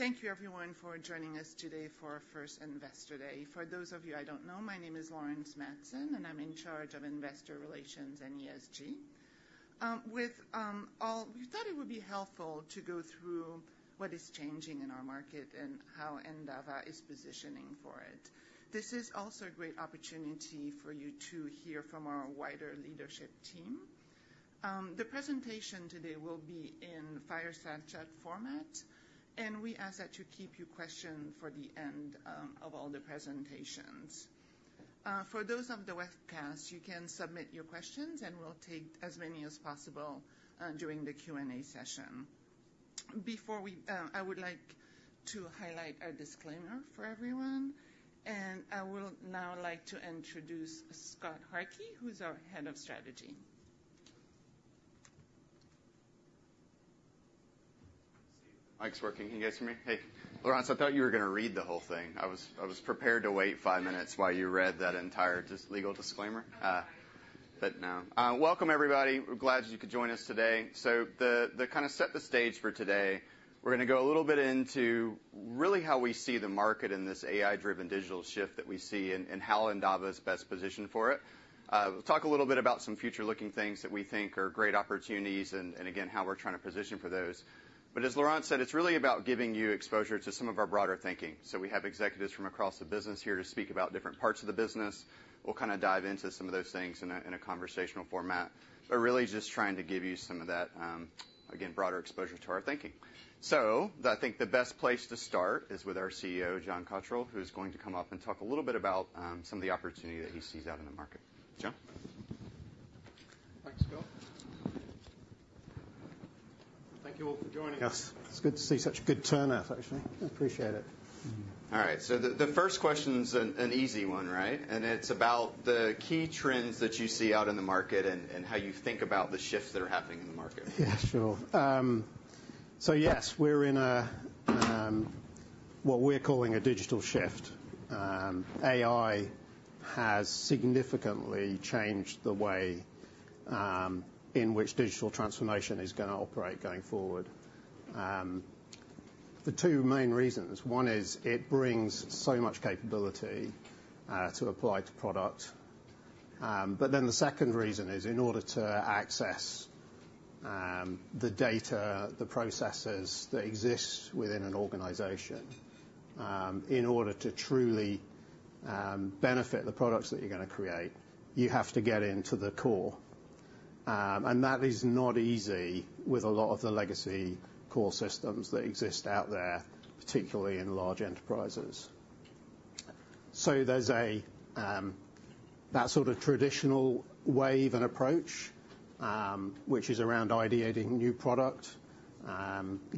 Thank you, everyone, for joining us today for first Investor Day. For those of you I don't know, my name is Laurence Madsen, and I'm in charge of investor relations and ESG. We thought it would be helpful to go through what is changing in our market and how Endava is positioning for it. This is also a great opportunity for you to hear from our wider leadership team. The presentation today will be in fireside chat format, and we ask that you keep your question for the end of all the presentations. For those of the webcast, you can submit your questions, and we'll take as many as possible during the Q&A session. Before we... I would like to highlight a disclaimer for everyone, and I would now like to introduce Scott Harkey, who's our head of strategy. Mic's working. Can you guys hear me? Hey. Laurence, I thought you were going to read the whole thing. I was prepared to wait five minutes while you read that entire legal disclaimer, but no. Welcome, everybody. We're glad you could join us today. So to kind of set the stage for today, we're going to go a little bit into really how we see the market in this AI-driven digital shift that we see and how Endava is best positioned for it. We'll talk a little bit about some future-looking things that we think are great opportunities and, again, how we're trying to position for those. But as Laurence said, it's really about giving you exposure to some of our broader thinking. So we have executives from across the business here to speak about different parts of the business. We'll kind of dive into some of those things in a conversational format, but really just trying to give you some of that, again, broader exposure to our thinking, so I think the best place to start is with our CEO, John Cotterell, who's going to come up and talk a little bit about some of the opportunity that he sees out in the market. John. Thanks, Scott. Thank you all for joining us. Yes. It's good to see such a good turnout, actually. I appreciate it. All right. So the first question's an easy one, right? And it's about the key trends that you see out in the market and how you think about the shifts that are happening in the market. Yeah, sure. So yes, we're in a what we're calling a digital shift. AI has significantly changed the way in which digital transformation is going to operate going forward. The two main reasons. One is it brings so much capability to apply to products. But then the second reason is in order to access the data, the processes that exist within an organization, in order to truly benefit the products that you're going to create, you have to get into the core. And that is not easy with a lot of the legacy core systems that exist out there, particularly in large enterprises. So there's that sort of traditional wave and approach, which is around ideating new product,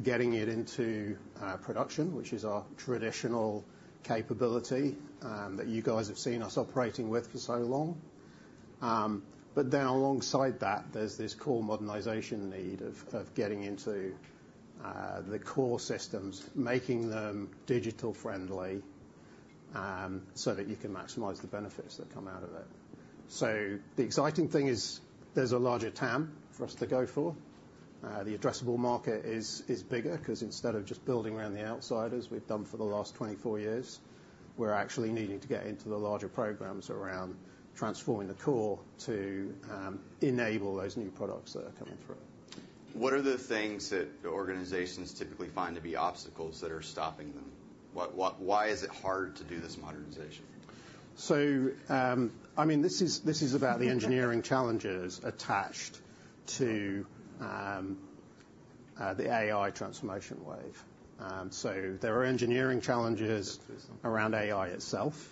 getting it into production, which is our traditional capability that you guys have seen us operating with for so long. But then alongside that, there's this core modernization need of getting into the core systems, making them digital-friendly so that you can maximize the benefits that come out of it. So the exciting thing is there's a larger TAM for us to go for. The addressable market is bigger because instead of just building around the outsiders, we've done for the last 24 years, we're actually needing to get into the larger programs around transforming the core to enable those new products that are coming through. What are the things that organizations typically find to be obstacles that are stopping them? Why is it hard to do this modernization? So I mean, this is about the engineering challenges attached to the AI transformation wave. So there are engineering challenges around AI itself.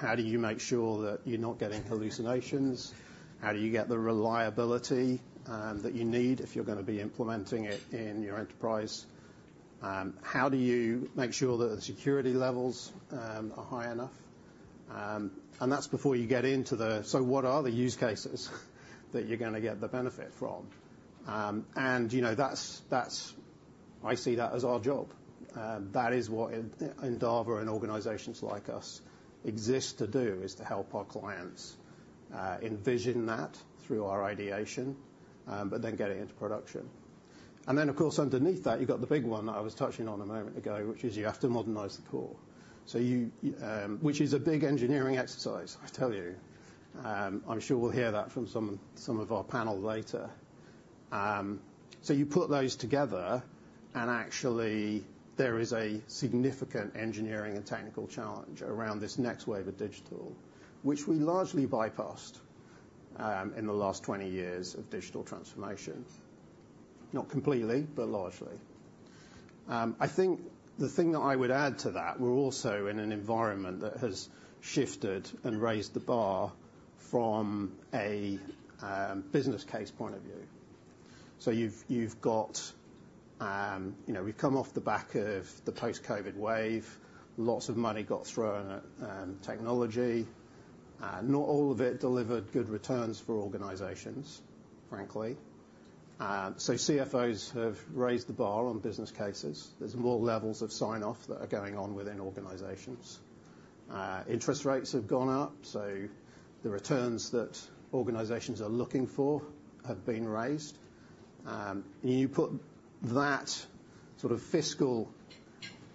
How do you make sure that you're not getting hallucinations? How do you get the reliability that you need if you're going to be implementing it in your enterprise? How do you make sure that the security levels are high enough? And that's before you get into the, so what are the use cases that you're going to get the benefit from? And I see that as our job. That is what Endava and organizations like us exist to do, is to help our clients envision that through our ideation, but then get it into production. And then, of course, underneath that, you've got the big one that I was touching on a moment ago, which is you have to modernize the core, which is a big engineering exercise, I tell you. I'm sure we'll hear that from some of our panel later. So you put those together, and actually, there is a significant engineering and technical challenge around this next wave of digital, which we largely bypassed in the last 20 years of digital transformation. Not completely, but largely. I think the thing that I would add to that, we're also in an environment that has shifted and raised the bar from a business case point of view. So we've come off the back of the post-COVID wave. Lots of money got thrown at technology. Not all of it delivered good returns for organizations, frankly. So CFOs have raised the bar on business cases. There's more levels of sign-off that are going on within organizations. Interest rates have gone up, so the returns that organizations are looking for have been raised. You put that sort of fiscal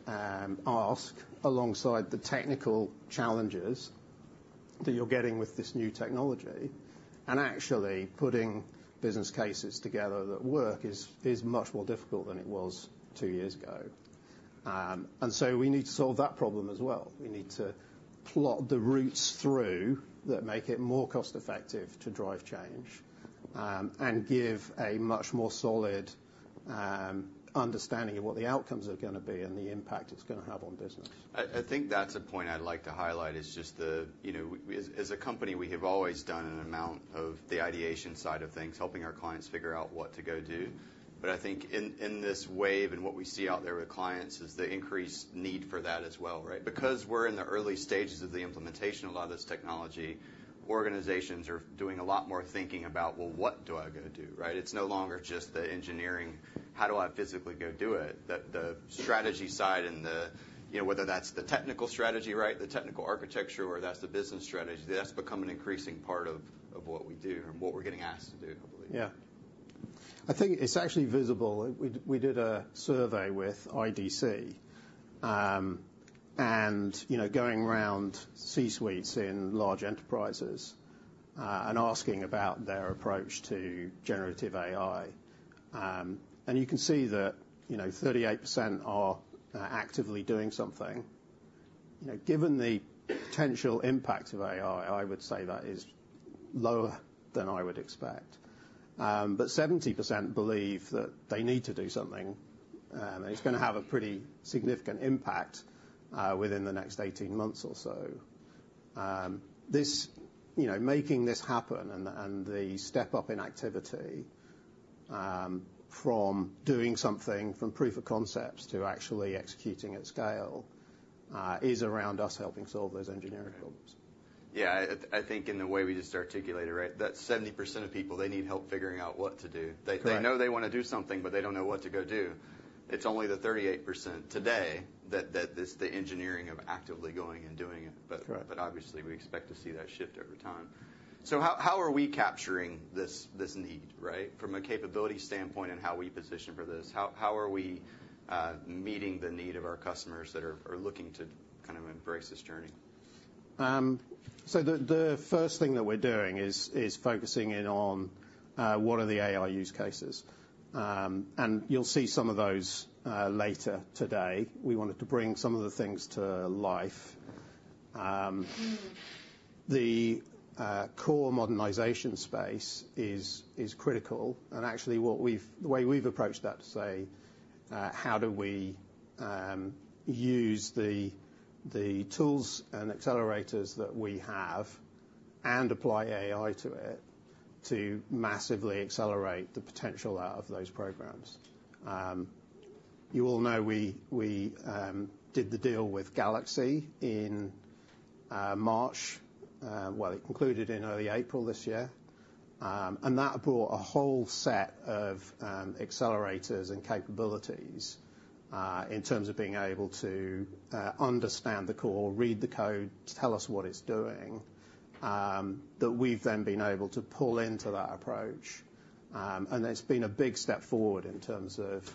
ask alongside the technical challenges that you're getting with this new technology, and actually putting business cases together that work is much more difficult than it was two years ago, and so we need to solve that problem as well. We need to plot the routes through that make it more cost-effective to drive change and give a much more solid understanding of what the outcomes are going to be and the impact it's going to have on business. I think that's a point I'd like to highlight, is just that as a company, we have always done an amount of the ideation side of things, helping our clients figure out what to go do. But I think in this wave and what we see out there with clients is the increased need for that as well, right? Because we're in the early stages of the implementation of a lot of this technology, organizations are doing a lot more thinking about, well, what do I go do, right? It's no longer just the engineering, how do I physically go do it? The strategy side and whether that's the technical strategy, right, the technical architecture, or that's the business strategy, that's become an increasing part of what we do and what we're getting asked to do, I believe. Yeah. I think it's actually visible. We did a survey with IDC and going around C-suites in large enterprises and asking about their approach to generative AI. And you can see that 38% are actively doing something. Given the potential impact of AI, I would say that is lower than I would expect. But 70% believe that they need to do something, and it's going to have a pretty significant impact within the next 18 months or so. Making this happen and the step-up in activity from doing something from proof of concepts to actually executing at scale is around us helping solve those engineering problems. Yeah. I think in the way we just articulated, right, that 70% of people, they need help figuring out what to do. They know they want to do something, but they don't know what to go do. It's only the 38% today that it's the engineering of actively going and doing it. But obviously, we expect to see that shift over time. So how are we capturing this need, right, from a capability standpoint and how we position for this? How are we meeting the need of our customers that are looking to kind of embrace this journey? So the first thing that we're doing is focusing in on what are the AI use cases. And you'll see some of those later today. We wanted to bring some of the things to life. The core modernization space is critical. And actually, the way we've approached that, to say, how do we use the tools and accelerators that we have and apply AI to it to massively accelerate the potential out of those programs? You all know we did the deal with GalaxE in March. Well, it concluded in early April this year. And that brought a whole set of accelerators and capabilities in terms of being able to understand the core, read the code, tell us what it's doing, that we've then been able to pull into that approach. And it's been a big step forward in terms of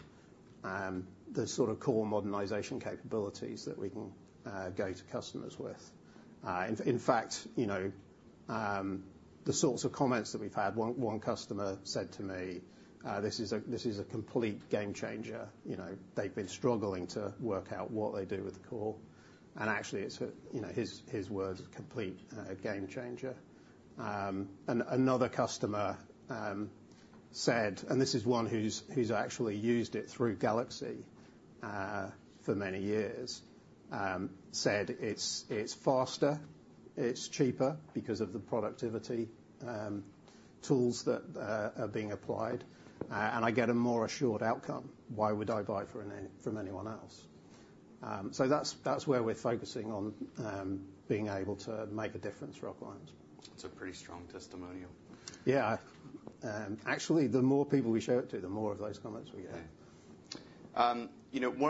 the sort of core modernization capabilities that we can go to customers with. In fact, the sorts of comments that we've had, one customer said to me, "This is a complete game changer." They've been struggling to work out what they do with the core. And actually, his words are complete game changer. And another customer said, and this is one who's actually used it through GalaxE for many years, said, "It's faster. It's cheaper because of the productivity tools that are being applied. And I get a more assured outcome. Why would I buy from anyone else?" So that's where we're focusing on being able to make a difference for our clients. That's a pretty strong testimonial. Yeah. Actually, the more people we show it to, the more of those comments we get. One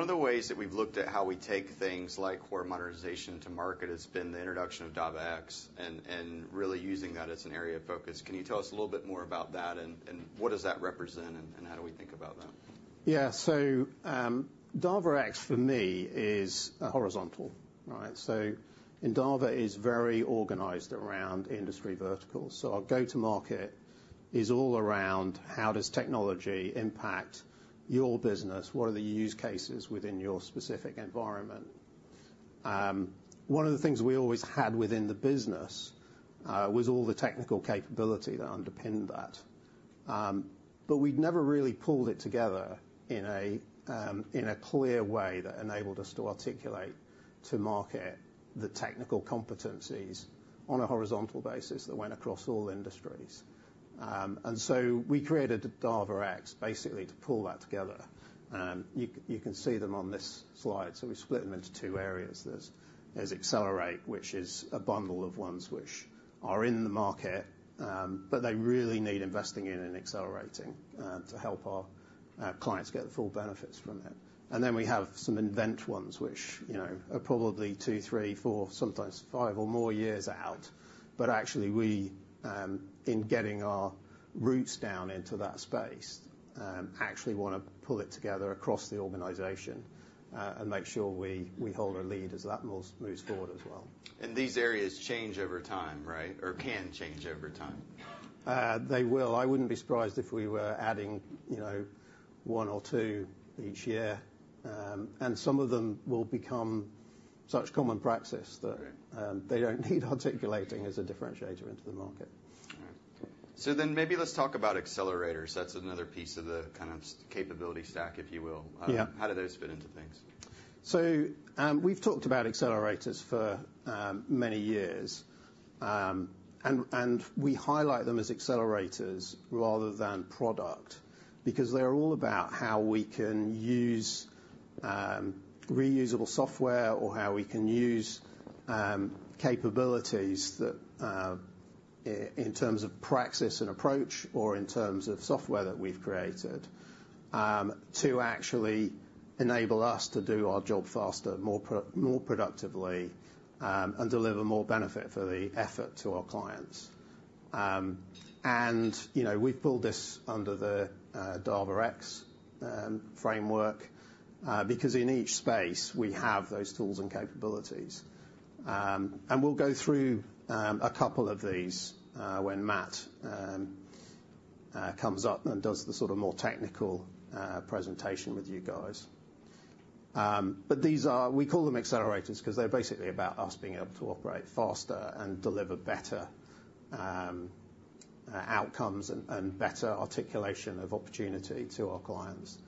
of the ways that we've looked at how we take things like core modernization to market has been the introduction of Dava.X and really using that as an area of focus. Can you tell us a little bit more about that and what does that represent and how do we think about that? Yeah. So Dava.X for me is horizontal, right? So Endava is very organized around industry verticals. So our go-to-market is all around how does technology impact your business? What are the use cases within your specific environment? One of the things we always had within the business was all the technical capability that underpinned that. But we'd never really pulled it together in a clear way that enabled us to articulate to market the technical competencies on a horizontal basis that went across all industries. And so we created Dava.X basically to pull that together. You can see them on this slide. So we split them into two areas. There's accelerate, which is a bundle of ones which are in the market, but they really need investing in and accelerating to help our clients get the full benefits from it. Then we have some inventive ones which are probably two, three, four, sometimes five or more years out, but actually, in getting our roots down into that space, actually want to pull it together across the organization and make sure we hold our lead as that moves forward as well. These areas change over time, right, or can change over time? They will. I wouldn't be surprised if we were adding one or two each year. And some of them will become such common practice that they don't need articulating as a differentiator into the market. So then maybe let's talk about accelerators. That's another piece of the kind of capability stack, if you will. How do those fit into things? So we've talked about accelerators for many years. And we highlight them as accelerators rather than product because they're all about how we can use reusable software or how we can use capabilities in terms of praxis and approach or in terms of software that we've created to actually enable us to do our job faster, more productively, and deliver more benefit for the effort to our clients. And we've pulled this under the Dava.X framework because in each space, we have those tools and capabilities. And we'll go through a couple of these when Matt comes up and does the sort of more technical presentation with you guys. But we call them accelerators because they're basically about us being able to operate faster and deliver better outcomes and better articulation of opportunity to our clients.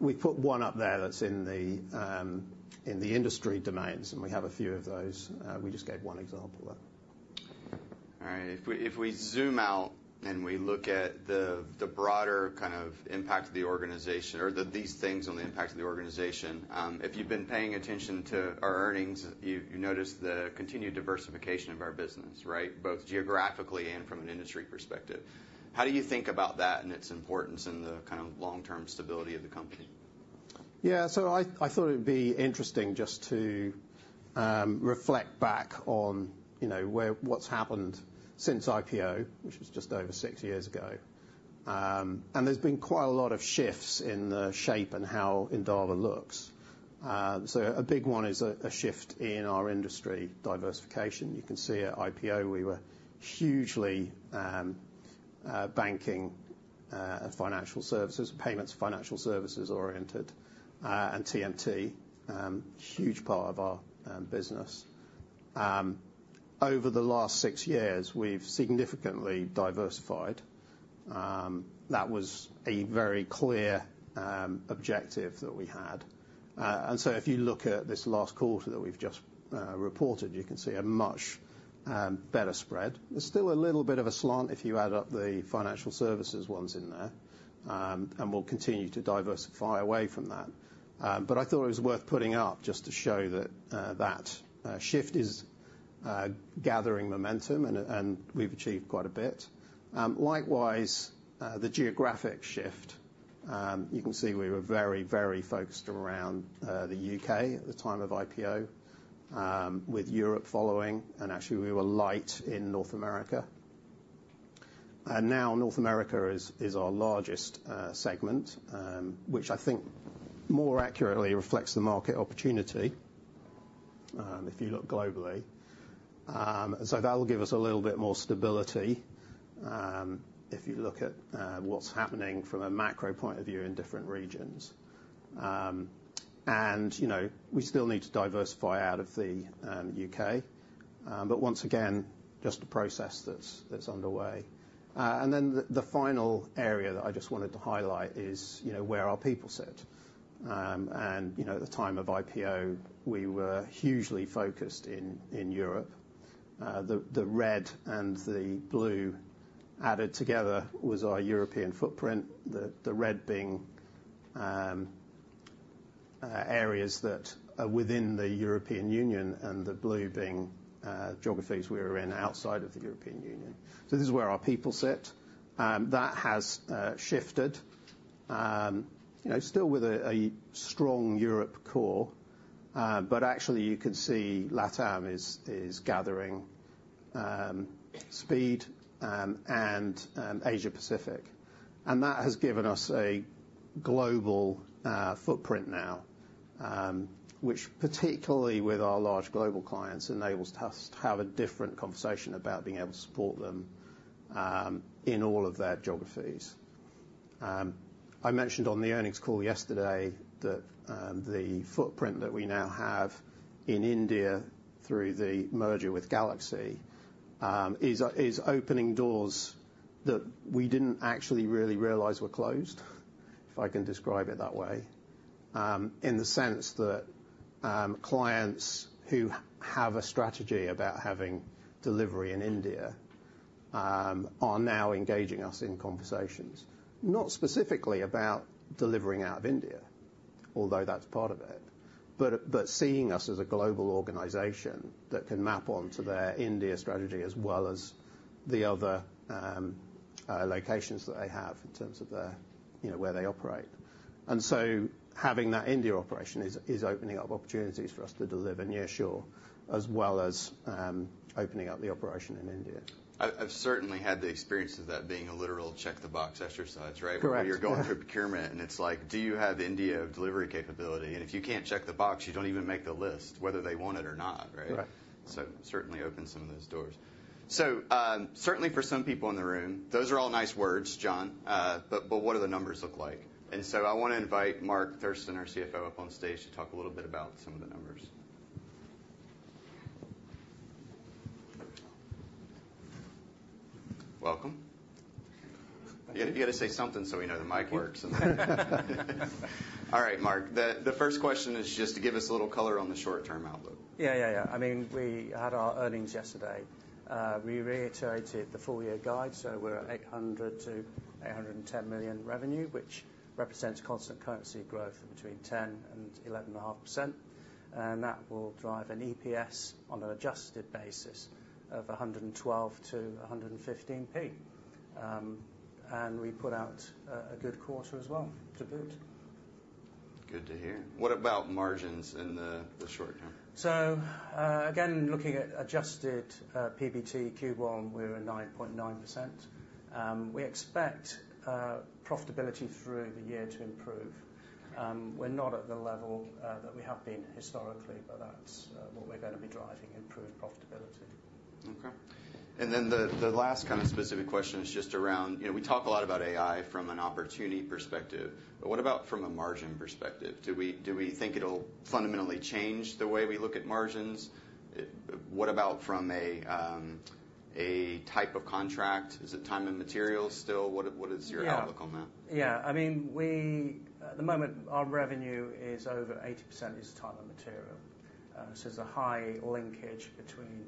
We've put one up there that's in the industry domains, and we have a few of those. We just gave one example there. All right. If we zoom out and we look at the broader kind of impact of the organization or these things on the impact of the organization, if you've been paying attention to our earnings, you notice the continued diversification of our business, right, both geographically and from an industry perspective. How do you think about that and its importance in the kind of long-term stability of the company? Yeah, so I thought it would be interesting just to reflect back on what's happened since IPO, which was just over six years ago, and there's been quite a lot of shifts in the shape and how Endava looks. So a big one is a shift in our industry diversification. You can see at IPO, we were hugely banking and financial services, payments financial services oriented, and TMT, huge part of our business. Over the last six years, we've significantly diversified. That was a very clear objective that we had, and so if you look at this last quarter that we've just reported, you can see a much better spread. There's still a little bit of a slant if you add up the financial services ones in there, and we'll continue to diversify away from that. But I thought it was worth putting up just to show that that shift is gathering momentum, and we've achieved quite a bit. Likewise, the geographic shift. You can see we were very, very focused around the U.K. at the time of IPO, with Europe following. And actually, we were light in North America. And now North America is our largest segment, which I think more accurately reflects the market opportunity if you look globally. And so that will give us a little bit more stability if you look at what's happening from a macro point of view in different regions. And we still need to diversify out of the U.K. But once again, just a process that's underway. And then the final area that I just wanted to highlight is where our people sit. And at the time of IPO, we were hugely focused in Europe. The red and the blue added together was our European footprint, the red being areas that are within the European Union and the blue being geographies we were in outside of the European Union. So this is where our people sit. That has shifted, still with a strong Europe core. But actually, you can see LATAM is gathering speed and Asia-Pacific. And that has given us a global footprint now, which particularly with our large global clients enables us to have a different conversation about being able to support them in all of their geographies. I mentioned on the earnings call yesterday that the footprint that we now have in India through the merger with GalaxE is opening doors that we didn't actually really realize were closed, if I can describe it that way, in the sense that clients who have a strategy about having delivery in India are now engaging us in conversations, not specifically about delivering out of India, although that's part of it, but seeing us as a global organization that can map onto their India strategy as well as the other locations that they have in terms of where they operate, and so having that India operation is opening up opportunities for us to deliver nearshore as well as opening up the operation in India. I've certainly had the experience of that being a literal check-the-box exercise, right? Where you're going through procurement and it's like, "Do you have India delivery capability?" And if you can't check the box, you don't even make the list, whether they want it or not, right? So it certainly opens some of those doors. So certainly for some people in the room, those are all nice words, John. But what do the numbers look like? And so I want to invite Mark Thurston, our CFO, up on stage to talk a little bit about some of the numbers. Welcome. You got to say something so we know the mic works. All right, Mark. The first question is just to give us a little color on the short-term outlook. Yeah, yeah, yeah. I mean, we had our earnings yesterday. We reiterated the full-year guide. So we're at 800 million-810 million revenue, which represents constant currency growth between 10% and 11.5%. And that will drive an EPS on an adjusted basis of 112-115 points. And we put out a good quarter as well to boot. Good to hear. What about margins in the short term? So again, looking at adjusted PBT Q1, we're at 9.9%. We expect profitability through the year to improve. We're not at the level that we have been historically, but that's what we're going to be driving, improved profitability. Okay. And then the last kind of specific question is just around we talk a lot about AI from an opportunity perspective. But what about from a margin perspective? Do we think it'll fundamentally change the way we look at margins? What about from a type of contract? Is it time and materials still? What is your outlook on that? Yeah. I mean, at the moment, our revenue is over 80% time and materials. So there's a high linkage between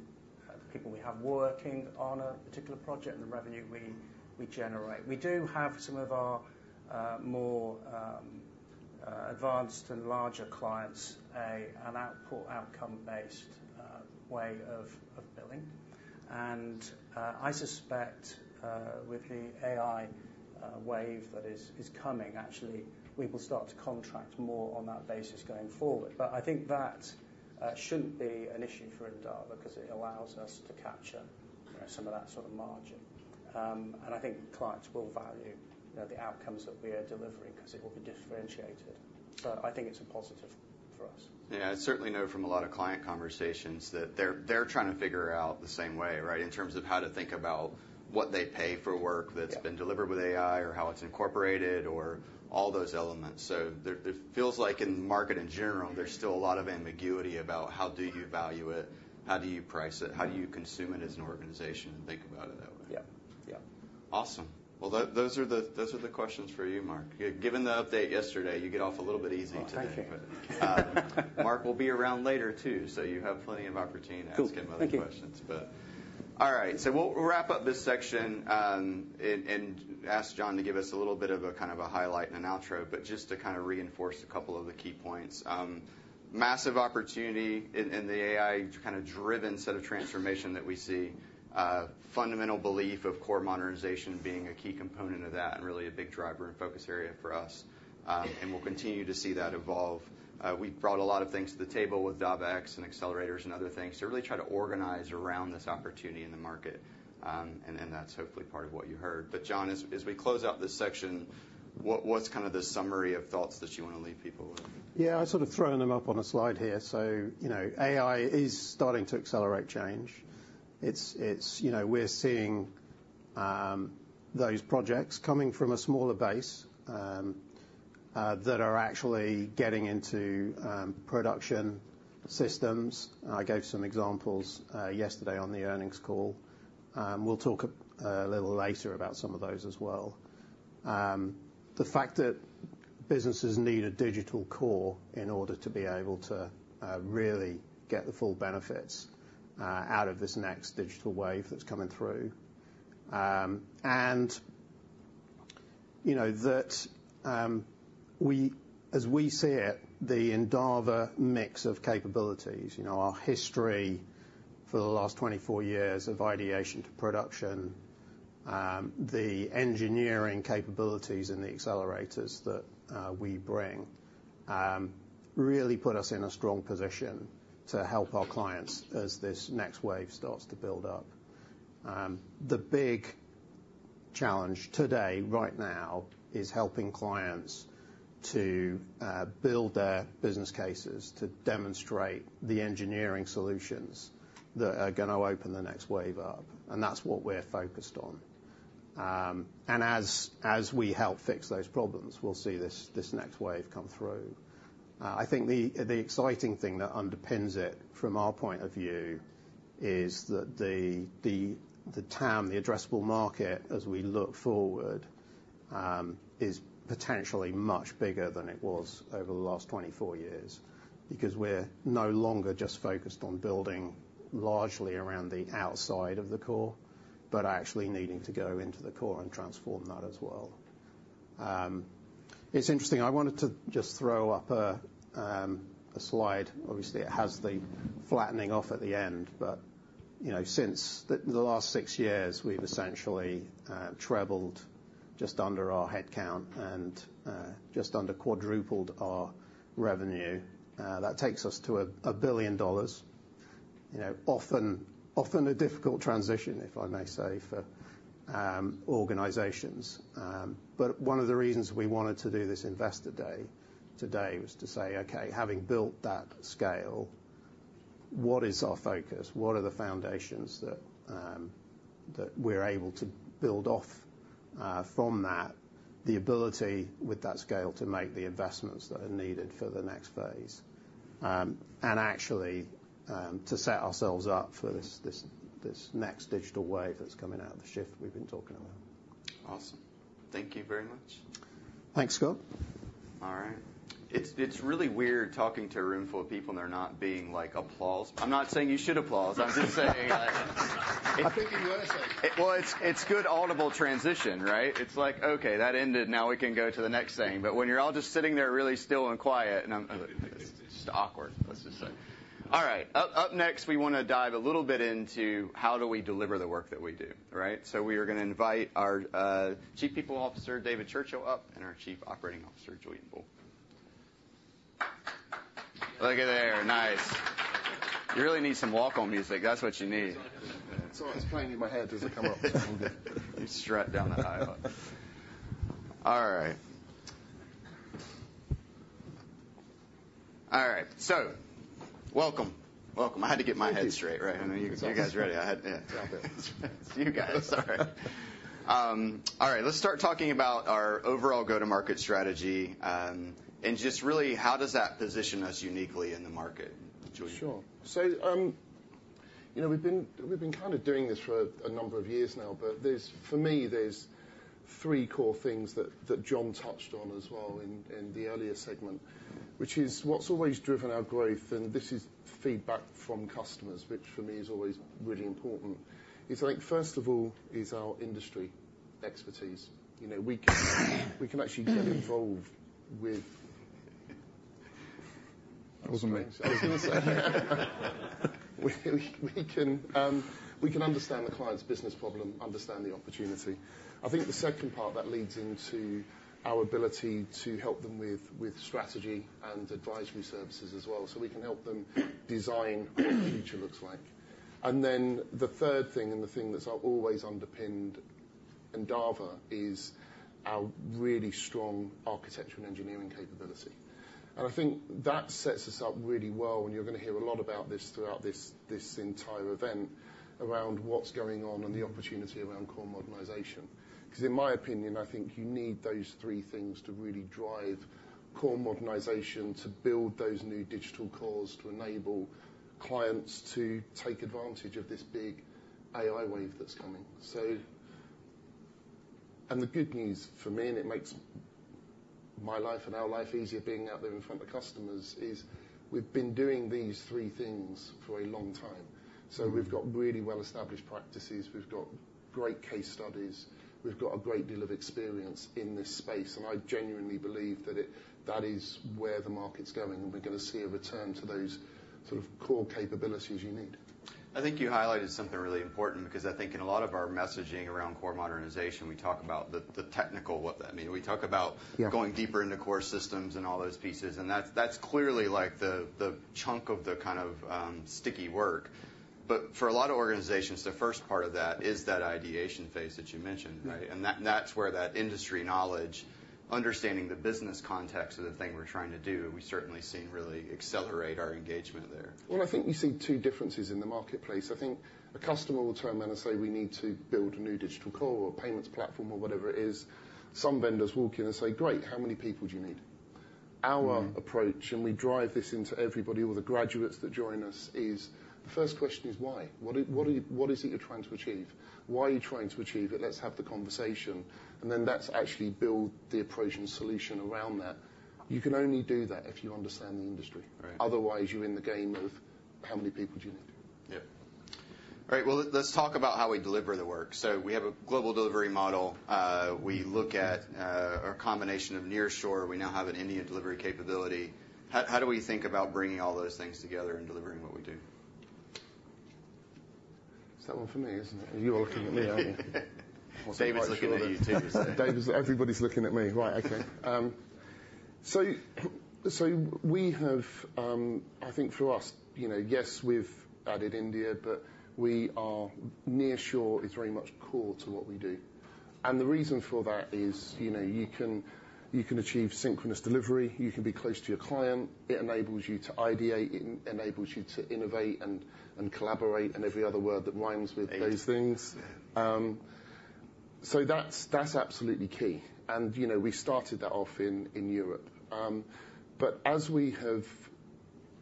the people we have working on a particular project and the revenue we generate. We do have some of our more advanced and larger clients with an output-outcome-based way of billing. And I suspect with the AI wave that is coming, actually, we will start to contract more on that basis going forward. But I think that shouldn't be an issue for Endava because it allows us to capture some of that sort of margin. And I think clients will value the outcomes that we are delivering because it will be differentiated. So I think it's a positive for us. Yeah. I certainly know from a lot of client conversations that they're trying to figure out the same way, right, in terms of how to think about what they pay for work that's been delivered with AI or how it's incorporated or all those elements. So it feels like in market in general, there's still a lot of ambiguity about how do you value it, how do you price it, how do you consume it as an organization and think about it that way. Yeah. Yeah. Awesome. Well, those are the questions for you, Mark. Given the update yesterday, you get off a little bit easy today. Oh, thank you. Mark will be around later too, so you have plenty of opportunity to ask him other questions. Thank you. All right. So we'll wrap up this section and ask John to give us a little bit of a kind of a highlight and an outro, but just to kind of reinforce a couple of the key points: Massive opportunity in the AI kind of driven set of transformation that we see, fundamental belief of core modernization being a key component of that and really a big driver and focus area for us, and we'll continue to see that evolve. We brought a lot of things to the table with Dava.X and accelerators and other things to really try to organize around this opportunity in the market, and that's hopefully part of what you heard. But John, as we close out this section, what's kind of the summary of thoughts that you want to leave people with? Yeah. I sort of thrown them up on a slide here. So AI is starting to accelerate change. We're seeing those projects coming from a smaller base that are actually getting into production systems. I gave some examples yesterday on the earnings call. We'll talk a little later about some of those as well. The fact that businesses need a digital core in order to be able to really get the full benefits out of this next digital wave that's coming through, and that as we see it, the Endava mix of capabilities, our history for the last 24 years of ideation to production, the engineering capabilities and the accelerators that we bring really put us in a strong position to help our clients as this next wave starts to build up. The big challenge today, right now, is helping clients to build their business cases to demonstrate the engineering solutions that are going to open the next wave up. And that's what we're focused on. And as we help fix those problems, we'll see this next wave come through. I think the exciting thing that underpins it from our point of view is that the TAM, the addressable market, as we look forward, is potentially much bigger than it was over the last 24 years because we're no longer just focused on building largely around the outside of the core, but actually needing to go into the core and transform that as well. It's interesting. I wanted to just throw up a slide. Obviously, it has the flattening off at the end. But since the last six years, we've essentially trebled just under our headcount and just under quadrupled our revenue. That takes us to $1 billion, often a difficult transition, if I may say, for organizations. But one of the reasons we wanted to do this investor day today was to say, "Okay, having built that scale, what is our focus? What are the foundations that we're able to build off from that, the ability with that scale to make the investments that are needed for the next phase, and actually to set ourselves up for this next digital wave that's coming out of the shift we've been talking about? Awesome. Thank you very much. Thanks, Scott. All right. It's really weird talking to a room full of people and there not being applause. I'm not saying you should applause. I'm just saying. I think you were saying. Well, it's good audible transition, right? It's like, "Okay, that ended. Now we can go to the next thing." But when you're all just sitting there really still and quiet, it's just awkward, let's just say. All right. Up next, we want to dive a little bit into how do we deliver the work that we do, right? So we are going to invite our Chief People Officer, David Churchill, up, and our Chief Operating Officer, Julian Bull. Look at there. Nice. You really need some walk-on music. That's what you need. It's playing in my head. Does it come up? You strut down the aisle. All right. All right. So welcome. Welcome. I had to get my head straight, right? I know you guys are ready. It's out there. It's you guys. All right. All right. Let's start talking about our overall go-to-market strategy and just really how does that position us uniquely in the market, Julian? Sure. So we've been kind of doing this for a number of years now. But for me, there's three core things that John touched on as well in the earlier segment, which is what's always driven our growth, and this is feedback from customers, which for me is always really important. First of all, is our industry expertise. We can actually get involved with. That wasn't me. I was going to say. We can understand the client's business problem, understand the opportunity. I think the second part that leads into our ability to help them with strategy and advisory services as well. So we can help them design what the future looks like. And then the third thing and the thing that's always underpinned Endava is our really strong architecture and engineering capability. And I think that sets us up really well. And you're going to hear a lot about this throughout this entire event around what's going on and the opportunity around core modernization. Because in my opinion, I think you need those three things to really drive core modernization to build those new digital cores to enable clients to take advantage of this big AI wave that's coming. And the good news for me, and it makes my life and our life easier being out there in front of the customers, is we've been doing these three things for a long time. So we've got really well-established practices. We've got great case studies. We've got a great deal of experience in this space. And I genuinely believe that that is where the market's going. And we're going to see a return to those sort of core capabilities you need. I think you highlighted something really important because I think in a lot of our messaging around core modernization, we talk about the technical. I mean, we talk about going deeper into core systems and all those pieces, and that's clearly like the chunk of the kind of sticky work, but for a lot of organizations, the first part of that is that ideation phase that you mentioned, right, and that's where that industry knowledge, understanding the business context of the thing we're trying to do, we've certainly seen really accelerate our engagement there. I think you see two differences in the marketplace. I think a customer will turn around and say, "We need to build a new digital core or a payments platform or whatever it is." Some vendors walk in and say, "Great. How many people do you need?" Our approach, and we drive this into everybody or the graduates that join us, is the first question, "Why? What is it you're trying to achieve? Why are you trying to achieve it? Let's have the conversation." And then that's actually build the approach and solution around that. You can only do that if you understand the industry. Otherwise, you're in the game of how many people do you need? Let's talk about how we deliver the work. We have a global delivery model. We look at a combination of nearshore. We now have an Indian delivery capability. How do we think about bringing all those things together and delivering what we do? It's that one for me, isn't it? You're looking at me, aren't you? David's looking at you too. Everybody's looking at me. Right. Okay. So we have, I think for us, yes, we've added India, but nearshore is very much core to what we do. And the reason for that is you can achieve synchronous delivery. You can be close to your client. It enables you to ideate. It enables you to innovate and collaborate and every other word that rhymes with those things. So that's absolutely key. And we started that off in Europe. But as we have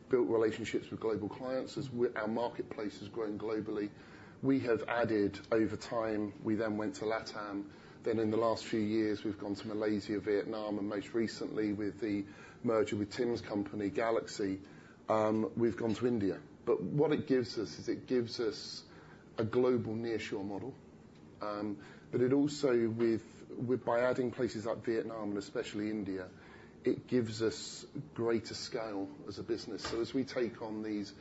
built relationships with global clients, as our marketplace is growing globally, we have added over time. We then went to LATAM. Then in the last few years, we've gone to Malaysia, Vietnam, and most recently with the merger with Tim's company, GalaxE, we've gone to India. But what it gives us is it gives us a global nearshore model. But also by adding places like Vietnam and especially India, it gives us greater scale as a business. So as we take on these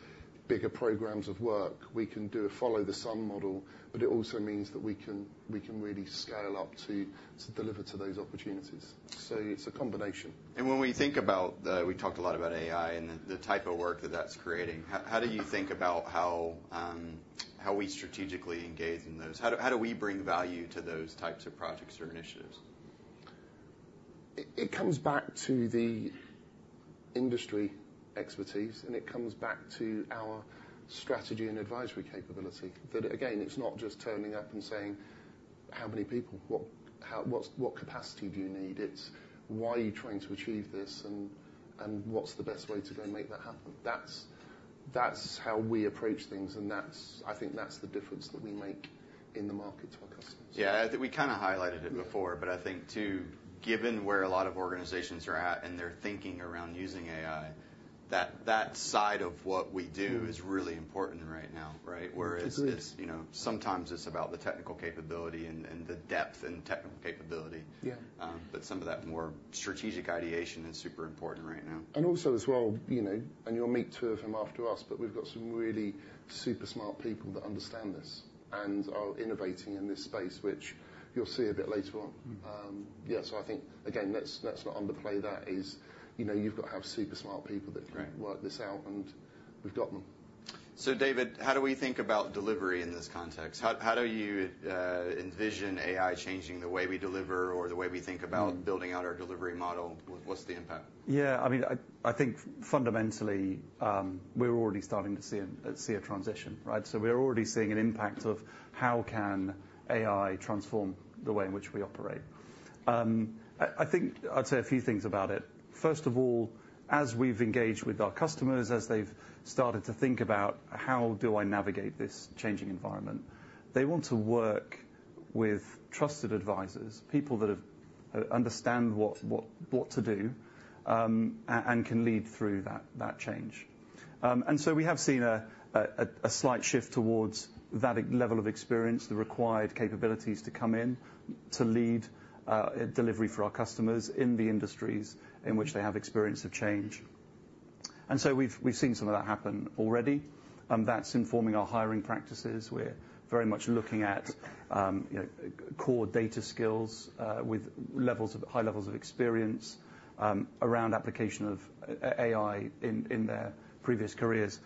bigger programs of work, we can do a follow-the-sun model, but it also means that we can really scale up to deliver to those opportunities. So it's a combination. When we think about, we talked a lot about AI and the type of work that that's creating. How do you think about how we strategically engage in those? How do we bring value to those types of projects or initiatives? It comes back to the industry expertise, and it comes back to our strategy and advisory capability. But again, it's not just turning up and saying, "How many people? What capacity do you need?" It's, "Why are you trying to achieve this? And what's the best way to go and make that happen?" That's how we approach things. And I think that's the difference that we make in the market to our customers. Yeah. We kind of highlighted it before, but I think too, given where a lot of organizations are at and their thinking around using AI, that side of what we do is really important right now, right? Whereas sometimes it's about the technical capability and the depth and technical capability, but some of that more strategic ideation is super important right now. And also as well, and you'll meet two of them after us, but we've got some really super smart people that understand this and are innovating in this space, which you'll see a bit later on. Yeah. So I think, again, let's not underplay that. You've got to have super smart people that can work this out, and we've got them. So David, how do we think about delivery in this context? How do you envision AI changing the way we deliver or the way we think about building out our delivery model? What's the impact? Yeah. I mean, I think fundamentally, we're already starting to see a transition, right? So we're already seeing an impact of how can AI transform the way in which we operate. I'd say a few things about it. First of all, as we've engaged with our customers, as they've started to think about, "How do I navigate this changing environment?" They want to work with trusted advisors, people that understand what to do and can lead through that change. And so we have seen a slight shift towards that level of experience, the required capabilities to come in to lead delivery for our customers in the industries in which they have experience of change. And so we've seen some of that happen already. That's informing our hiring practices. We're very much looking at core data skills with high levels of experience around application of AI in their previous careers,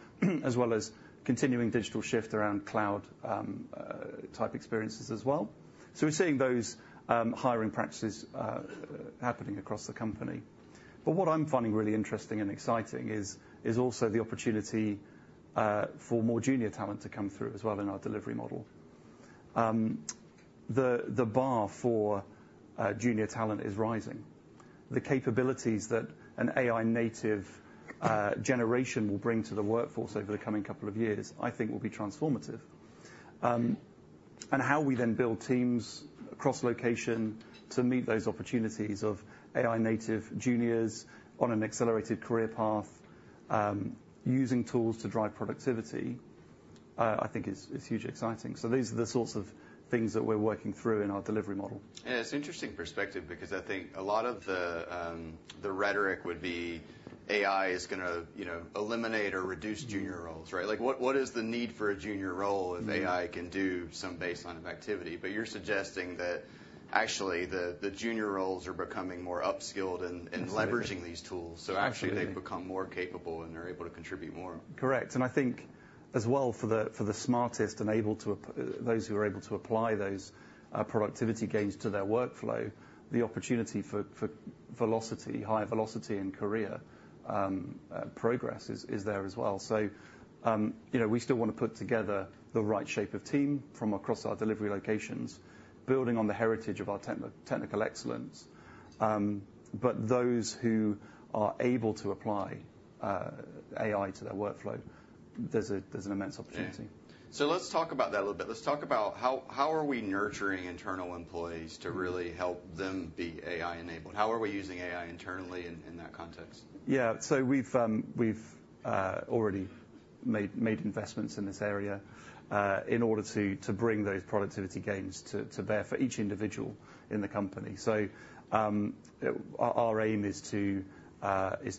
as well as continuing digital shift around cloud-type experiences as well. So we're seeing those hiring practices happening across the company. But what I'm finding really interesting and exciting is also the opportunity for more junior talent to come through as well in our delivery model. The bar for junior talent is rising. The capabilities that an AI-native generation will bring to the workforce over the coming couple of years, I think, will be transformative. And how we then build teams across location to meet those opportunities of AI-native juniors on an accelerated career path using tools to drive productivity, I think, is hugely exciting. So these are the sorts of things that we're working through in our delivery model. Yeah. It's an interesting perspective because I think a lot of the rhetoric would be AI is going to eliminate or reduce junior roles, right? What is the need for a junior role if AI can do some baseline of activity? But you're suggesting that actually the junior roles are becoming more upskilled and leveraging these tools. So actually they become more capable and they're able to contribute more. Correct. And I think as well for the smartest and those who are able to apply those productivity gains to their workflow, the opportunity for high velocity in career progress is there as well. So we still want to put together the right shape of team from across our delivery locations, building on the heritage of our technical excellence. But those who are able to apply AI to their workflow, there's an immense opportunity. So let's talk about that a little bit. Let's talk about how are we nurturing internal employees to really help them be AI-enabled? How are we using AI internally in that context? Yeah. So we've already made investments in this area in order to bring those productivity gains to bear for each individual in the company. So our aim is to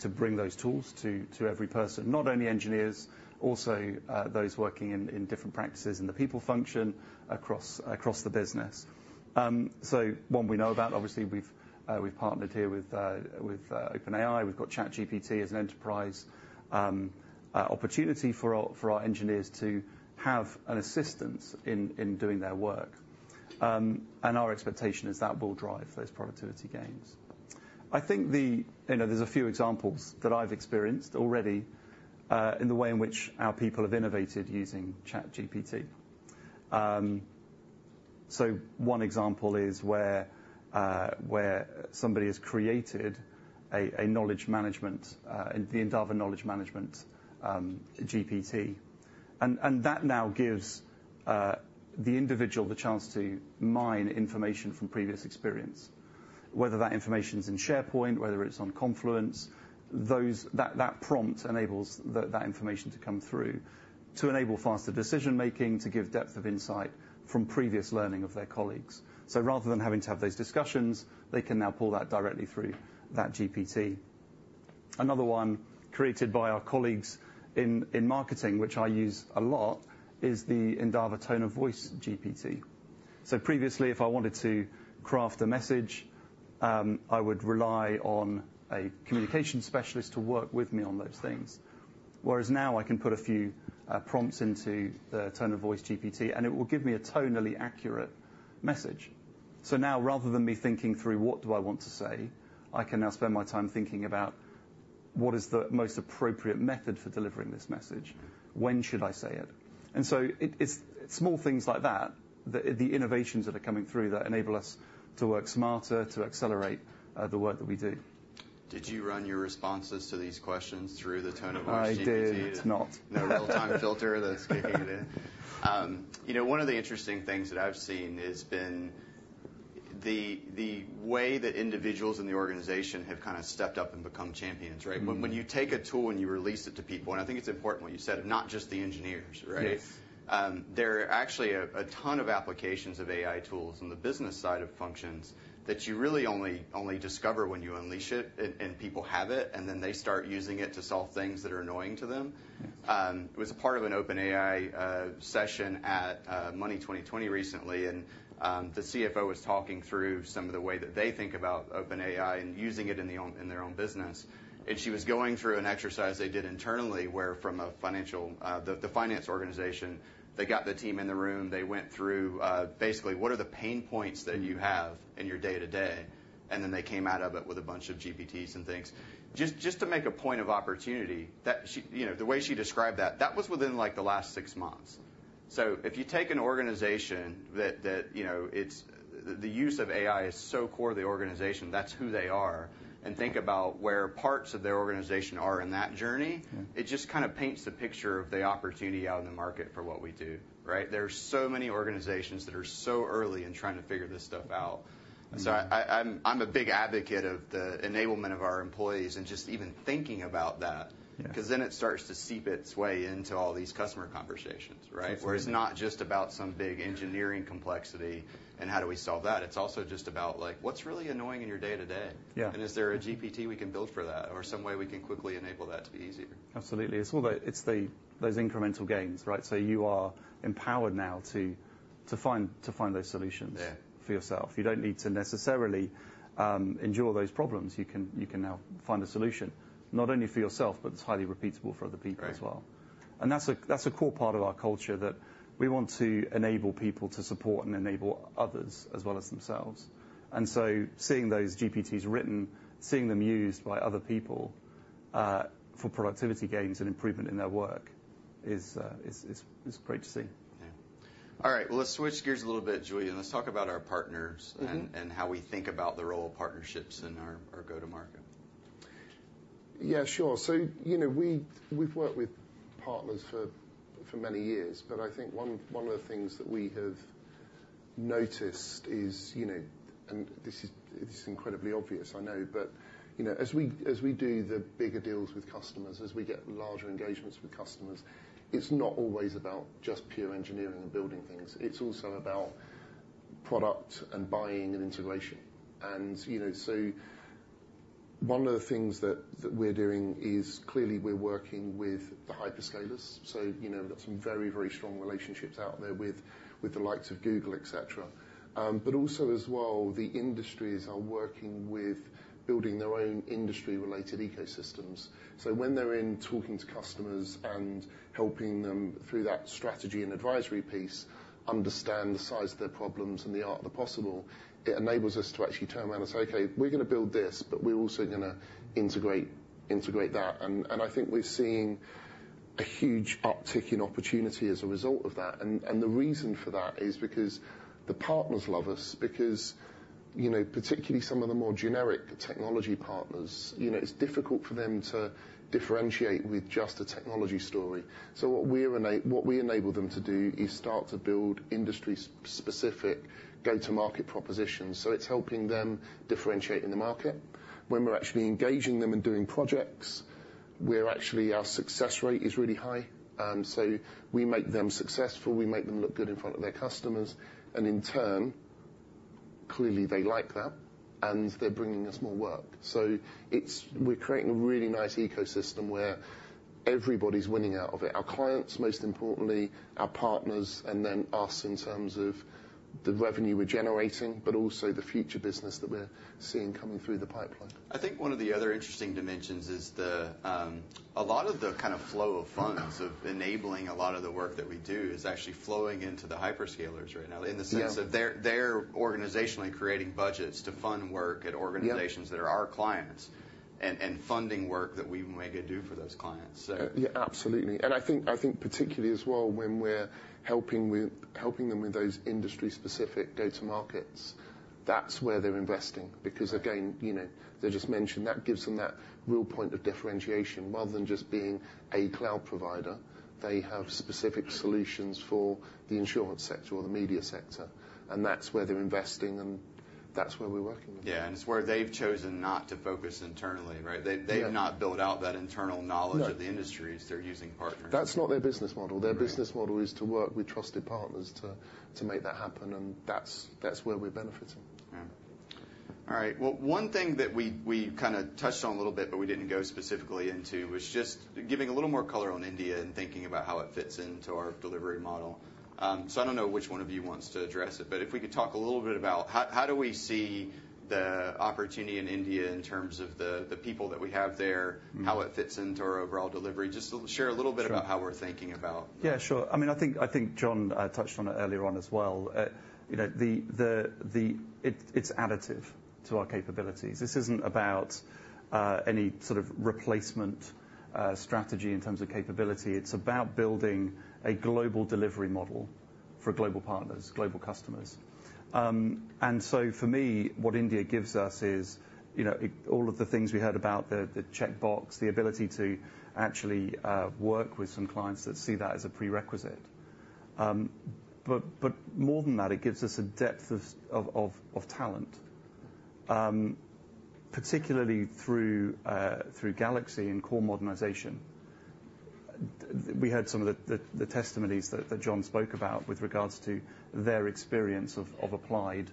bring those tools to every person, not only engineers, also those working in different practices in the people function across the business. So one we know about, obviously, we've partnered here with OpenAI. We've got ChatGPT as an enterprise opportunity for our engineers to have an assistance in doing their work. And our expectation is that will drive those productivity gains. I think there's a few examples that I've experienced already in the way in which our people have innovated using ChatGPT. So one example is where somebody has created a knowledge management, the Endava Knowledge Management GPT. And that now gives the individual the chance to mine information from previous experience. Whether that information's in SharePoint, whether it's on Confluence, that prompt enables that information to come through to enable faster decision-making, to give depth of insight from previous learning of their colleagues. So rather than having to have those discussions, they can now pull that directly through that GPT. Another one created by our colleagues in marketing, which I use a lot, is the Endava Tone of Voice GPT. So previously, if I wanted to craft a message, I would rely on a communications specialist to work with me on those things. Whereas now I can put a few prompts into the Tone of Voice GPT, and it will give me a tonally accurate message. So now rather than me thinking through, "What do I want to say?" I can now spend my time thinking about, "What is the most appropriate method for delivering this message? When should I say it?" and so it's small things like that, the innovations that are coming through that enable us to work smarter, to accelerate the work that we do. Did you run your responses to these questions through the Tone of Voice GPT? I did. It's not. No real-time filter that's kicking it in. One of the interesting things that I've seen has been the way that individuals in the organization have kind of stepped up and become champions, right? When you take a tool and you release it to people, and I think it's important what you said, not just the engineers, right? There are actually a ton of applications of AI tools on the business side of functions that you really only discover when you unleash it and people have it, and then they start using it to solve things that are annoying to them. It was a part of an OpenAI session at Money20/20 recently, and the CFO was talking through some of the way that they think about OpenAI and using it in their own business. And she was going through an exercise they did internally where from the finance organization, they got the team in the room. They went through basically, "What are the pain points that you have in your day-to-day?" And then they came out of it with a bunch of GPTs and things. Just to make a point of opportunity, the way she described that, that was within like the last six months. So if you take an organization that the use of AI is so core to the organization, that's who they are, and think about where parts of their organization are in that journey, it just kind of paints the picture of the opportunity out in the market for what we do, right? There are so many organizations that are so early in trying to figure this stuff out. So I'm a big advocate of the enablement of our employees and just even thinking about that because then it starts to seep its way into all these customer conversations, right? Where it's not just about some big engineering complexity and how do we solve that. It's also just about like, "What's really annoying in your day-to-day? And is there a GPT we can build for that or some way we can quickly enable that to be easier? Absolutely. It's those incremental gains, right? So you are empowered now to find those solutions for yourself. You don't need to necessarily endure those problems. You can now find a solution not only for yourself, but it's highly repeatable for other people as well. And that's a core part of our culture that we want to enable people to support and enable others as well as themselves. And so seeing those GPTs written, seeing them used by other people for productivity gains and improvement in their work is great to see. Yeah. All right. Well, let's switch gears a little bit, Julian. Let's talk about our partners and how we think about the role of partnerships in our go-to-market. Yeah, sure, so we've worked with partners for many years, but I think one of the things that we have noticed is, and this is incredibly obvious, I know, but as we do the bigger deals with customers, as we get larger engagements with customers, it's not always about just pure engineering and building things. It's also about product and buying and integration, and so one of the things that we're doing is clearly we're working with the hyperscalers, so we've got some very, very strong relationships out there with the likes of Google, etc., but also as well, the industries are working with building their own industry-related ecosystems. So when they're in talking to customers and helping them through that strategy and advisory piece, understand the size of their problems and the art of the possible, it enables us to actually turn around and say, "Okay, we're going to build this, but we're also going to integrate that." And I think we're seeing a huge uptick in opportunity as a result of that. And the reason for that is because the partners love us, because particularly some of the more generic technology partners, it's difficult for them to differentiate with just a technology story. So what we enable them to do is start to build industry-specific go-to-market propositions. So it's helping them differentiate in the market. When we're actually engaging them and doing projects, our success rate is really high. So we make them successful. We make them look good in front of their customers. And in turn, clearly they like that, and they're bringing us more work. So we're creating a really nice ecosystem where everybody's winning out of it. Our clients, most importantly, our partners, and then us in terms of the revenue we're generating, but also the future business that we're seeing coming through the pipeline. I think one of the other interesting dimensions is a lot of the kind of flow of funds of enabling a lot of the work that we do is actually flowing into the hyperscalers right now in the sense that they're organizationally creating budgets to fund work at organizations that are our clients and funding work that we make it do for those clients. Yeah, absolutely, and I think particularly as well when we're helping them with those industry-specific go-to-markets, that's where they're investing because, again, they just mentioned that gives them that real point of differentiation. Rather than just being a cloud provider, they have specific solutions for the insurance sector or the media sector, and that's where they're investing, and that's where we're working with them. Yeah. And it's where they've chosen not to focus internally, right? They've not built out that internal knowledge of the industries. They're using partners. That's not their business model. Their business model is to work with trusted partners to make that happen, and that's where we're benefiting. Yeah. All right, well, one thing that we kind of touched on a little bit, but we didn't go specifically into, was just giving a little more color on India and thinking about how it fits into our delivery model. So I don't know which one of you wants to address it, but if we could talk a little bit about how do we see the opportunity in India in terms of the people that we have there, how it fits into our overall delivery. Just share a little bit about how we're thinking about. Yeah, sure. I mean, I think John touched on it earlier on as well. It's additive to our capabilities. This isn't about any sort of replacement strategy in terms of capability. It's about building a global delivery model for global partners, global customers. And so for me, what India gives us is all of the things we heard about, the checkbox, the ability to actually work with some clients that see that as a prerequisite. But more than that, it gives us a depth of talent, particularly through GalaxE and core modernization. We heard some of the testimonies that John spoke about with regards to their experience of applied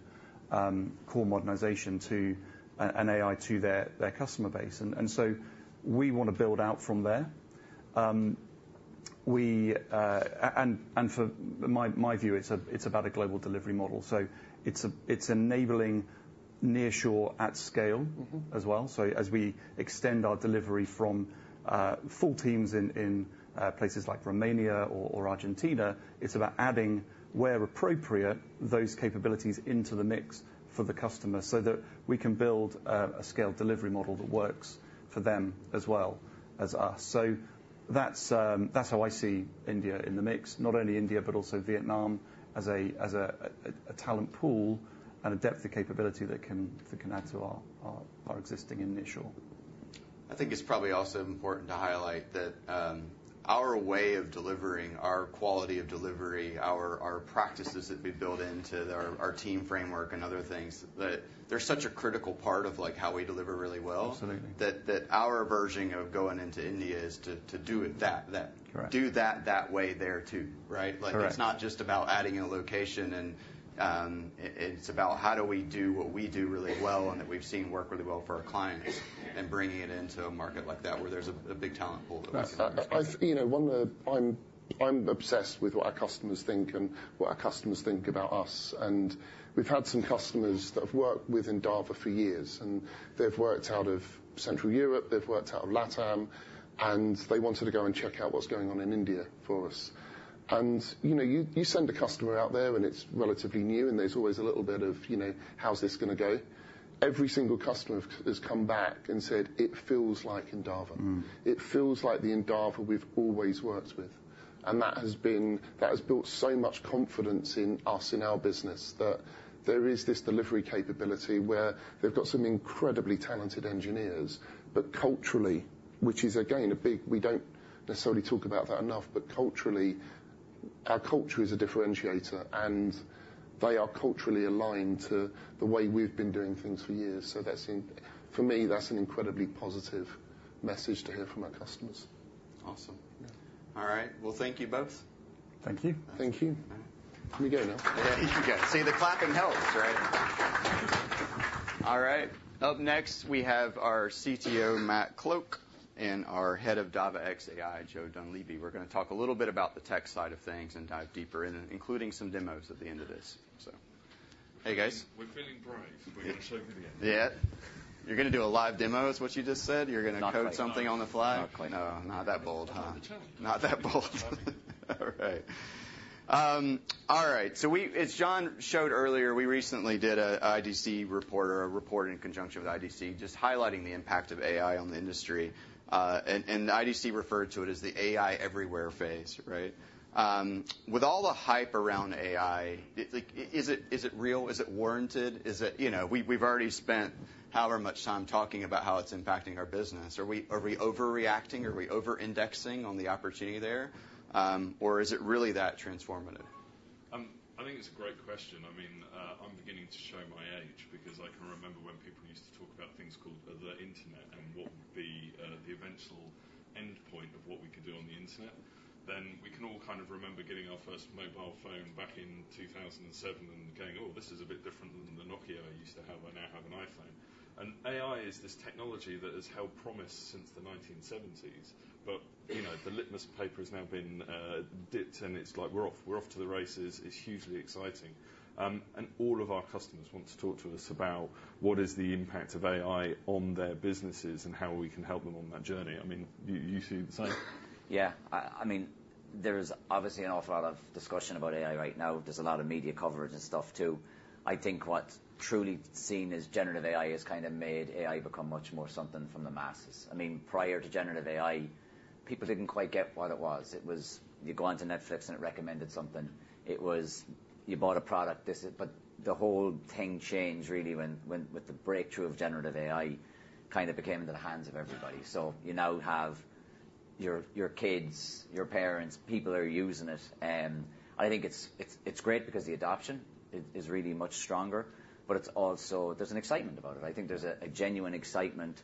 core modernization to an AI to their customer base. And so we want to build out from there. And for my view, it's about a global delivery model. So it's enabling nearshore at scale as well. So as we extend our delivery from full teams in places like Romania or Argentina, it's about adding, where appropriate, those capabilities into the mix for the customer so that we can build a scaled delivery model that works for them as well as us. So that's how I see India in the mix. Not only India, but also Vietnam as a talent pool and a depth of capability that can add to our existing initial. I think it's probably also important to highlight that our way of delivering, our quality of delivery, our practices that we build into our team framework and other things, that they're such a critical part of how we deliver really well. Absolutely. That our version of going into India is to do that way there too, right? It's not just about adding a location. It's about how do we do what we do really well and that we've seen work really well for our clients and bringing it into a market like that where there's a big talent pool that we can leverage. I'm obsessed with what our customers think and what our customers think about us. And we've had some customers that have worked with Endava for years, and they've worked out of Central Europe. They've worked out of LATAM, and they wanted to go and check out what's going on in India for us. And you send a customer out there, and it's relatively new, and there's always a little bit of, "How's this going to go?" Every single customer has come back and said, "It feels like Endava." It feels like the Endava we've always worked with, and that has built so much confidence in us, in our business, that there is this delivery capability where they've got some incredibly talented engineers, but culturally, which is, again, a big we don't necessarily talk about that enough, but culturally, our culture is a differentiator, and they are culturally aligned to the way we've been doing things for years. For me, that's an incredibly positive message to hear from our customers. Awesome. All right. Well, thank you both. Thank you. Thank you. Can we go now? Yeah. You can. See, the clapping helps, right? All right. Up next, we have our CTO, Matt Cloke, and our Head of Dava.X AI, Joe Dunleavy. We're going to talk a little bit about the tech side of things and dive deeper in it, including some demos at the end of this. So hey, guys. We're feeling bright. We're going to show you the end. Yeah. You're going to do a live demo, is what you just said? You're going to code something on the fly? Not quite. No, not that bold, huh? Not that bold. All right. All right. So as John showed earlier, we recently did an IDC report or a report in conjunction with IDC just highlighting the impact of AI on the industry. And IDC referred to it as the AI Everywhere phase, right? With all the hype around AI, is it real? Is it warranted? We've already spent however much time talking about how it's impacting our business. Are we overreacting? Are we overindexing on the opportunity there? Or is it really that transformative? I think it's a great question. I mean, I'm beginning to show my age because I can remember when people used to talk about things called the Internet and what would be the eventual endpoint of what we could do on the Internet, then we can all kind of remember getting our first mobile phone back in 2007 and going, "Oh, this is a bit different than the Nokia I used to have. I now have an iPhone," and AI is this technology that has held promise since the 1970s. But the litmus paper has now been dipped, and it's like, "We're off. We're off to the races." It's hugely exciting, and all of our customers want to talk to us about what is the impact of AI on their businesses and how we can help them on that journey. I mean, you see the same. Yeah. I mean, there is obviously an awful lot of discussion about AI right now. There's a lot of media coverage and stuff too. I think what's truly seen as generative AI has kind of made AI become much more something from the masses. I mean, prior to generative AI, people didn't quite get what it was. It was you go onto Netflix and it recommended something. It was you bought a product. But the whole thing changed really with the breakthrough of generative AI kind of became into the hands of everybody. So you now have your kids, your parents, people are using it. And I think it's great because the adoption is really much stronger, but there's an excitement about it. I think there's a genuine excitement.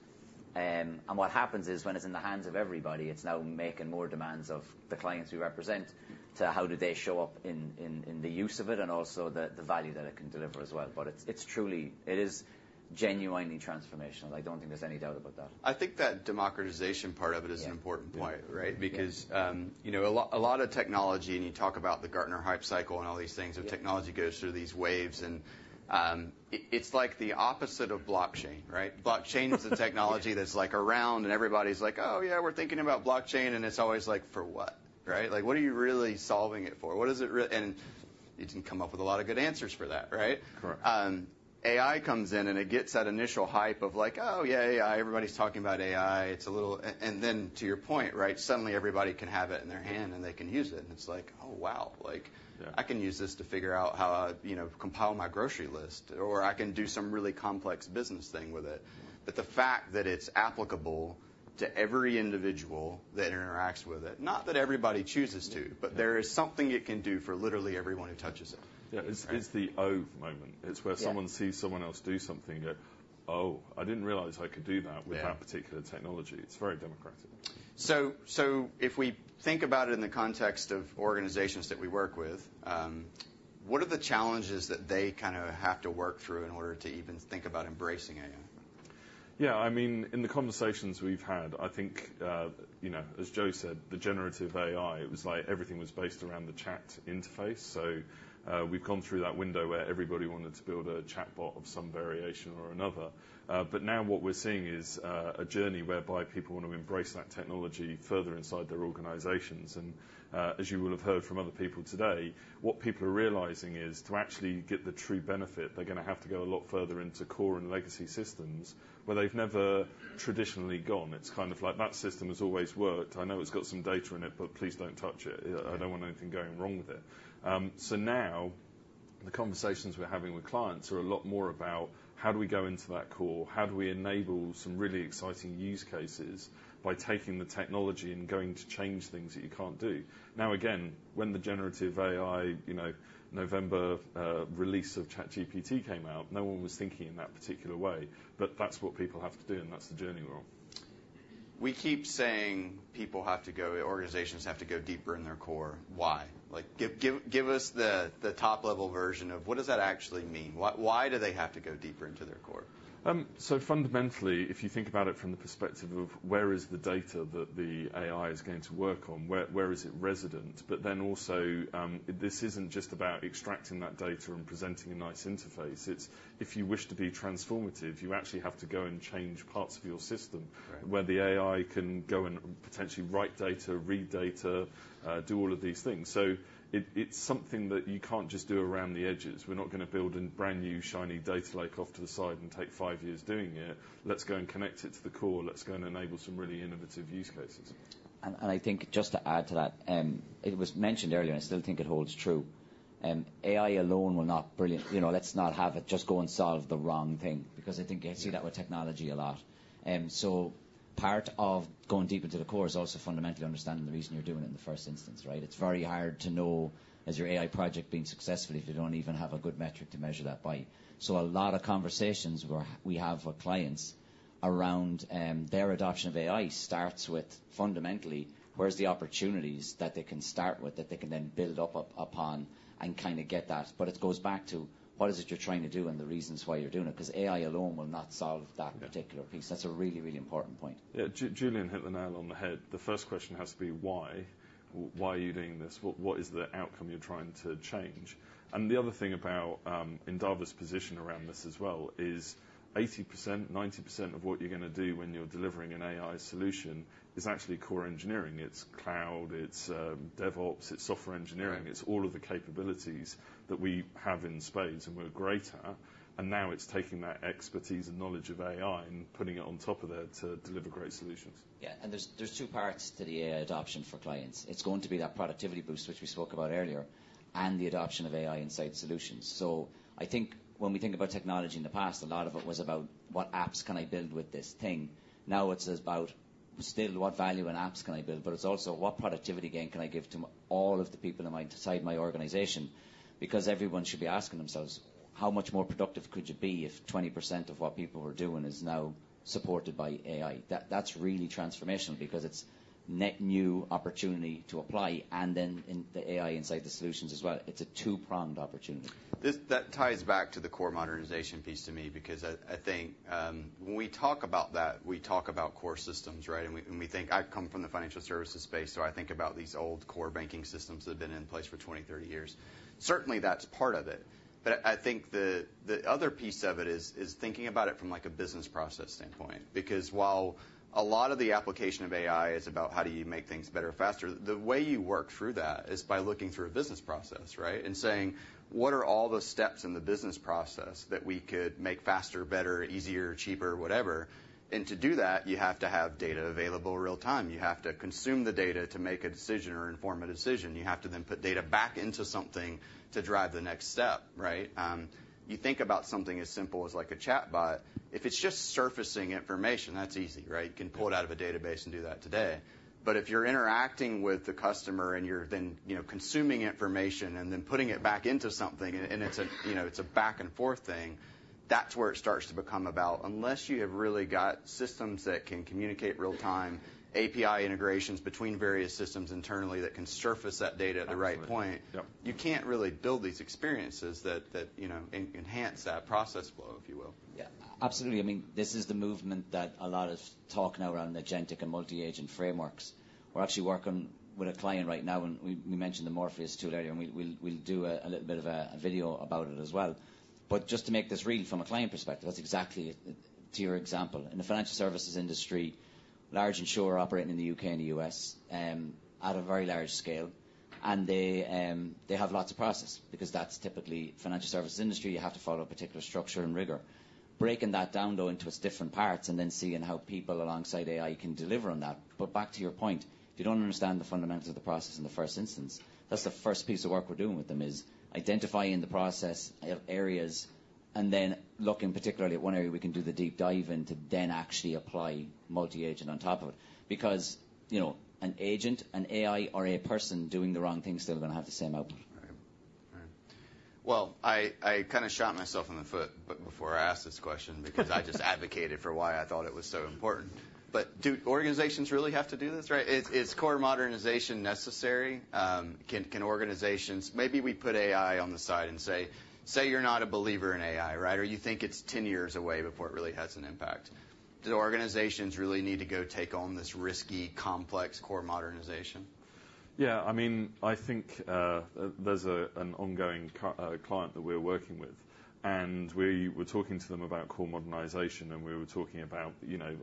And what happens is when it's in the hands of everybody, it's now making more demands of the clients we represent to how do they show up in the use of it and also the value that it can deliver as well. But it's truly genuinely transformational. I don't think there's any doubt about that. I think that democratization part of it is an important point, right? Because a lot of technology, and you talk about the Gartner Hype Cycle and all these things where technology goes through these waves, and it's like the opposite of blockchain, right? Blockchain is a technology that's around, and everybody's like, "Oh, yeah, we're thinking about blockchain." And it's always like, "For what?" Right? What are you really solving it for? And you didn't come up with a lot of good answers for that, right? Correct. AI comes in, and it gets that initial hype of like, "Oh, yeah, AI. Everybody's talking about AI." And then to your point, right, suddenly everybody can have it in their hand, and they can use it. And it's like, "Oh, wow. I can use this to figure out how to compile my grocery list, or I can do some really complex business thing with it." But the fact that it's applicable to every individual that interacts with it, not that everybody chooses to, but there is something it can do for literally everyone who touches it. Yeah. It's the oh moment. It's where someone sees someone else do something and go, "Oh, I didn't realize I could do that with that particular technology." It's very democratic. So if we think about it in the context of organizations that we work with, what are the challenges that they kind of have to work through in order to even think about embracing AI? Yeah. I mean, in the conversations we've had, I think, as Joe said, the generative AI, it was like everything was based around the chat interface. So we've gone through that window where everybody wanted to build a chatbot of some variation or another. But now what we're seeing is a journey whereby people want to embrace that technology further inside their organizations. And as you will have heard from other people today, what people are realizing is to actually get the true benefit, they're going to have to go a lot further into core and legacy systems where they've never traditionally gone. It's kind of like, "That system has always worked. I know it's got some data in it, but please don't touch it. I don't want anything going wrong with it," so now the conversations we're having with clients are a lot more about, "How do we go into that core? How do we enable some really exciting use cases by taking the technology and going to change things that you can't do?" Now, again, when the generative AI November release of ChatGPT came out, no one was thinking in that particular way, but that's what people have to do, and that's the journey we're on. We keep saying people have to go, organizations have to go deeper in their core. Why? Give us the top-level version of what does that actually mean? Why do they have to go deeper into their core? So fundamentally, if you think about it from the perspective of where is the data that the AI is going to work on, where is it resident? But then also, this isn't just about extracting that data and presenting a nice interface. It's if you wish to be transformative, you actually have to go and change parts of your system where the AI can go and potentially write data, read data, do all of these things. So it's something that you can't just do around the edges. We're not going to build a brand new shiny data lake off to the side and take five years doing it. Let's go and connect it to the core. Let's go and enable some really innovative use cases. And I think just to add to that, it was mentioned earlier, and I still think it holds true. AI alone will not bring it. Let's not have it just go and solve the wrong thing because I think you see that with technology a lot. So part of going deep into the core is also fundamentally understanding the reason you're doing it in the first instance, right? It's very hard to know, is your AI project being successful if you don't even have a good metric to measure that by. So a lot of conversations we have with clients around their adoption of AI starts with fundamentally, where's the opportunities that they can start with that they can then build up upon and kind of get that. But it goes back to what is it you're trying to do and the reasons why you're doing it because AI alone will not solve that particular piece. That's a really, really important point. Yeah. Julian hit the nail on the head. The first question has to be, why? Why are you doing this? What is the outcome you're trying to change? And the other thing about Endava's position around this as well is 80%, 90% of what you're going to do when you're delivering an AI solution is actually core engineering. It's cloud, it's DevOps, it's software engineering. It's all of the capabilities that we have in spades and we're great at. And now it's taking that expertise and knowledge of AI and putting it on top of that to deliver great solutions. Yeah. And there's two parts to the AI adoption for clients. It's going to be that productivity boost, which we spoke about earlier, and the adoption of AI inside solutions. So I think when we think about technology in the past, a lot of it was about what apps can I build with this thing. Now it's about still what value in apps can I build, but it's also what productivity gain can I give to all of the people inside my organization because everyone should be asking themselves, how much more productive could you be if 20% of what people were doing is now supported by AI? That's really transformational because it's net new opportunity to apply and then the AI inside the solutions as well. It's a two-pronged opportunity. That ties back to the core modernization piece to me because I think when we talk about that, we talk about core systems, right? And we think I come from the financial services space, so I think about these old core banking systems that have been in place for 20, 30 years. Certainly, that's part of it. But I think the other piece of it is thinking about it from a business process standpoint because while a lot of the application of AI is about how do you make things better, faster, the way you work through that is by looking through a business process, right? And saying, what are all the steps in the business process that we could make faster, better, easier, cheaper, whatever? And to do that, you have to have data available real-time. You have to consume the data to make a decision or inform a decision. You have to then put data back into something to drive the next step, right? You think about something as simple as a chatbot. If it's just surfacing information, that's easy, right? You can pull it out of a database and do that today. But if you're interacting with the customer and you're then consuming information and then putting it back into something, and it's a back-and-forth thing, that's where it starts to become about unless you have really got systems that can communicate real-time, API integrations between various systems internally that can surface that data at the right point, you can't really build these experiences that enhance that process flow, if you will. Yeah. Absolutely. I mean, this is the movement that a lot of talk now around agentic and multi-agent frameworks. We're actually working with a client right now, and we mentioned the Morpheus tool earlier, and we'll do a little bit of a video about it as well. But just to make this real from a client perspective, that's exactly to your example. In the financial services industry, large insurer operating in the U.K. and the U.S. at a very large scale, and they have lots of process because that's typically financial services industry. You have to follow a particular structure and rigor. Breaking that down, though, into its different parts and then seeing how people alongside AI can deliver on that. But back to your point, if you don't understand the fundamentals of the process in the first instance, that's the first piece of work we're doing with them, is identifying the process areas and then looking particularly at one area we can do the deep dive into, then actually apply multi-agent on top of it, because an agent, an AI, or a person doing the wrong thing is still going to have the same output. Right. Right. Well, I kind of shot myself in the foot before I asked this question because I just advocated for why I thought it was so important. But do organizations really have to do this, right? Is core modernization necessary? Can organizations maybe we put AI on the side and say, say you're not a believer in AI, right? Or you think it's 10 years away before it really has an impact. Do organizations really need to go take on this risky, complex core modernization? Yeah. I mean, I think there's an ongoing client that we're working with, and we were talking to them about core modernization, and we were talking about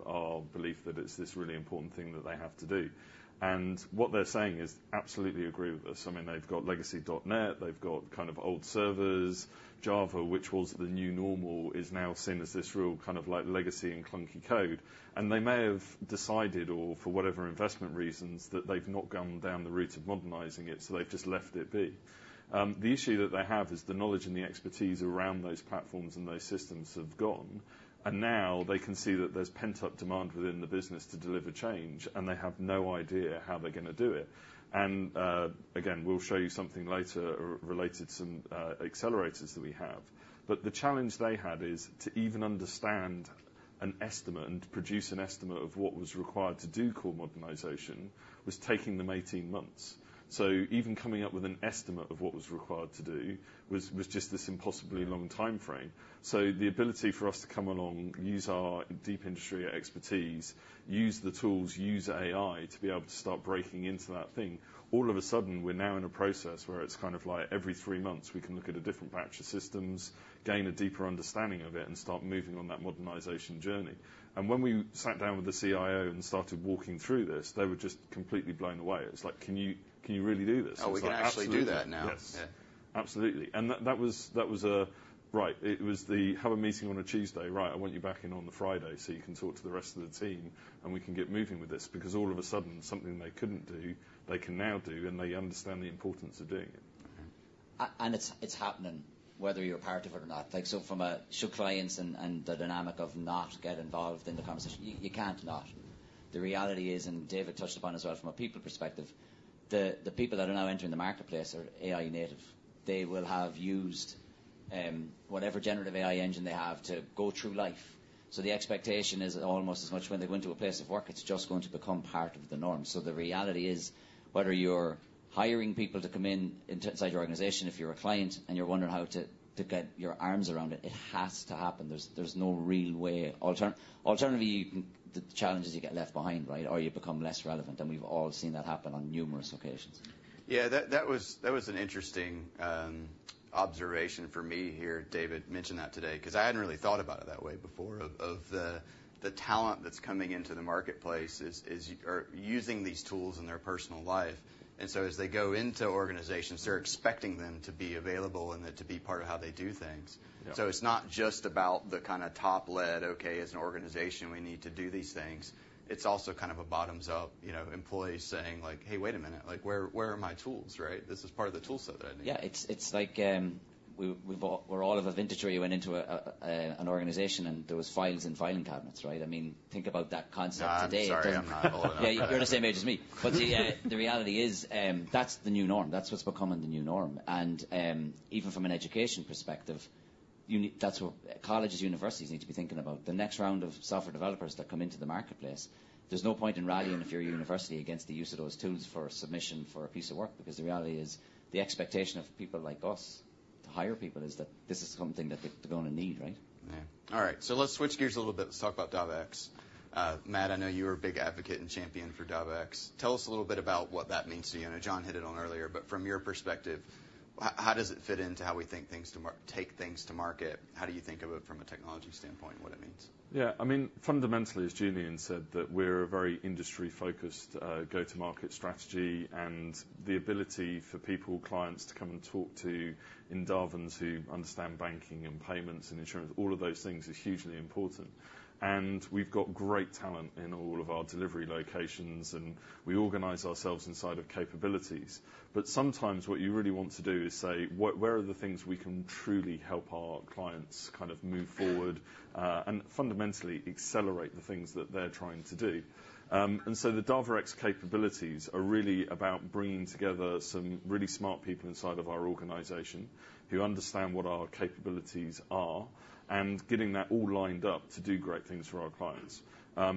our belief that it's this really important thing that they have to do. And what they're saying is absolutely agree with us. I mean, they've got legacy. NET, they've got kind of old servers, Java, which was the new normal, is now seen as this real kind of legacy and clunky code. And they may have decided, or for whatever investment reasons, that they've not gone down the route of modernizing it, so they've just left it be. The issue that they have is the knowledge and the expertise around those platforms and those systems have gone. And now they can see that there's pent-up demand within the business to deliver change, and they have no idea how they're going to do it. And again, we'll show you something later related to some accelerators that we have. But the challenge they had is to even understand an estimate and produce an estimate of what was required to do core modernization was taking them 18 months. So even coming up with an estimate of what was required to do was just this impossibly long time frame. So the ability for us to come along, use our deep industry expertise, use the tools, use AI to be able to start breaking into that thing. All of a sudden, we're now in a process where it's kind of like every three months we can look at a different batch of systems, gain a deeper understanding of it, and start moving on that modernization journey. And when we sat down with the CIO and started walking through this, they were just completely blown away. It was like, "Can you really do this? Oh, we can actually do that now. Yes. Absolutely. And that was right. It was the, "Have a meeting on a Tuesday. Right. I want you back in on the Friday so you can talk to the rest of the team and we can get moving with this." Because all of a sudden, something they couldn't do, they can now do, and they understand the importance of doing it. It's happening, whether you're part of it or not. From our clients and the dynamic of not getting involved in the conversation, you can't not. The reality is, and David touched upon as well from a people perspective, the people that are now entering the marketplace are AI native. They will have used whatever generative AI engine they have to go through life. The expectation is almost as much when they go into a place of work, it's just going to become part of the norm. The reality is, whether you're hiring people to come in inside your organization, if you're a client and you're wondering how to get your arms around it, it has to happen. There's no real way. Alternatively, the challenge is you get left behind, right? Or you become less relevant. We've all seen that happen on numerous occasions. Yeah. That was an interesting observation for me here. David mentioned that today because I hadn't really thought about it that way before, of the talent that's coming into the marketplace or using these tools in their personal life. And so as they go into organizations, they're expecting them to be available and to be part of how they do things. So it's not just about the kind of top led, "Okay, as an organization, we need to do these things." It's also kind of a bottoms-up employee saying like, "Hey, wait a minute. Where are my tools?" Right? This is part of the toolset that I need. Yeah. It's like we're all of a vintage where you went into an organization and there were files in filing cabinets, right? I mean, think about that concept today. I'm sorry. I'm not holding on. Yeah. You're the same age as me. But the reality is that's the new norm. That's what's becoming the new norm. And even from an education perspective, colleges and universities need to be thinking about the next round of software developers that come into the marketplace. There's no point in rallying if you're a university against the use of those tools for submission for a piece of work because the reality is the expectation of people like us to hire people is that this is something that they're going to need, right? Yeah. All right. So let's switch gears a little bit. Let's talk about Dava.X. Matt, I know you were a big advocate and champion for Dava.X. Tell us a little bit about what that means to you. I know John hit it on earlier, but from your perspective, how does it fit into how we think to take things to market? How do you think of it from a technology standpoint, what it means? Yeah. I mean, fundamentally, as Julian said, that we're a very industry-focused go-to-market strategy. And the ability for people, clients to come and talk to Endavans who understand banking and payments and insurance, all of those things is hugely important. And we've got great talent in all of our delivery locations, and we organize ourselves inside of capabilities. But sometimes what you really want to do is say, "Where are the things we can truly help our clients kind of move forward and fundamentally accelerate the things that they're trying to do?" And so the Dava.X capabilities are really about bringing together some really smart people inside of our organization who understand what our capabilities are and getting that all lined up to do great things for our clients.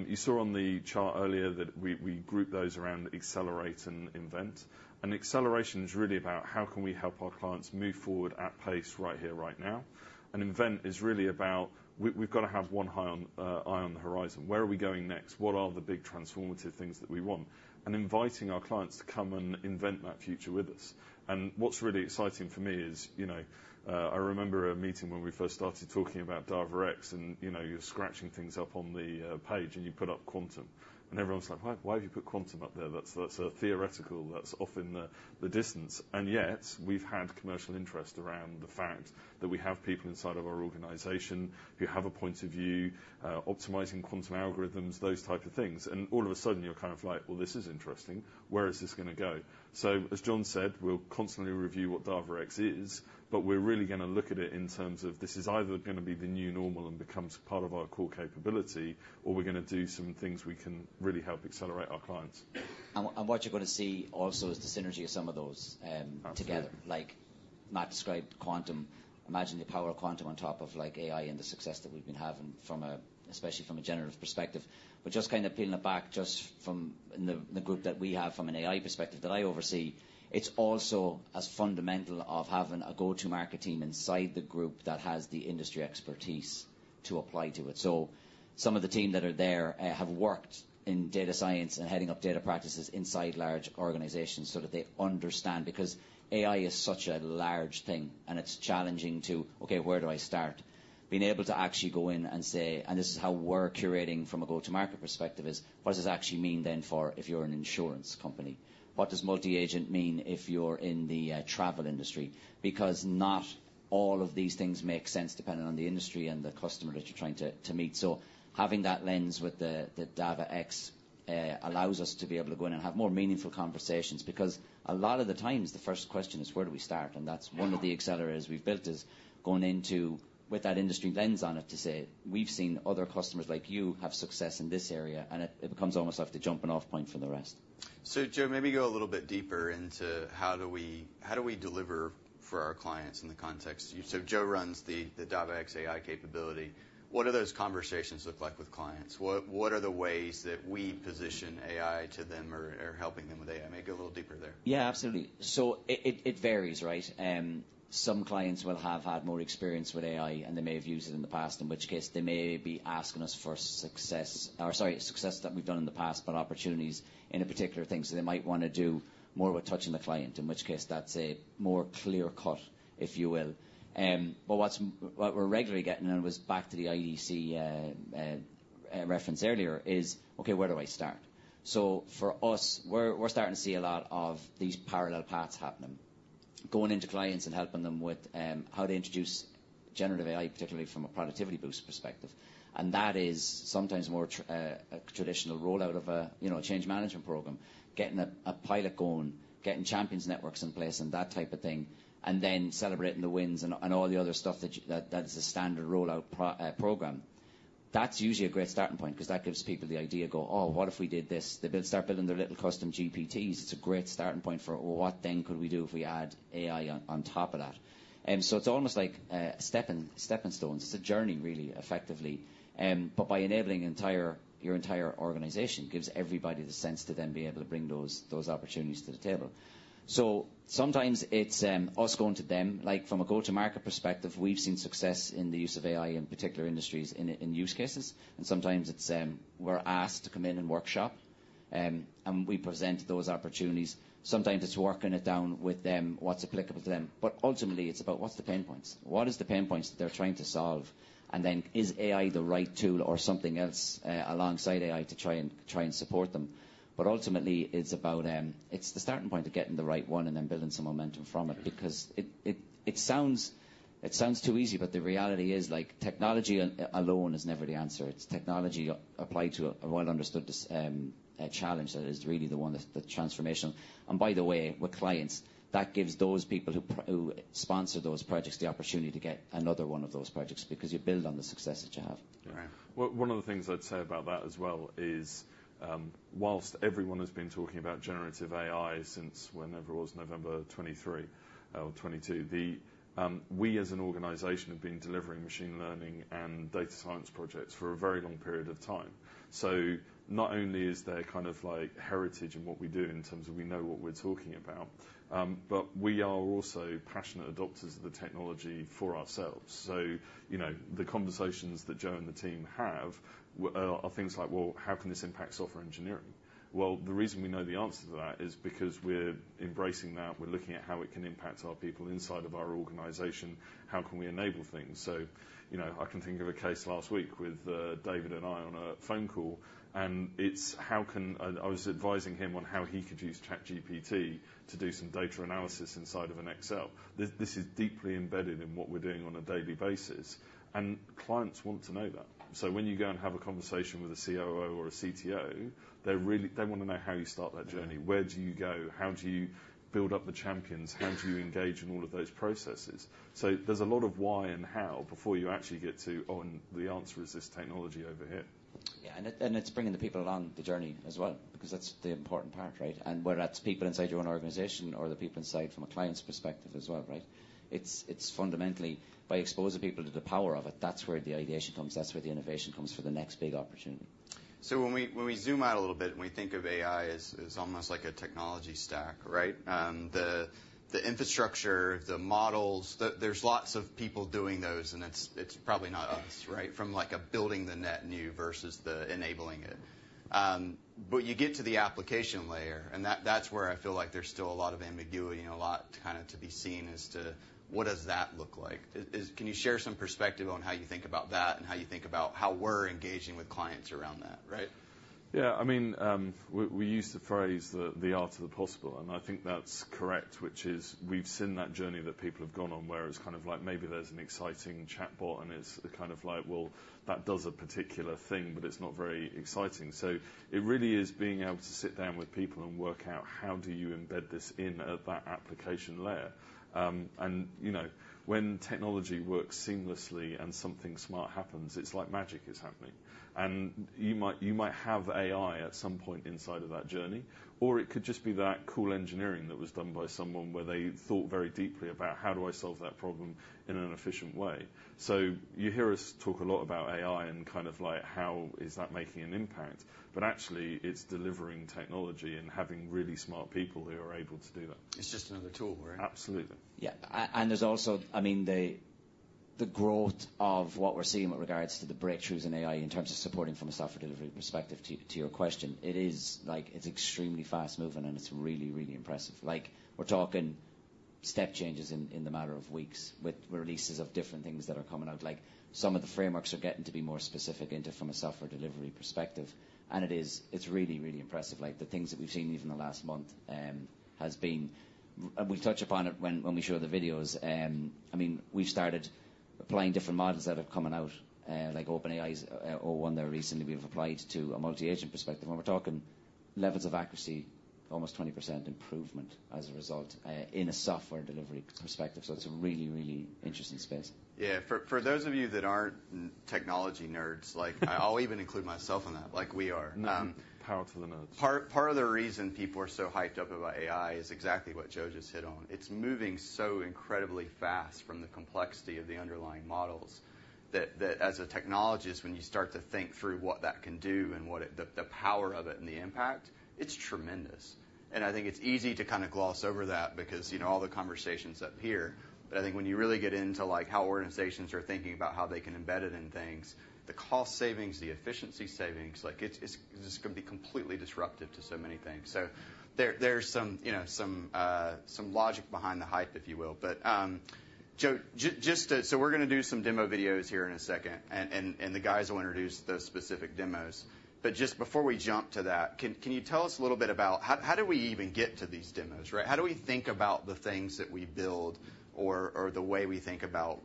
You saw on the chart earlier that we group those around accelerate and invent. And acceleration is really about how can we help our clients move forward at pace right here, right now. And invent is really about we've got to have one eye on the horizon. Where are we going next? What are the big transformative things that we want? And inviting our clients to come and invent that future with us. And what's really exciting for me is I remember a meeting when we first started talking about Dava.X, and you're sketching things up on the page, and you put up Quantum. And everyone's like, "Why have you put Quantum up there? That's a theoretical. That's off in the distance." And yet, we've had commercial interest around the fact that we have people inside of our organization who have a point of view, optimizing quantum algorithms, those types of things. All of a sudden, you're kind of like, "Well, this is interesting. Where is this going to go?" So as John said, we'll constantly review what Dava.X is, but we're really going to look at it in terms of this is either going to be the new normal and becomes part of our core capability, or we're going to do some things we can really help accelerate our clients. And what you're going to see also is the synergy of some of those together. Like Matt described Quantum, imagine the power of Quantum on top of AI and the success that we've been having, especially from a generative perspective. But just kind of peeling it back just from the group that we have from an AI perspective that I oversee, it's also as fundamental of having a go-to-market team inside the group that has the industry expertise to apply to it. So some of the team that are there have worked in data science and heading up data practices inside large organizations so that they understand because AI is such a large thing, and it's challenging to say, "Okay, where do I start?" Being able to actually go in and say, "And this is how we're curating from a go-to-market perspective," is what does this actually mean then for if you're an insurance company? What does multi-agent mean if you're in the travel industry? Because not all of these things make sense depending on the industry and the customer that you're trying to meet. So having that lens with the Dava.X allows us to be able to go in and have more meaningful conversations because a lot of the times, the first question is, "Where do we start?" And that's one of the accelerators we've built is going into with that industry lens on it to say, "We've seen other customers like you have success in this area," and it becomes almost like the jumping-off point for the rest. So Joe, maybe go a little bit deeper into how do we deliver for our clients in the context. So Joe runs the Dava.X AI capability. What do those conversations look like with clients? What are the ways that we position AI to them or helping them with AI? Make it a little deeper there. Yeah, absolutely. So it varies, right? Some clients will have had more experience with AI, and they may have used it in the past, in which case they may be asking us for success or sorry, success that we've done in the past, but opportunities in a particular thing. So they might want to do more with touching the client, in which case that's a more clear cut, if you will. But what we're regularly getting in was back to the IDC reference earlier is, "Okay, where do I start?" So for us, we're starting to see a lot of these parallel paths happening, going into clients and helping them with how to introduce generative AI, particularly from a productivity boost perspective. And that is sometimes more a traditional rollout of a change management program, getting a pilot going, getting champions networks in place and that type of thing, and then celebrating the wins and all the other stuff that is a standard rollout program. That's usually a great starting point because that gives people the idea, "Go, oh, what if we did this?" They start building their little custom GPTs. It's a great starting point for, "What then could we do if we add AI on top of that?" And so it's almost like stepping stones. It's a journey, really, effectively. But by enabling your entire organization, it gives everybody the sense to then be able to bring those opportunities to the table. So sometimes it's us going to them. From a go-to-market perspective, we've seen success in the use of AI in particular industries in use cases. And sometimes we're asked to come in and workshop, and we present those opportunities. Sometimes it's working it down with them, what's applicable to them. But ultimately, it's about what's the pain points? What are the pain points that they're trying to solve? And then is AI the right tool or something else alongside AI to try and support them? But ultimately, it's the starting point of getting the right one and then building some momentum from it because it sounds too easy, but the reality is technology alone is never the answer. It's technology applied to a well-understood challenge that is really the one that's transformational. And by the way, with clients, that gives those people who sponsor those projects the opportunity to get another one of those projects because you build on the success that you have. Right. One of the things I'd say about that as well is while everyone has been talking about generative AI since whenever it was November 2023 or 2022, we as an organization have been delivering machine learning and data science projects for a very long period of time. So not only is there kind of heritage in what we do in terms of we know what we're talking about, but we are also passionate adopters of the technology for ourselves. So the conversations that Joe and the team have are things like, "Well, how can this impact software engineering?" Well, the reason we know the answer to that is because we're embracing that. We're looking at how it can impact our people inside of our organization. How can we enable things? So I can think of a case last week with David and I on a phone call, and it's how I was advising him on how he could use ChatGPT to do some data analysis inside of an Excel. This is deeply embedded in what we're doing on a daily basis, and clients want to know that. So when you go and have a conversation with a COO or a CTO, they want to know how you start that journey. Where do you go? How do you build up the champions? How do you engage in all of those processes? So there's a lot of why and how before you actually get to, "Oh, and the answer is this technology over here." Yeah. And it's bringing the people along the journey as well because that's the important part, right? And whether that's people inside your own organization or the people inside from a client's perspective as well, right? It's fundamentally by exposing people to the power of it. That's where the ideation comes. That's where the innovation comes for the next big opportunity. So when we zoom out a little bit and we think of AI as almost like a technology stack, right? The infrastructure, the models, there's lots of people doing those, and it's probably not us, right, from building the net new versus enabling it. But you get to the application layer, and that's where I feel like there's still a lot of ambiguity and a lot kind of to be seen as to what does that look like? Can you share some perspective on how you think about that and how you think about how we're engaging with clients around that, right? Yeah. I mean, we use the phrase the art of the possible, and I think that's correct, which is we've seen that journey that people have gone on where it's kind of like maybe there's an exciting chatbot, and it's kind of like, "Well, that does a particular thing, but it's not very exciting." So it really is being able to sit down with people and work out how do you embed this in at that application layer. And when technology works seamlessly and something smart happens, it's like magic is happening. And you might have AI at some point inside of that journey, or it could just be that cool engineering that was done by someone where they thought very deeply about how do I solve that problem in an efficient way. So, you hear us talk a lot about AI and kind of like how is that making an impact, but actually, it's delivering technology and having really smart people who are able to do that. It's just another tool, right? Absolutely. Yeah. And there's also, I mean, the growth of what we're seeing with regards to the breakthroughs in AI in terms of supporting from a software delivery perspective. To your question, it's extremely fast-moving, and it's really, really impressive. We're talking step changes in the matter of weeks with releases of different things that are coming out. Some of the frameworks are getting to be more specific into from a software delivery perspective, and it's really, really impressive. The things that we've seen even the last month has been we've touched upon it when we show the videos. I mean, we've started applying different models that are coming out, like OpenAI's o1 there recently. We've applied to a multi-agent perspective, and we're talking levels of accuracy, almost 20% improvement as a result in a software delivery perspective. So it's a really, really interesting space. Yeah. For those of you that aren't technology nerds, I'll even include myself in that like we are. No. Power to the nerds. Part of the reason people are so hyped up about AI is exactly what Joe just hit on. It's moving so incredibly fast from the complexity of the underlying models that as a technologist, when you start to think through what that can do and the power of it and the impact, it's tremendous. And I think it's easy to kind of gloss over that because all the conversations up here. But I think when you really get into how organizations are thinking about how they can embed it in things, the cost savings, the efficiency savings, it's going to be completely disruptive to so many things. So there's some logic behind the hype, if you will. But Joe, so we're going to do some demo videos here in a second, and the guys will introduce those specific demos. But just before we jump to that, can you tell us a little bit about how do we even get to these demos, right? How do we think about the things that we build or the way we think about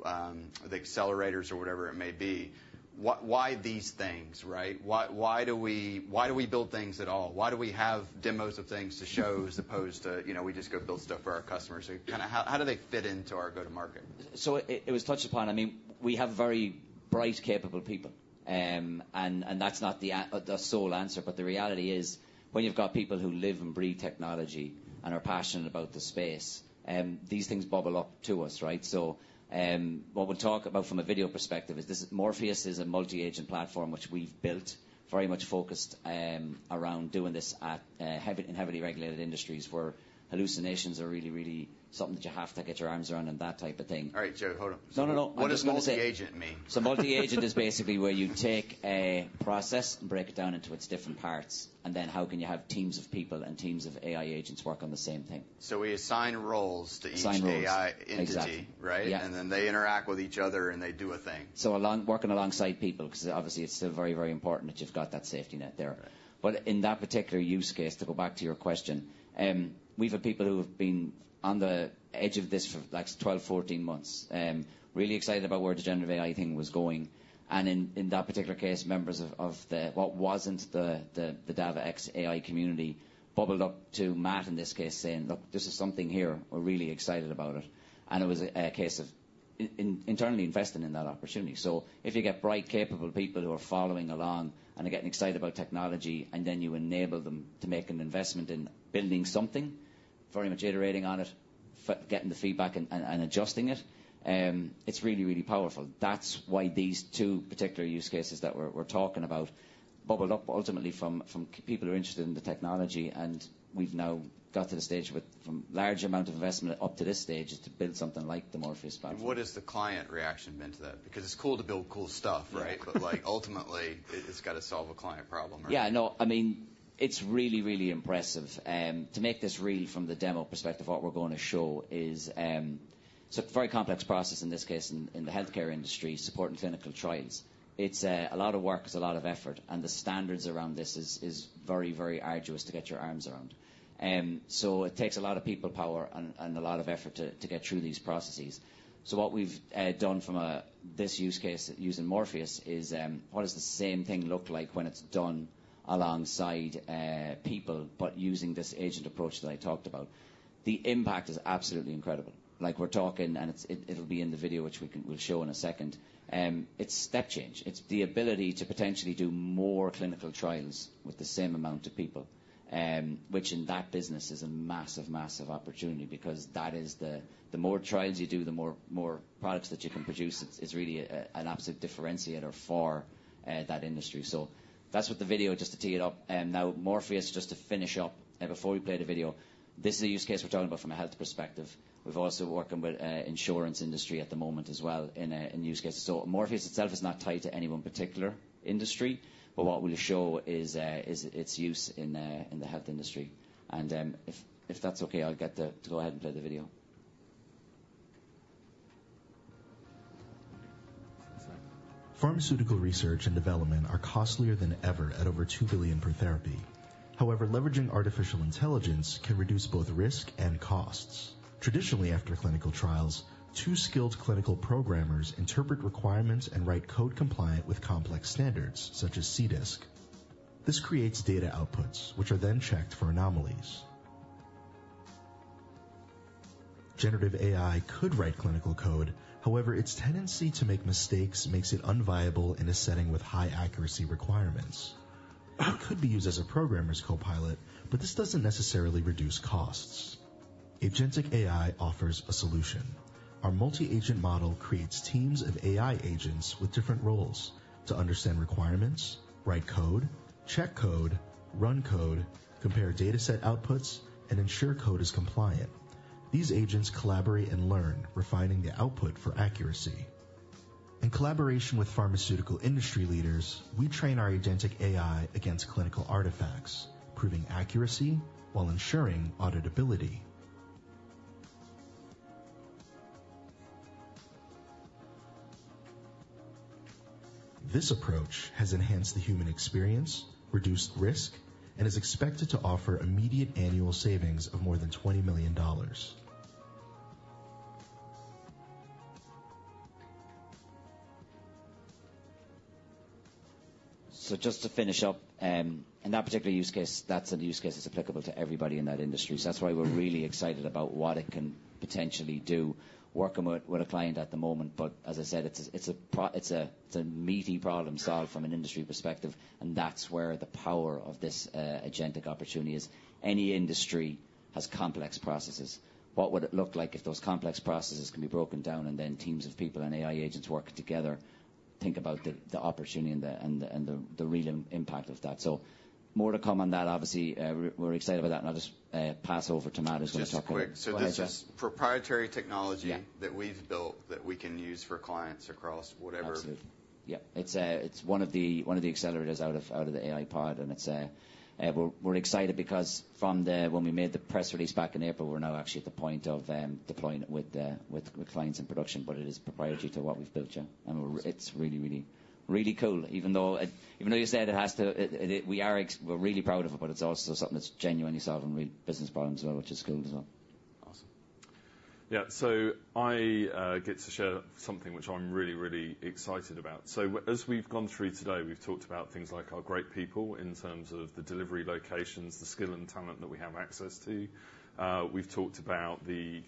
the accelerators or whatever it may be? Why these things, right? Why do we build things at all? Why do we have demos of things to show as opposed to we just go build stuff for our customers? Kind of how do they fit into our go-to-market? It was touched upon. I mean, we have very bright, capable people, and that's not the sole answer. But the reality is when you've got people who live and breathe technology and are passionate about the space, these things bubble up to us, right? What we'll talk about from a video perspective is this: Morpheus is a multi-agent platform which we've built very much focused around doing this in heavily regulated industries where hallucinations are really, really something that you have to get your arms around and that type of thing. All right, Joe. Hold on. No, no, no. What does multi-agent mean? So, multi-agent is basically where you take a process and break it down into its different parts, and then how can you have teams of people and teams of AI agents work on the same thing? So we assign roles to each AI entity, right? Assign roles. Yeah. And then they interact with each other and they do a thing. Working alongside people because obviously, it's still very, very important that you've got that safety net there. But in that particular use case, to go back to your question, we've had people who have been on the edge of this for like 12, 14 months, really excited about where the generative AI thing was going. And in that particular case, members of what was then the Dava.X AI community bubbled up to Matt in this case saying, "Look, this is something here. We're really excited about it." And it was a case of internally investing in that opportunity. So if you get bright, capable people who are following along and are getting excited about technology, and then you enable them to make an investment in building something, very much iterating on it, getting the feedback and adjusting it, it's really, really powerful. That's why these two particular use cases that we're talking about bubbled up ultimately from people who are interested in the technology. And we've now got to the stage with a large amount of investment up to this stage to build something like the Morpheus platform. What has the client reaction been to that? Because it's cool to build cool stuff, right? But ultimately, it's got to solve a client problem, right? Yeah. No, I mean, it's really, really impressive. To make this real from the demo perspective, what we're going to show is it's a very complex process in this case in the healthcare industry, supporting clinical trials. It's a lot of work, it's a lot of effort, and the standards around this is very, very arduous to get your arms around. So it takes a lot of people power and a lot of effort to get through these processes. So what we've done from this use case using Morpheus is what does the same thing look like when it's done alongside people, but using this agent approach that I talked about? The impact is absolutely incredible. We're talking, and it'll be in the video, which we'll show in a second. It's step change. It's the ability to potentially do more clinical trials with the same amount of people, which in that business is a massive, massive opportunity because that is the more trials you do, the more products that you can produce. It's really an absolute differentiator for that industry. So that's what the video, just to tee it up. Now, Morpheus, just to finish up before we play the video, this is a use case we're talking about from a health perspective. We've also worked with the insurance industry at the moment as well in use cases. So Morpheus itself is not tied to any one particular industry, but what we'll show is its use in the health industry. And if that's okay, I'll get to go ahead and play the video. Pharmaceutical research and development are costlier than ever at over $2 billion per therapy. However, leveraging artificial intelligence can reduce both risk and costs. Traditionally, after clinical trials, two skilled clinical programmers interpret requirements and write code compliant with complex standards such as CDISC. This creates data outputs, which are then checked for anomalies. Generative AI could write clinical code; however, its tendency to make mistakes makes it unviable in a setting with high accuracy requirements. It could be used as a programmer's co-pilot, but this doesn't necessarily reduce costs. Agentic AI offers a solution. Our multi-agent model creates teams of AI agents with different roles to understand requirements, write code, check code, run code, compare dataset outputs, and ensure code is compliant. These agents collaborate and learn, refining the output for accuracy. In collaboration with pharmaceutical industry leaders, we train our agentic AI against clinical artifacts, proving accuracy while ensuring auditability. This approach has enhanced the human experience, reduced risk, and is expected to offer immediate annual savings of more than $20 million. So just to finish up, in that particular use case, that's a use case that's applicable to everybody in that industry. So that's why we're really excited about what it can potentially do, working with a client at the moment. But as I said, it's a meaty problem solved from an industry perspective, and that's where the power of this agentic opportunity is. Any industry has complex processes. What would it look like if those complex processes can be broken down and then teams of people and AI agents work together? Think about the opportunity and the real impact of that. So more to come on that, obviously. We're excited about that, and I'll just pass over to Matt who's going to talk about it. Just quick. So this is proprietary technology that we've built that we can use for clients across whatever. Absolutely. Yeah. It's one of the accelerators out of the AI pod, and we're excited because from when we made the press release back in April, we're now actually at the point of deploying it with clients in production, but it is proprietary to what we've built, yeah, and it's really, really, really cool. Even though you said it has to, we are really proud of it, but it's also something that's genuinely solving real business problems as well, which is cool as well. Awesome. Yeah. So I get to share something which I'm really, really excited about. So as we've gone through today, we've talked about things like our great people in terms of the delivery locations, the skill and talent that we have access to. We've talked about the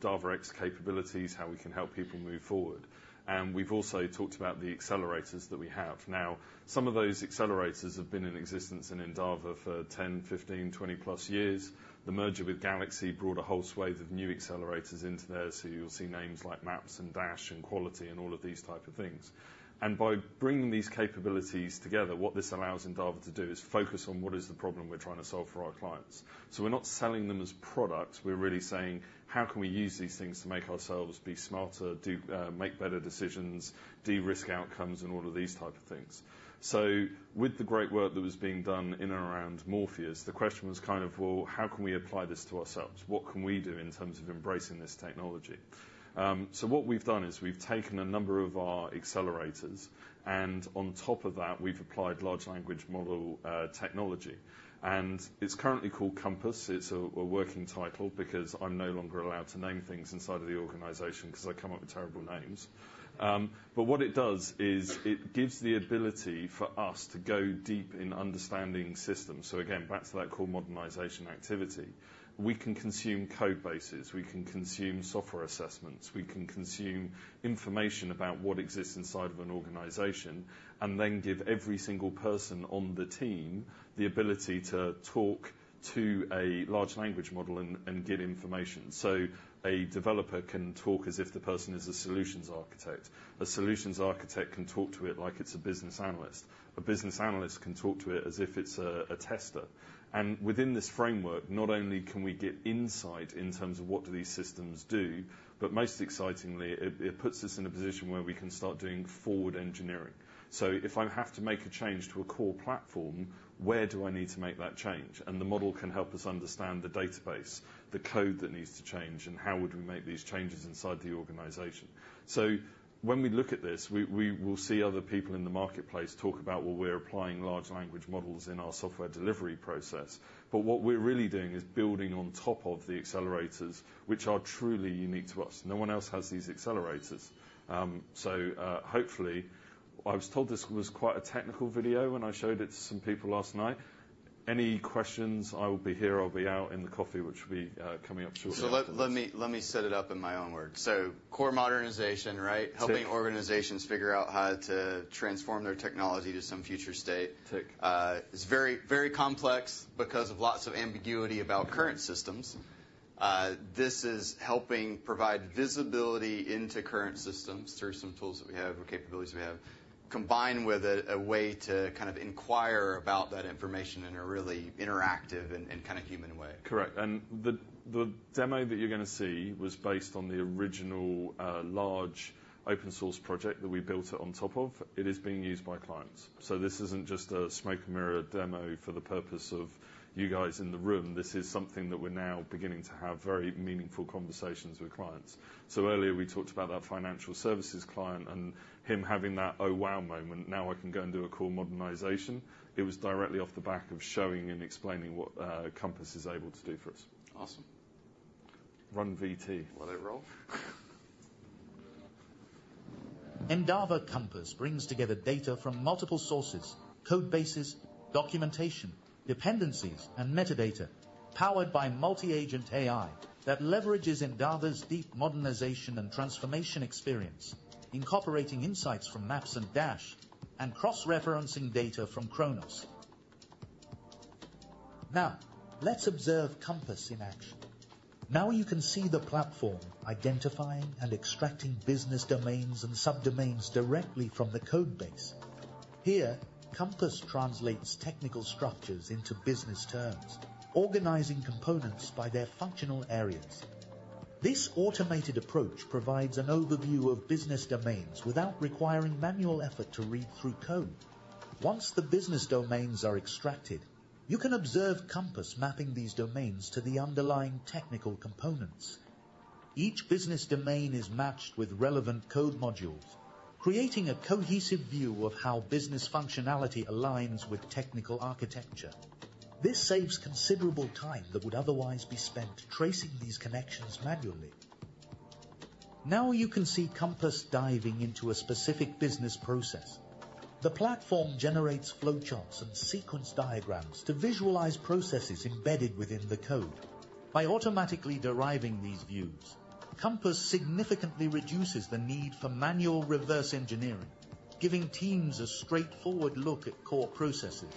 Dava.X capabilities, how we can help people move forward. And we've also talked about the accelerators that we have. Now, some of those accelerators have been in existence in Endava for 10, 15, 20+ years. The merger with GalaxE brought a whole swathe of new accelerators into there, so you'll see names like Maps and Dash and Quality and all of these types of things. And by bringing these capabilities together, what this allows Endava to do is focus on what is the problem we're trying to solve for our clients. So we're not selling them as products. We're really saying, how can we use these things to make ourselves be smarter, make better decisions, de-risk outcomes, and all of these types of things? So with the great work that was being done in and around Morpheus, the question was kind of, well, how can we apply this to ourselves? What can we do in terms of embracing this technology? So what we've done is we've taken a number of our accelerators, and on top of that, we've applied large language model technology. And it's currently called Compass. It's a working title because I'm no longer allowed to name things inside of the organization because I come up with terrible names. But what it does is it gives the ability for us to go deep in understanding systems. So again, back to that core modernization activity. We can consume codebases. We can consume software assessments. We can consume information about what exists inside of an organization and then give every single person on the team the ability to talk to a large language model and get information. So a developer can talk as if the person is a solutions architect. A solutions architect can talk to it like it's a business analyst. A business analyst can talk to it as if it's a tester. And within this framework, not only can we get insight in terms of what do these systems do, but most excitingly, it puts us in a position where we can start doing forward engineering. So if I have to make a change to a core platform, where do I need to make that change? And the model can help us understand the database, the code that needs to change, and how would we make these changes inside the organization? So when we look at this, we will see other people in the marketplace talk about, well, we're applying large language models in our software delivery process. But what we're really doing is building on top of the accelerators, which are truly unique to us. No one else has these accelerators. So hopefully, I was told this was quite a technical video when I showed it to some people last night. Any questions? I will be here. I'll be out in the coffee, which will be coming up shortly. So let me set it up in my own words. So core modernization, right? Helping organizations figure out how to transform their technology to some future state. It's very complex because of lots of ambiguity about current systems. This is helping provide visibility into current systems through some tools that we have, capabilities we have, combined with a way to kind of inquire about that information in a really interactive and kind of human way. Correct. And the demo that you're going to see was based on the original large open-source project that we built on top of. It is being used by clients. So this isn't just a smoke and mirror demo for the purpose of you guys in the room. This is something that we're now beginning to have very meaningful conversations with clients. So earlier, we talked about that financial services client and him having that, "Oh, wow," moment. Now I can go and do a core modernization. It was directly off the back of showing and explaining what Compass is able to do for us. Awesome. Run VT. Will it roll? Endava Compass brings together data from multiple sources, code bases, documentation, dependencies, and metadata powered by multi-agent AI that leverages Endava's deep modernization and transformation experience, incorporating insights from Maps and Dash and cross-referencing data from Chronos. Now, let's observe Compass in action. Now you can see the platform identifying and extracting business domains and subdomains directly from the code base. Here, Compass translates technical structures into business terms, organizing components by their functional areas. This automated approach provides an overview of business domains without requiring manual effort to read through code. Once the business domains are extracted, you can observe Compass mapping these domains to the underlying technical components. Each business domain is matched with relevant code modules, creating a cohesive view of how business functionality aligns with technical architecture. This saves considerable time that would otherwise be spent tracing these connections manually. Now you can see Compass diving into a specific business process. The platform generates flowcharts and sequence diagrams to visualize processes embedded within the code. By automatically deriving these views, Compass significantly reduces the need for manual reverse engineering, giving teams a straightforward look at core processes.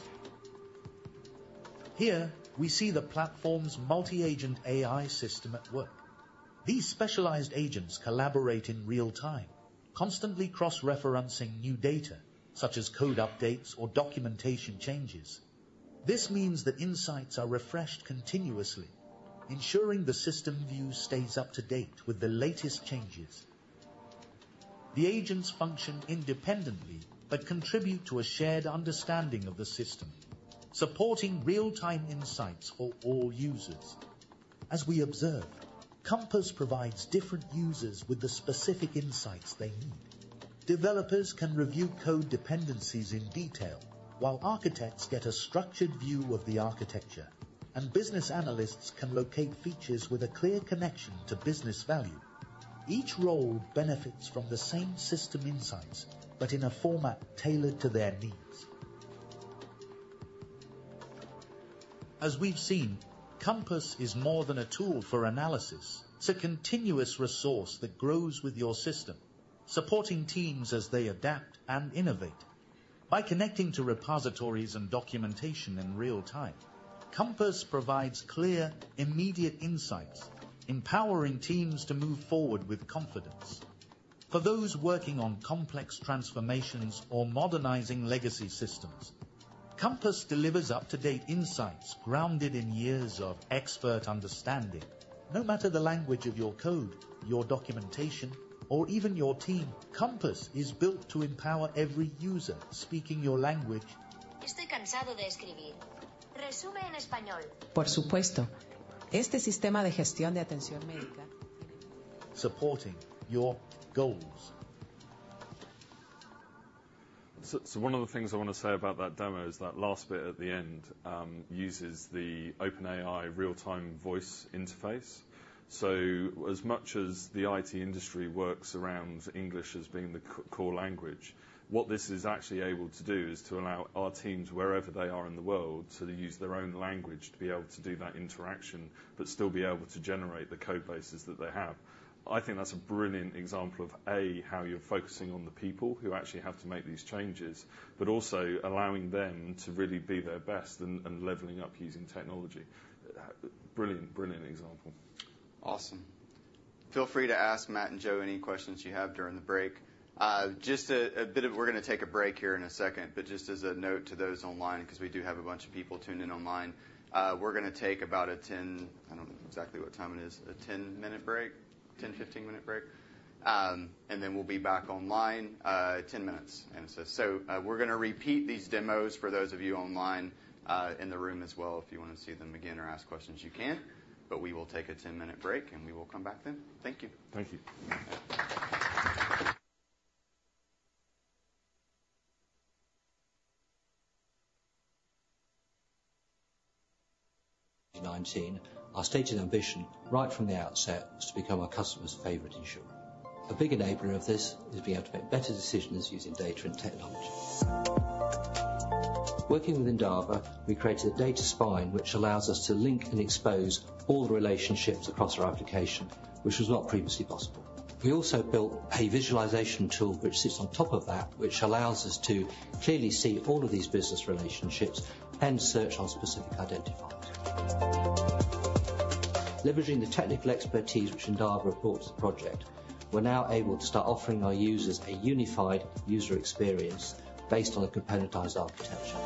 Here, we see the platform's multi-agent AI system at work. These specialized agents collaborate in real time, constantly cross-referencing new data, such as code updates or documentation changes. This means that insights are refreshed continuously, ensuring the system view stays up to date with the latest changes. The agents function independently but contribute to a shared understanding of the system, supporting real-time insights for all users. As we observe, Compass provides different users with the specific insights they need. Developers can review code dependencies in detail while architects get a structured view of the architecture, and business analysts can locate features with a clear connection to business value. Each role benefits from the same system insights, but in a format tailored to their needs. As we've seen, Compass is more than a tool for analysis. It's a continuous resource that grows with your system, supporting teams as they adapt and innovate. By connecting to repositories and documentation in real time, Compass provides clear, immediate insights, empowering teams to move forward with confidence. For those working on complex transformations or modernizing legacy systems, Compass delivers up-to-date insights grounded in years of expert understanding, no matter the language of your code, your documentation, or even your team. Compass is built to empower every user speaking your language. Estoy cansado de escribir. Resúme en español. Por supuesto. Este sistema de gestión de atención médica. Supporting your goals. So one of the things I want to say about that demo is that last bit at the end uses the OpenAI real-time voice interface. So as much as the IT industry works around English as being the core language, what this is actually able to do is to allow our teams, wherever they are in the world, to use their own language to be able to do that interaction but still be able to generate the code bases that they have. I think that's a brilliant example of, A, how you're focusing on the people who actually have to make these changes, but also allowing them to really be their best and leveling up using technology. Brilliant, brilliant example. Awesome. Feel free to ask Matt and Joe any questions you have during the break. Just a bit, we're going to take a break here in a second, but just as a note to those online, because we do have a bunch of people tuned in online, we're going to take about a 10-minute break. I don't know exactly what time it is. A 10- to 15-minute break. And then we'll be back online 10 minutes. So we're going to repeat these demos for those of you online in the room as well. If you want to see them again or ask questions, you can. But we will take a 10-minute break, and we will come back then. Thank you. Thank you. 2019, our stated ambition, right from the outset, was to become our customer's favorite insurer. A big enabler of this is being able to make better decisions using data and technology. Working with Endava, we created a data spine which allows us to link and expose all the relationships across our application, which was not previously possible. We also built a visualization tool which sits on top of that, which allows us to clearly see all of these business relationships and search on specific identifiers. Leveraging the technical expertise which Endava brought to the project, we're now able to start offering our users a unified user experience based on a componentized architecture.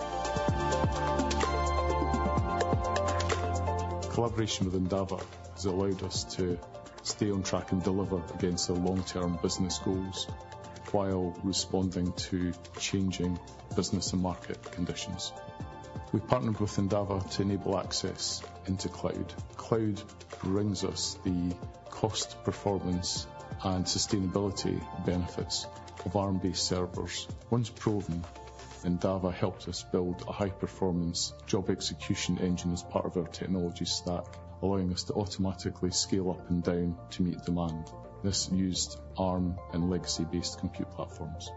Collaboration with Endava has allowed us to stay on track and deliver against our long-term business goals while responding to changing business and market conditions. We partnered with Endava to enable access into the cloud. The cloud brings us the cost performance and sustainability benefits of Arm-based servers. Once proven, Endava helped us build a high-performance job execution engine as part of our technology stack, allowing us to automatically scale up and down to meet demand. This used Arm and legacy-based compute platforms.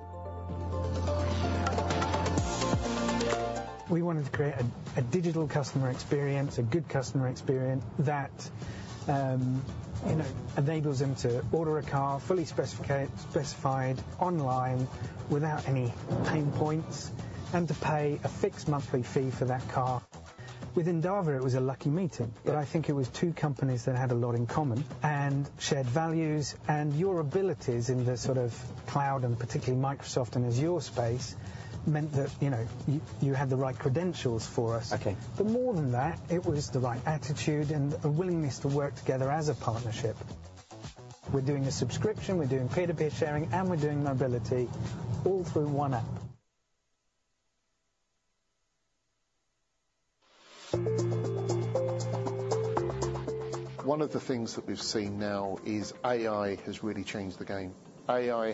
We wanted to create a digital customer experience, a good customer experience that enables them to order a car fully specified online without any pain points and to pay a fixed monthly fee for that car. With Endava, it was a lucky meeting, but I think it was two companies that had a lot in common and shared values. And your abilities in the sort of cloud and particularly Microsoft and Azure space meant that you had the right credentials for us. But more than that, it was the right attitude and a willingness to work together as a partnership. We're doing a subscription. We're doing peer-to-peer sharing, and we're doing mobility all through one app. One of the things that we've seen now is AI has really changed the game. AI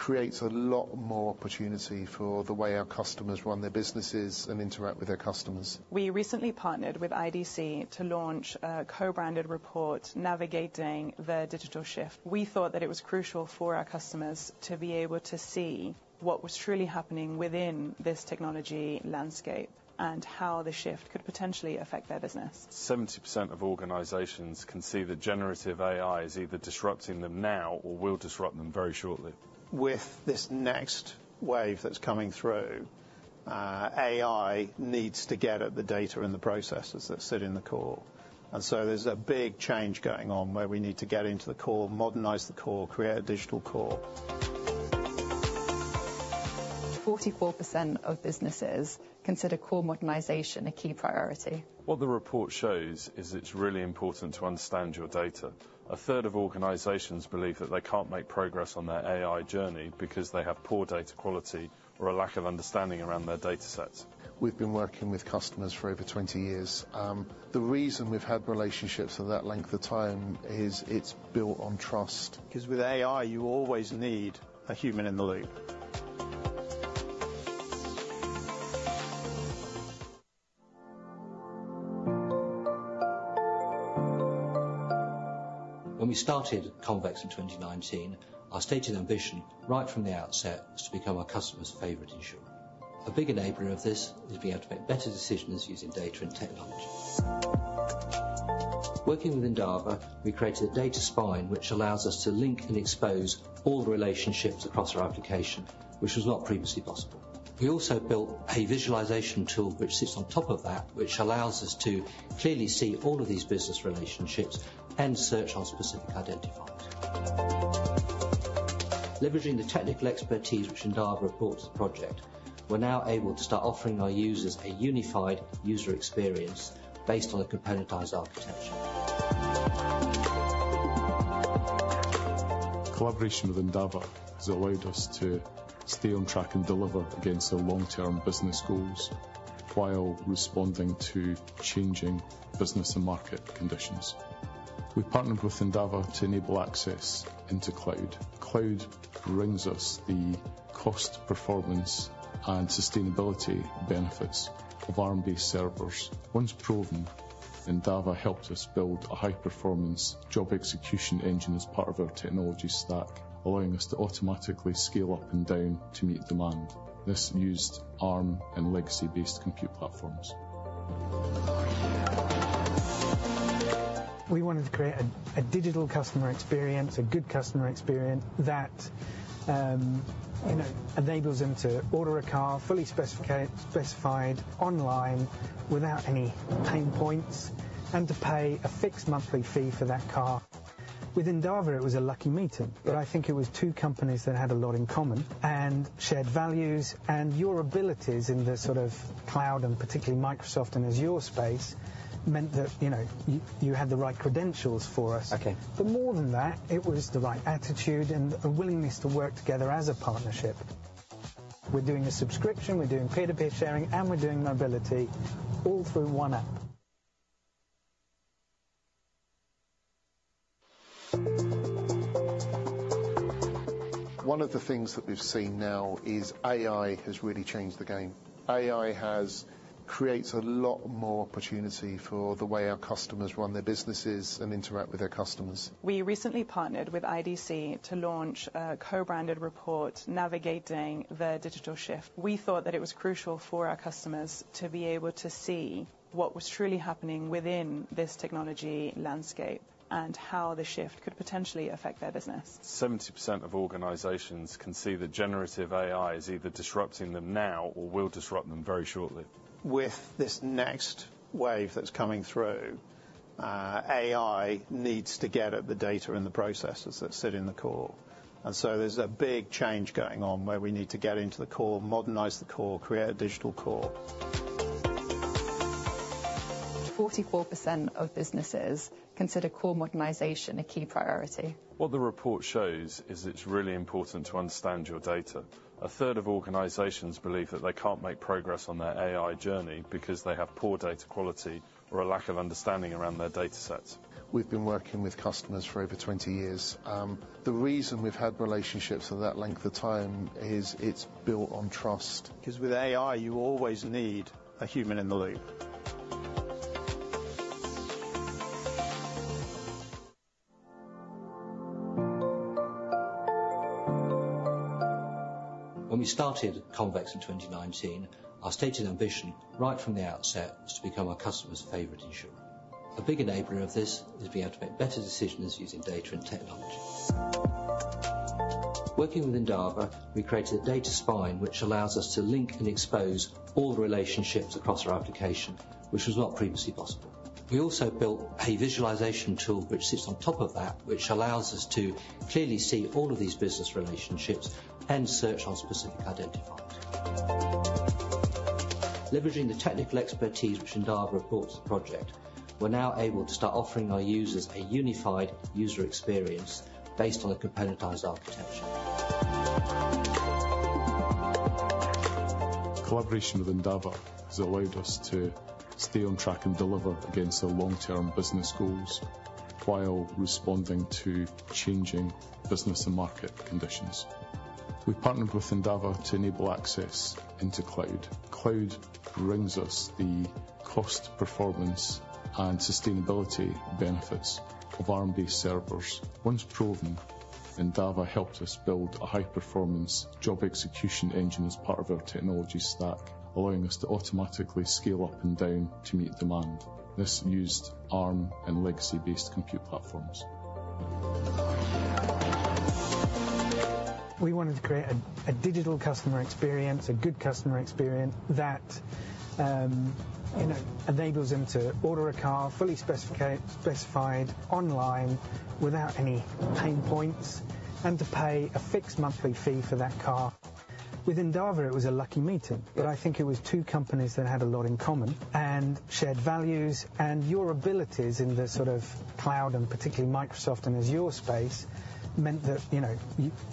creates a lot more opportunity for the way our customers run their businesses and interact with their customers. We recently partnered with IDC to launch a co-branded report Navigating the Digital Shift. We thought that it was crucial for our customers to be able to see what was truly happening within this technology landscape and how the shift could potentially affect their business. 70% of organizations can see that generative AI is either disrupting them now or will disrupt them very shortly. With this next wave that's coming through, AI needs to get at the data and the processes that sit in the core, and so there's a big change going on where we need to get into the core, modernize the core, create a digital core. 44% of businesses consider core modernization a key priority. What the report shows is it's really important to understand your data. A third of organizations believe that they can't make progress on their AI journey because they have poor data quality or a lack of understanding around their data sets. We've been working with customers for over 20 years. The reason we've had relationships for that length of time is it's built on trust. Because with AI, you always need a human in the loop. When we started Convex in 2019, our stage of ambition, right from the outset, was to become our customer's favorite insurer. A big enabler of this is being able to make better decisions using data and technology. Working with Endava, we created a data spine which allows us to link and expose all the relationships across our application, which was not previously possible. We also built a visualization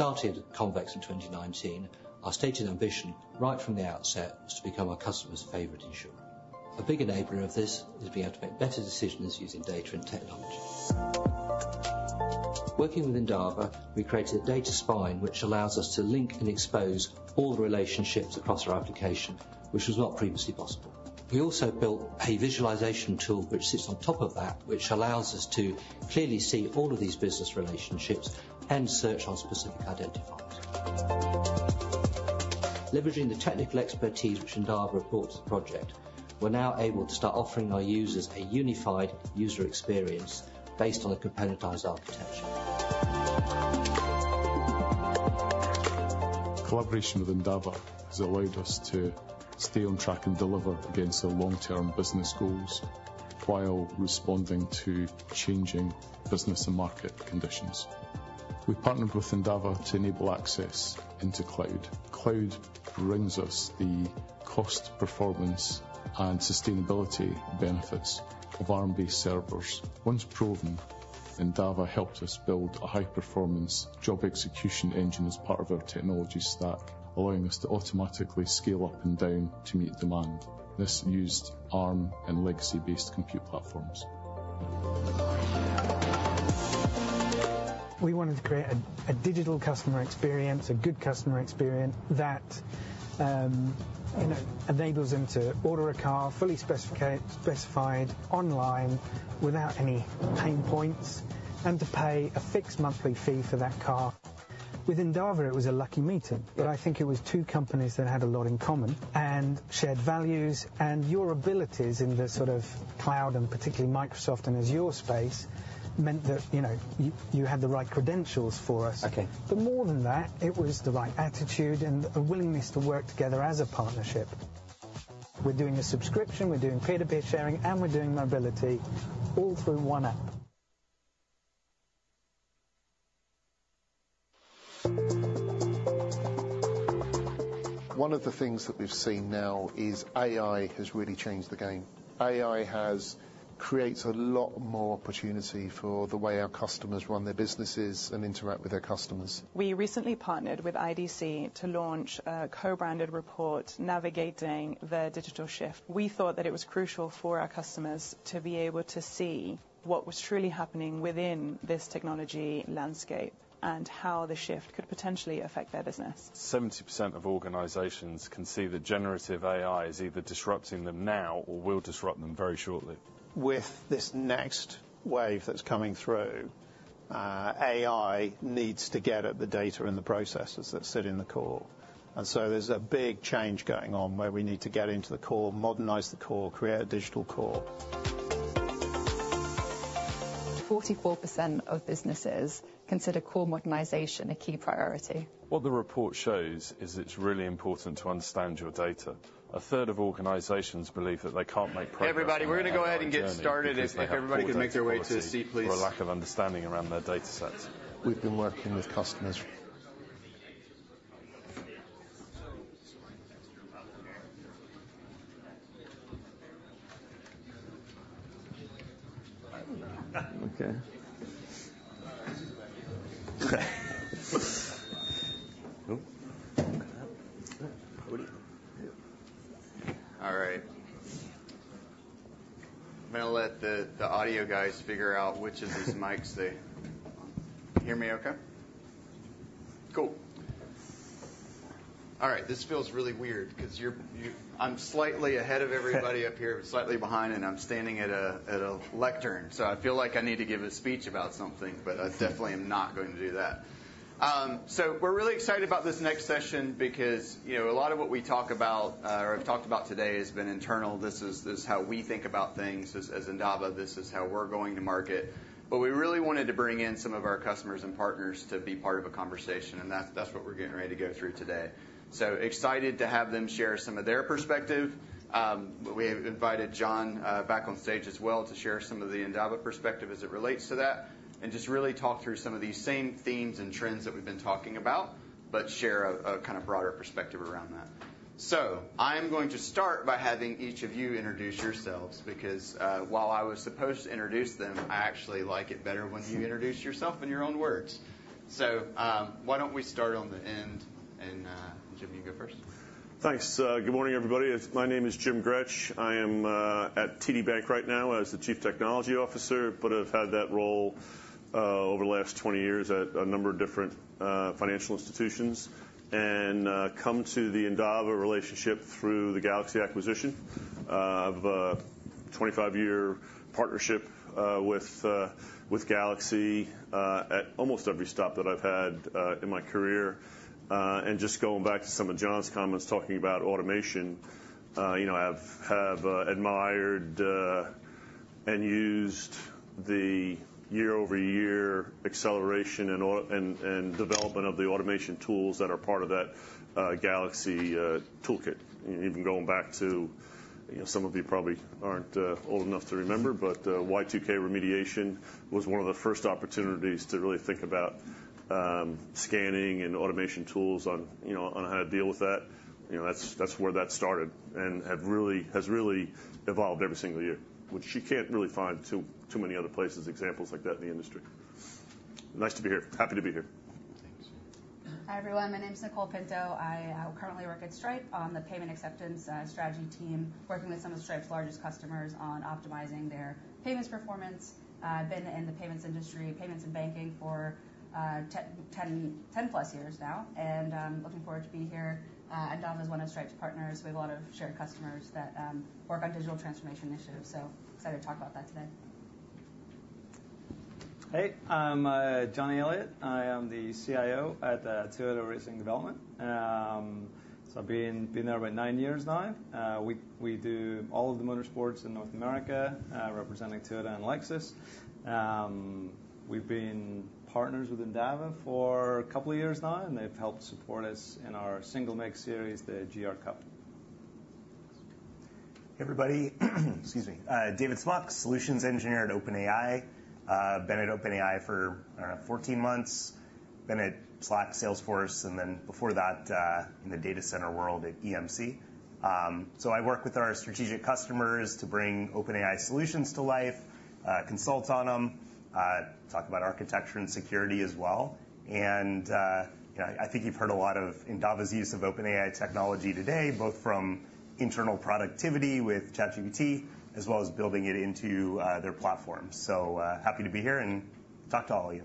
tool which sits on top of that, which allows us to clearly see all of these business relationships and search on specific identifiers. Leveraging the technical expertise which Endava brought to the project, we're now able to start offering our users a unified user experience based on a componentized architecture. Collaboration with Endava has allowed us to stay on track and deliver against our long-term business goals while responding to changing business and market conditions. We partnered with Endava to enable access into cloud. Cloud brings us the cost performance and sustainability benefits of Arm-based servers. Once proven, Endava helped us build a high-performance job execution engine as part of our technology stack, allowing us to automatically scale up and down to meet demand. This used Arm and legacy-based compute platforms. We wanted to create a digital customer experience, a good customer experience that enables them to order a car fully specified online without any pain points and to pay a fixed monthly fee for that car. With Endava, it was a lucky meeting, but I think it was two companies that had a lot in common and shared values, and your abilities in the sort of cloud and particularly Microsoft and Azure space meant that you had the right credentials for us, but more than that, it was the right attitude and a willingness to work together as a partnership. We're doing a subscription. We're doing peer-to-peer sharing, and we're doing mobility all through one app. One of the things that we've seen now is AI has really changed the game. AI creates a lot more opportunity for the way our customers run their businesses and interact with their customers. We recently partnered with IDC to launch a co-branded report navigating the digital shift. We thought that it was crucial for our customers to be able to see what was truly happening within this technology landscape and how the shift could potentially affect their business. 70% of organizations can see that generative AI is either disrupting them now or will disrupt them very shortly. A third of organizations believe that they can't make progress. Everybody, we're going to go ahead and get started. It's like everybody can make their way to a seat, please. For a lack of understanding around their data sets. We've been working with customers. Okay. All right. I'm going to let the audio guys figure out which of these mics they hear me okay? Cool. All right. This feels really weird because I'm slightly ahead of everybody up here, slightly behind, and I'm standing at a lectern. So I feel like I need to give a speech about something, but I definitely am not going to do that. So we're really excited about this next session because a lot of what we talk about or have talked about today has been internal. This is how we think about things. As Endava, this is how we're going to market. But we really wanted to bring in some of our customers and partners to be part of a conversation, and that's what we're getting ready to go through today. So excited to have them share some of their perspective. We have invited John back on stage as well to share some of the Endava perspective as it relates to that and just really talk through some of these same themes and trends that we've been talking about, but share a kind of broader perspective around that. So I'm going to start by having each of you introduce yourselves because while I was supposed to introduce them, I actually like it better when you introduce yourself in your own words. So why don't we start on the end, and Jim, you go first. Thanks. Good morning, everybody. My name is Jim Grech. I am at TD Bank right now as the Chief Technology Officer, but have had that role over the last 20 years at a number of different financial institutions and come to the Endava relationship through the GalaxE acquisition. I have a 25-year partnership with GalaxE at almost every stop that I've had in my career. And just going back to some of John's comments talking about automation, I have admired and used the year-over-year acceleration and development of the automation tools that are part of that GalaxE toolkit. Even going back to some of you probably aren't old enough to remember, but Y2K remediation was one of the first opportunities to really think about scanning and automation tools on how to deal with that. That's where that started and has really evolved every single year, which you can't really find too many other places, examples like that in the industry. Nice to be here. Happy to be here. Hi, everyone. My name is Nicole Pinto. I currently work at Stripe on the payment acceptance strategy team, working with some of Stripe's largest customers on optimizing their payments performance. I've been in the payments industry, payments and banking for 10-plus years now, and I'm looking forward to being here. Endava is one of Stripe's partners. We have a lot of shared customers that work on digital transformation initiatives. So excited to talk about that today. Hey, I'm Jonny Elliott. I am the CIO at Toyota Racing Development. So I've been there about nine years now. We do all of the motorsports in North America, representing Toyota and Lexus. We've been partners with Endava for a couple of years now, and they've helped support us in our single-make series, the GR Cup. Hey, everybody. Excuse me. David Smock, Solutions Engineer at OpenAI. I've been at OpenAI for 14 months. I've been at Slack, Salesforce, and then before that in the data center world at EMC. So I work with our strategic customers to bring OpenAI solutions to life, consult on them, talk about architecture and security as well. And I think you've heard a lot of Endava's use of OpenAI technology today, both from internal productivity with ChatGPT as well as building it into their platforms. So happy to be here and talk to all of you.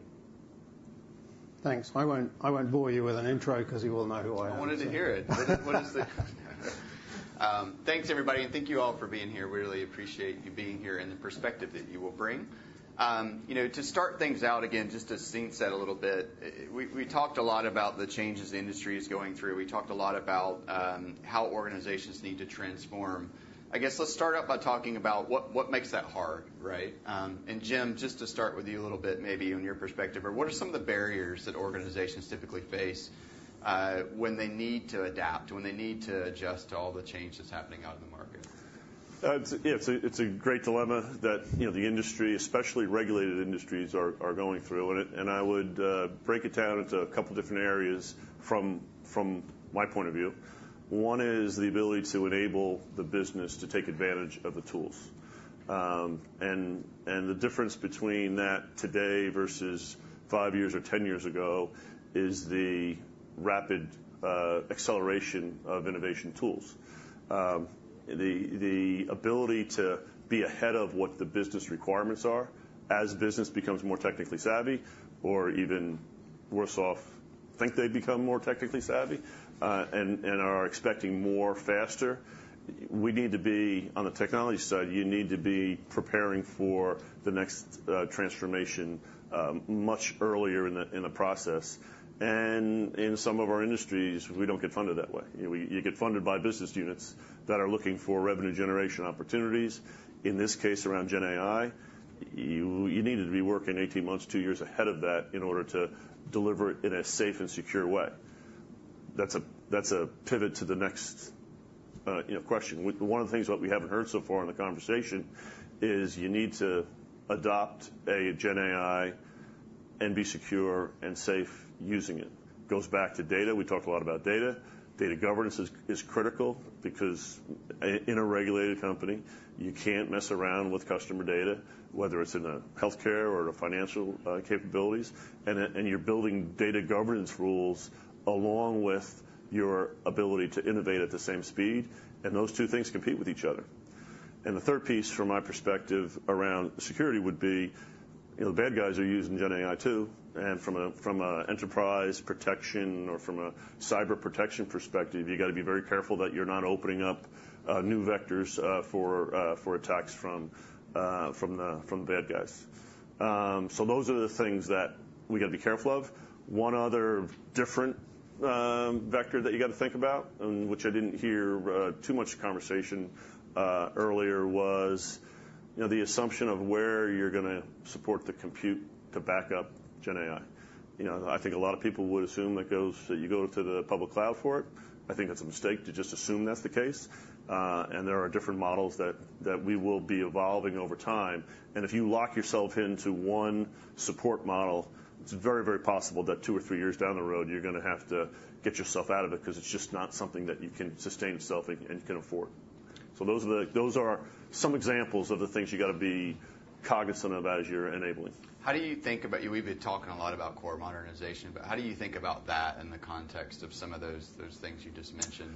Thanks. I won't bore you with an intro because you all know who I am. I wanted to hear it. Thanks, everybody. And thank you all for being here. We really appreciate you being here and the perspective that you will bring. To start things out, again, just to set the scene a little bit, we talked a lot about the changes the industry is going through. We talked a lot about how organizations need to transform. I guess let's start out by talking about what makes that hard, right? And Jim, just to start with you a little bit, maybe on your perspective, what are some of the barriers that organizations typically face when they need to adapt, when they need to adjust to all the change that's happening out in the market? It's a great dilemma that the industry, especially regulated industries, are going through. And I would break it down into a couple of different areas from my point of view. One is the ability to enable the business to take advantage of the tools. And the difference between that today versus five years or ten years ago is the rapid acceleration of innovation tools. The ability to be ahead of what the business requirements are as business becomes more technically savvy or even worse off, think they become more technically savvy and are expecting more faster. We need to be on the technology side. You need to be preparing for the next transformation much earlier in the process. And in some of our industries, we don't get funded that way. You get funded by business units that are looking for revenue generation opportunities, in this case around GenAI. You needed to be working 18 months, two years ahead of that in order to deliver it in a safe and secure way. That's a pivot to the next question. One of the things that we haven't heard so far in the conversation is you need to adopt a GenAI and be secure and safe using it. Goes back to data. We talked a lot about data. Data governance is critical because in a regulated company, you can't mess around with customer data, whether it's in the healthcare or the financial capabilities, and you're building data governance rules along with your ability to innovate at the same speed, and those two things compete with each other, and the third piece, from my perspective around security, would be the bad guys are using GenAI too. And from an enterprise protection or from a cyber protection perspective, you've got to be very careful that you're not opening up new vectors for attacks from the bad guys. So those are the things that we've got to be careful of. One other different vector that you've got to think about, which I didn't hear too much conversation earlier, was the assumption of where you're going to support the compute to back up GenAI. I think a lot of people would assume that you go to the public cloud for it. I think that's a mistake to just assume that's the case. And there are different models that we will be evolving over time. If you lock yourself into one support model, it's very, very possible that two or three years down the road, you're going to have to get yourself out of it because it's just not something that you can sustain itself and can afford. So those are some examples of the things you've got to be cognizant of as you're enabling. We've been talking a lot about core modernization, but how do you think about that in the context of some of those things you just mentioned?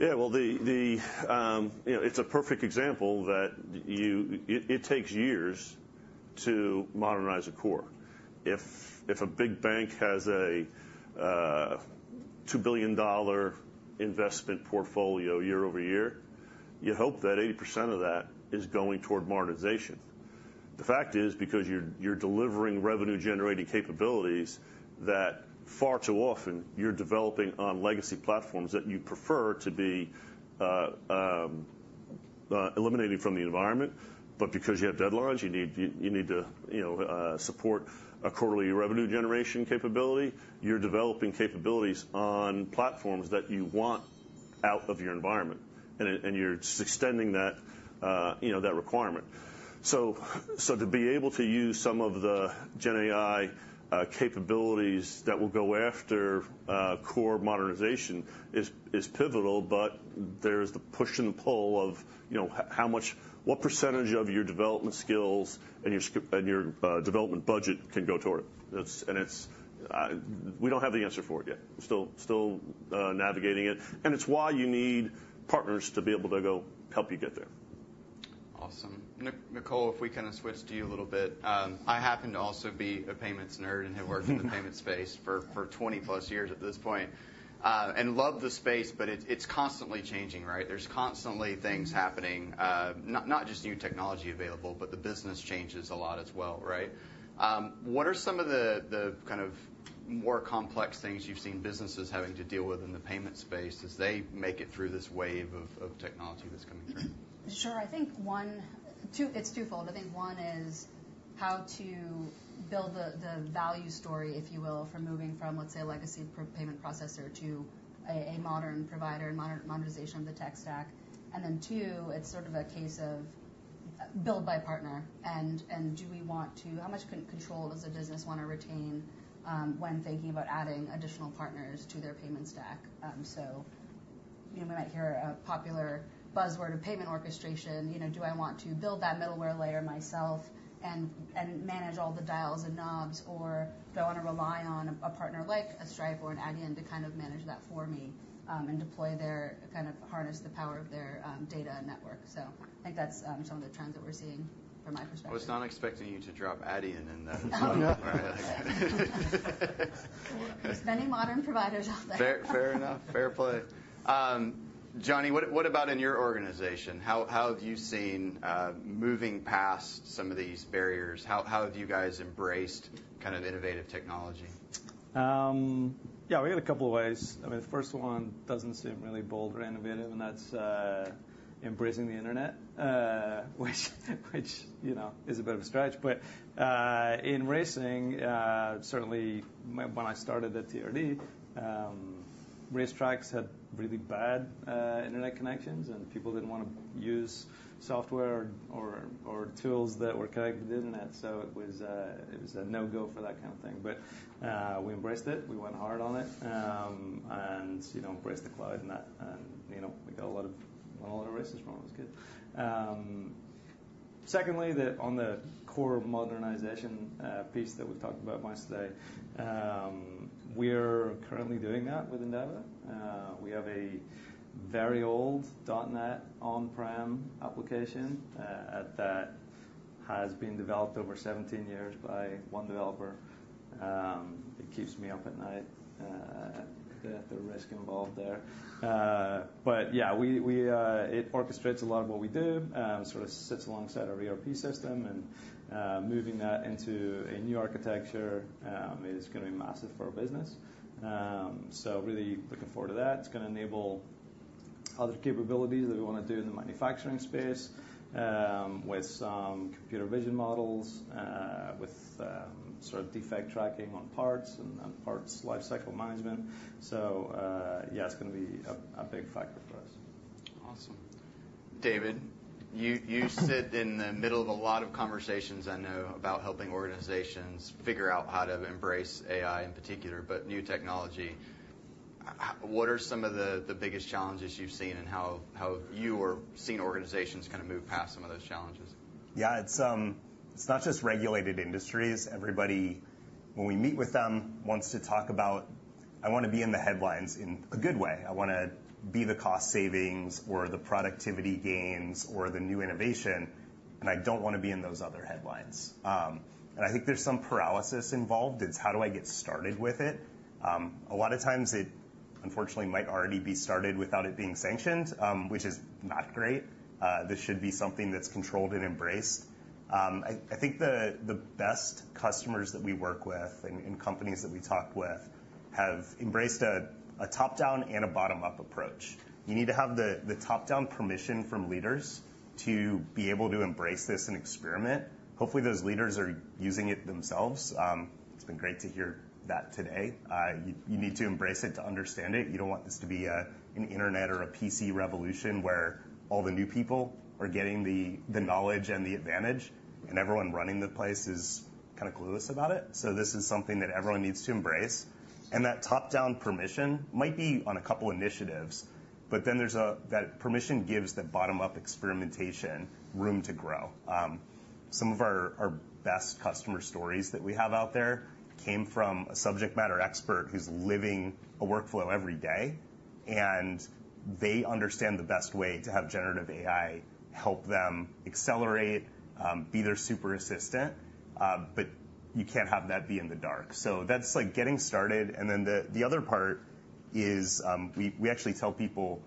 Yeah, well, it's a perfect example that it takes years to modernize a core. If a big bank has a $2 billion investment portfolio year-over-year, you hope that 80% of that is going toward modernization. The fact is, because you're delivering revenue-generating capabilities that far too often you're developing on legacy platforms that you prefer to be eliminating from the environment. But because you have deadlines, you need to support a quarterly revenue generation capability. You're developing capabilities on platforms that you want out of your environment, and you're extending that requirement. So to be able to use some of the GenAI capabilities that will go after core modernization is pivotal, but there is the push and the pull of what percentage of your development skills and your development budget can go toward it. And we don't have the answer for it yet. We're still navigating it. It's why you need partners to be able to go help you get there. Awesome. Nicole, if we kind of switch to you a little bit. I happen to also be a payments nerd and have worked in the payments space for 20+ years at this point and love the space, but it's constantly changing, right? There's constantly things happening, not just new technology available, but the business changes a lot as well, right? What are some of the kind of more complex things you've seen businesses having to deal with in the payment space as they make it through this wave of technology that's coming through? Sure. I think it's twofold. I think one is how to build the value story, if you will, for moving from, let's say, a legacy payment processor to a modern provider and modernization of the tech stack. And then two, it's sort of a case of build, buy, partner. And how much control does a business want to retain when thinking about adding additional partners to their payment stack? So we might hear a popular buzzword of payment orchestration. Do I want to build that middleware layer myself and manage all the dials and knobs, or do I want to rely on a partner like a Stripe or an Adyen to kind of manage that for me and kind of harness the power of their data network? So I think that's some of the trends that we're seeing from my perspective. I was not expecting you to drop Adyen in that. There's many modern providers out there. Fair enough. Fair play. Jonny, what about in your organization? How have you seen moving past some of these barriers? How have you guys embraced kind of innovative technology? Yeah, we had a couple of ways. I mean, the first one doesn't seem really bold or innovative, and that's embracing the internet, which is a bit of a stretch. But in racing, certainly when I started at TRD, racetracks had really bad internet connections, and people didn't want to use software or tools that were connected to the internet. So it was a no-go for that kind of thing. But we embraced it. We went hard on it and embraced the cloud. And we got a lot of races from it. It was good. Secondly, on the core modernization piece that we've talked about much today, we're currently doing that with Endava. We have a very old .NET on-prem application that has been developed over 17 years by one developer. It keeps me up at night, the risk involved there. But yeah, it orchestrates a lot of what we do, sort of sits alongside our ERP system. And moving that into a new architecture is going to be massive for our business. So really looking forward to that. It's going to enable other capabilities that we want to do in the manufacturing space with some computer vision models, with sort of defect tracking on parts and parts lifecycle management. So yeah, it's going to be a big factor for us. Awesome. David, you sit in the middle of a lot of conversations, I know, about helping organizations figure out how to embrace AI in particular, but new technology. What are some of the biggest challenges you've seen and how you've seen organizations kind of move past some of those challenges? Yeah. It's not just regulated industries. Everybody, when we meet with them, wants to talk about, "I want to be in the headlines in a good way. I want to be the cost savings or the productivity gains or the new innovation. And I don't want to be in those other headlines." And I think there's some paralysis involved. It's how do I get started with it? A lot of times, it unfortunately might already be started without it being sanctioned, which is not great. This should be something that's controlled and embraced. I think the best customers that we work with and companies that we talk with have embraced a top-down and a bottom-up approach. You need to have the top-down permission from leaders to be able to embrace this and experiment. Hopefully, those leaders are using it themselves. It's been great to hear that today. You need to embrace it to understand it. You don't want this to be an internet or a PC revolution where all the new people are getting the knowledge and the advantage, and everyone running the place is kind of clueless about it. So this is something that everyone needs to embrace. And that top-down permission might be on a couple of initiatives, but then that permission gives the bottom-up experimentation room to grow. Some of our best customer stories that we have out there came from a subject matter expert who's living a workflow every day. And they understand the best way to have generative AI help them accelerate, be their super assistant, but you can't have that be in the dark. So that's like getting started. And then the other part is we actually tell people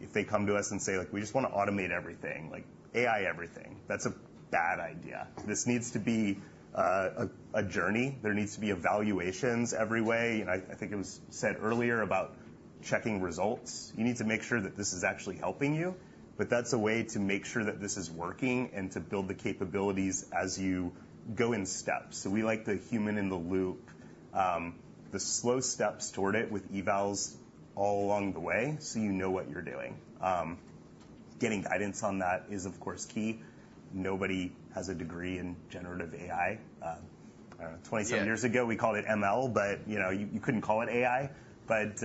if they come to us and say, "We just want to automate everything, AI everything." That's a bad idea. This needs to be a journey. There needs to be evaluations every way. And I think it was said earlier about checking results. You need to make sure that this is actually helping you, but that's a way to make sure that this is working and to build the capabilities as you go in steps. So we like the human in the loop, the slow steps toward it with evals all along the way so you know what you're doing. Getting guidance on that is, of course, key. Nobody has a degree in generative AI. 27 years ago, we called it ML, but you couldn't call it AI. But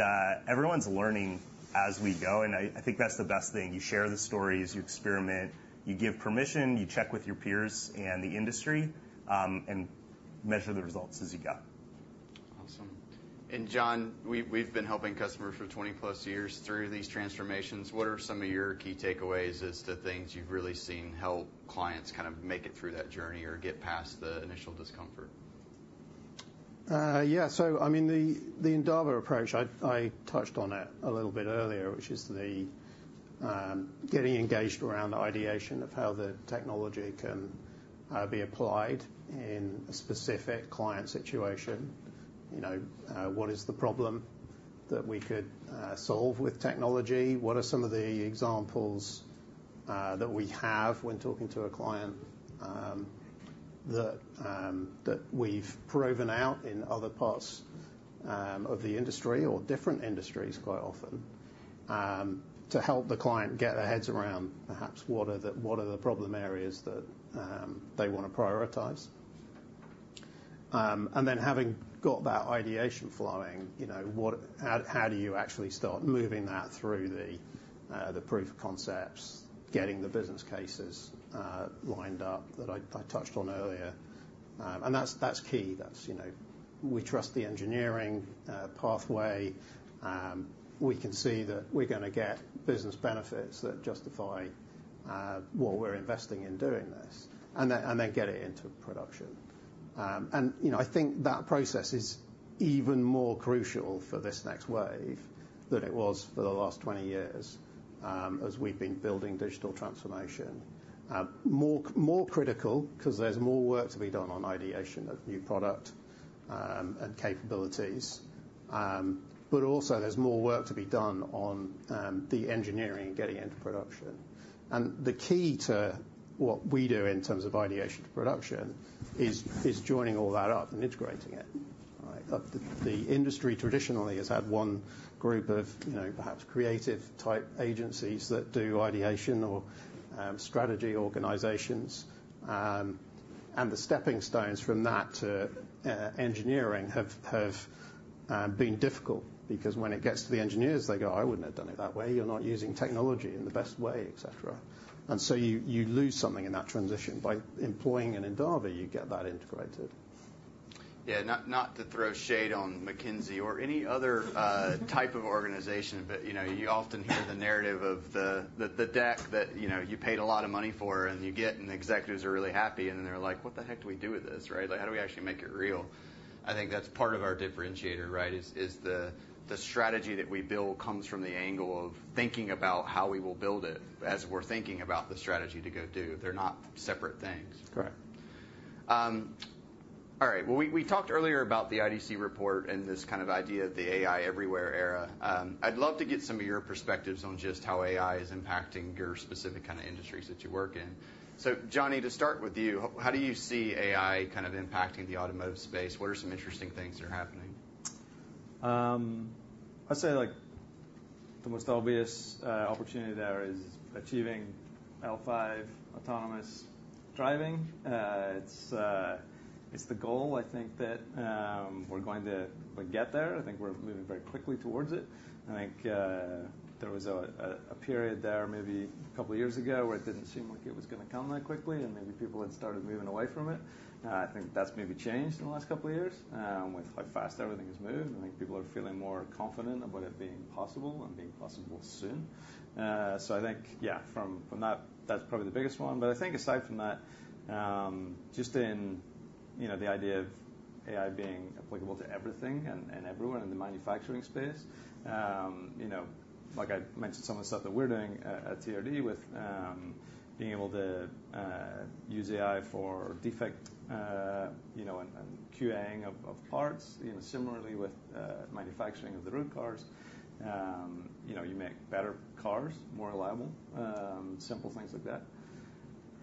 everyone's learning as we go. And I think that's the best thing. You share the stories, you experiment, you give permission, you check with your peers and the industry, and measure the results as you go. Awesome. And John, we've been helping customers for 20+ years through these transformations. What are some of your key takeaways as to things you've really seen help clients kind of make it through that journey or get past the initial discomfort? Yeah. So I mean, the Endava approach, I touched on it a little bit earlier, which is the getting engaged around the ideation of how the technology can be applied in a specific client situation. What is the problem that we could solve with technology? What are some of the examples that we have when talking to a client that we've proven out in other parts of the industry or different industries quite often to help the client get their heads around perhaps what are the problem areas that they want to prioritize? And then having got that ideation flowing, how do you actually start moving that through the proof of concepts, getting the business cases lined up that I touched on earlier? And that's key. We trust the engineering pathway. We can see that we're going to get business benefits that justify what we're investing in doing this and then get it into production. And I think that process is even more crucial for this next wave than it was for the last 20 years as we've been building digital transformation. More critical because there's more work to be done on ideation of new product and capabilities, but also there's more work to be done on the engineering and getting into production. And the key to what we do in terms of ideation to production is joining all that up and integrating it. The industry traditionally has had one group of perhaps creative-type agencies that do ideation or strategy organizations. And the stepping stones from that to engineering have been difficult because when it gets to the engineers, they go, "I wouldn't have done it that way. You're not using technology in the best way," etc., and so you lose something in that transition. By employing an Endava, you get that integrated. Yeah. Not to throw shade on McKinsey or any other type of organization, but you often hear the narrative of the deck that you paid a lot of money for, and you get and the executives are really happy, and then they're like, "What the heck do we do with this?" Right? How do we actually make it real? I think that's part of our differentiator, right, is the strategy that we build comes from the angle of thinking about how we will build it as we're thinking about the strategy to go do. They're not separate things. Correct. All right. We talked earlier about the IDC report and this kind of idea of the AI everywhere era. I'd love to get some of your perspectives on just how AI is impacting your specific kind of industries that you work in. So Jonny, to start with you, how do you see AI kind of impacting the automotive space? What are some interesting things that are happening? I'd say the most obvious opportunity there is achieving L5 autonomous driving. It's the goal, I think, that we're going to get there. I think we're moving very quickly towards it. I think there was a period there, maybe a couple of years ago, where it didn't seem like it was going to come that quickly, and maybe people had started moving away from it. I think that's maybe changed in the last couple of years with how fast everything has moved. I think people are feeling more confident about it being possible and being possible soon. So I think, yeah, from that, that's probably the biggest one. But I think aside from that, just in the idea of AI being applicable to everything and everywhere in the manufacturing space, like I mentioned some of the stuff that we're doing at TRD with being able to use AI for defect and QAing of parts, similarly with manufacturing of the road cars. You make better cars, more reliable, simple things like that.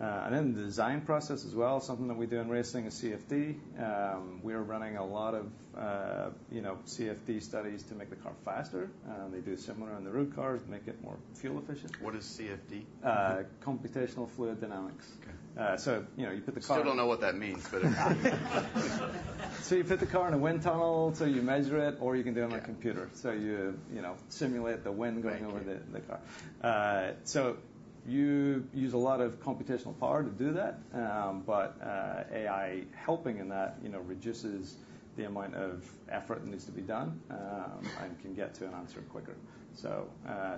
And then the design process as well, something that we do in racing is CFD. We are running a lot of CFD studies to make the car faster. They do similar on the road cars, make it more fuel efficient. What is CFD? Computational Fluid Dynamics. So you put the car. Still don't know what that means, but. So, you put the car in a wind tunnel, so you measure it, or you can do it on a computer. So, you simulate the wind going over the car. So, you use a lot of computational power to do that, but AI helping in that reduces the amount of effort that needs to be done and can get to an answer quicker. So,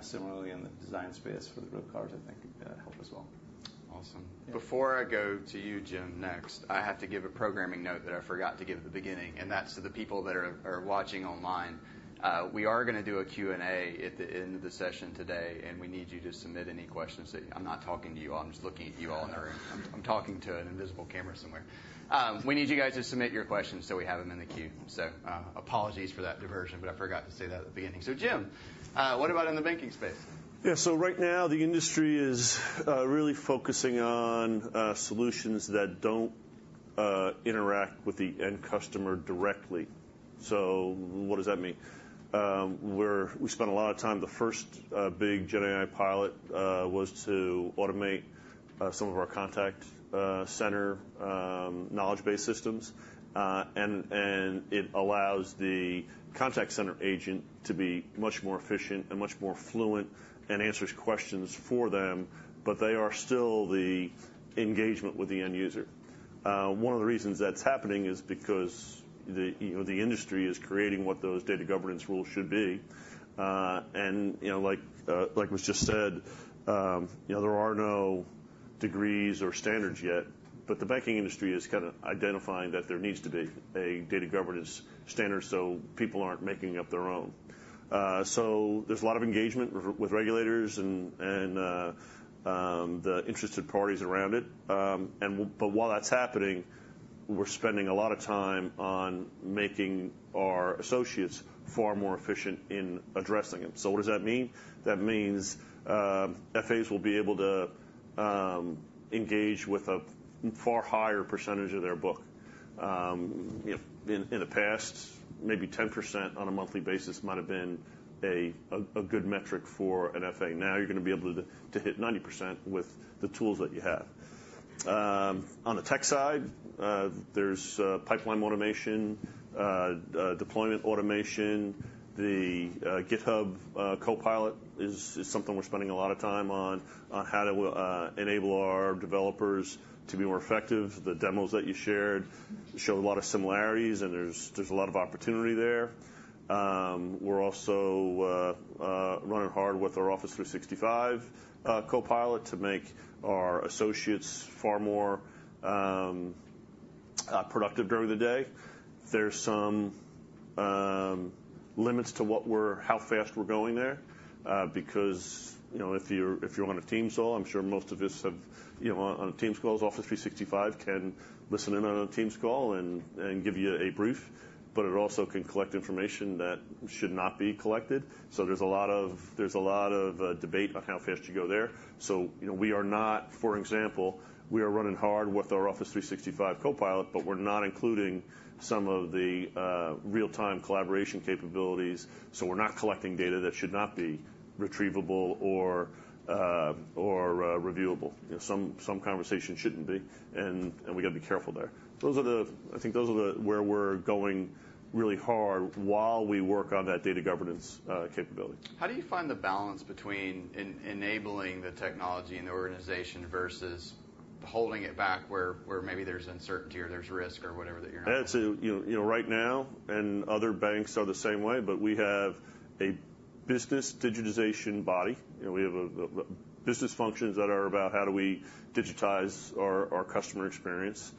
similarly, in the design space for the road cars, I think it helps as well. Awesome. Before I go to you, Jim, next, I have to give a programming note that I forgot to give at the beginning, and that's to the people that are watching online. We are going to do a Q&A at the end of the session today, and we need you to submit any questions. I'm not talking to you all. I'm just looking at you all in the room. I'm talking to an invisible camera somewhere. We need you guys to submit your questions so we have them in the queue. So apologies for that diversion, but I forgot to say that at the beginning. So Jim, what about in the banking space? Yeah. So right now, the industry is really focusing on solutions that don't interact with the end customer directly. So what does that mean? We spent a lot of time. The first big GenAI pilot was to automate some of our contact center knowledge-based systems. And it allows the contact center agent to be much more efficient and much more fluent, and answers questions for them, but they are still the engagement with the end user. One of the reasons that's happening is because the industry is creating what those data governance rules should be. And like was just said, there are no degrees or standards yet, but the banking industry is kind of identifying that there needs to be a data governance standard so people aren't making up their own. So there's a lot of engagement with regulators and the interested parties around it. But while that's happening, we're spending a lot of time on making our associates far more efficient in addressing them. So what does that mean? That means FAs will be able to engage with a far higher percentage of their book. In the past, maybe 10% on a monthly basis might have been a good metric for an FA. Now you're going to be able to hit 90% with the tools that you have. On the tech side, there's pipeline automation, deployment automation. The GitHub Copilot is something we're spending a lot of time on how to enable our developers to be more effective. The demos that you shared show a lot of similarities, and there's a lot of opportunity there. We're also running hard with our Office 365 Copilot to make our associates far more productive during the day. There's some limits to how fast we're going there because if you're on a Teams call, I'm sure most of us have on a Teams call. Office 365 can listen in on a Teams call and give you a brief, but it also can collect information that should not be collected. So there's a lot of debate on how fast you go there. So we are not, for example, we are running hard with our Office 365 Copilot, but we're not including some of the real-time collaboration capabilities. So we're not collecting data that should not be retrievable or reviewable. Some conversation shouldn't be, and we got to be careful there. I think those are where we're going really hard while we work on that data governance capability. How do you find the balance between enabling the technology in the organization versus holding it back where maybe there's uncertainty or there's risk or whatever that you're not? Right now, and other banks are the same way, but we have a business digitization body. We have business functions that are about how do we digitize our customer experience.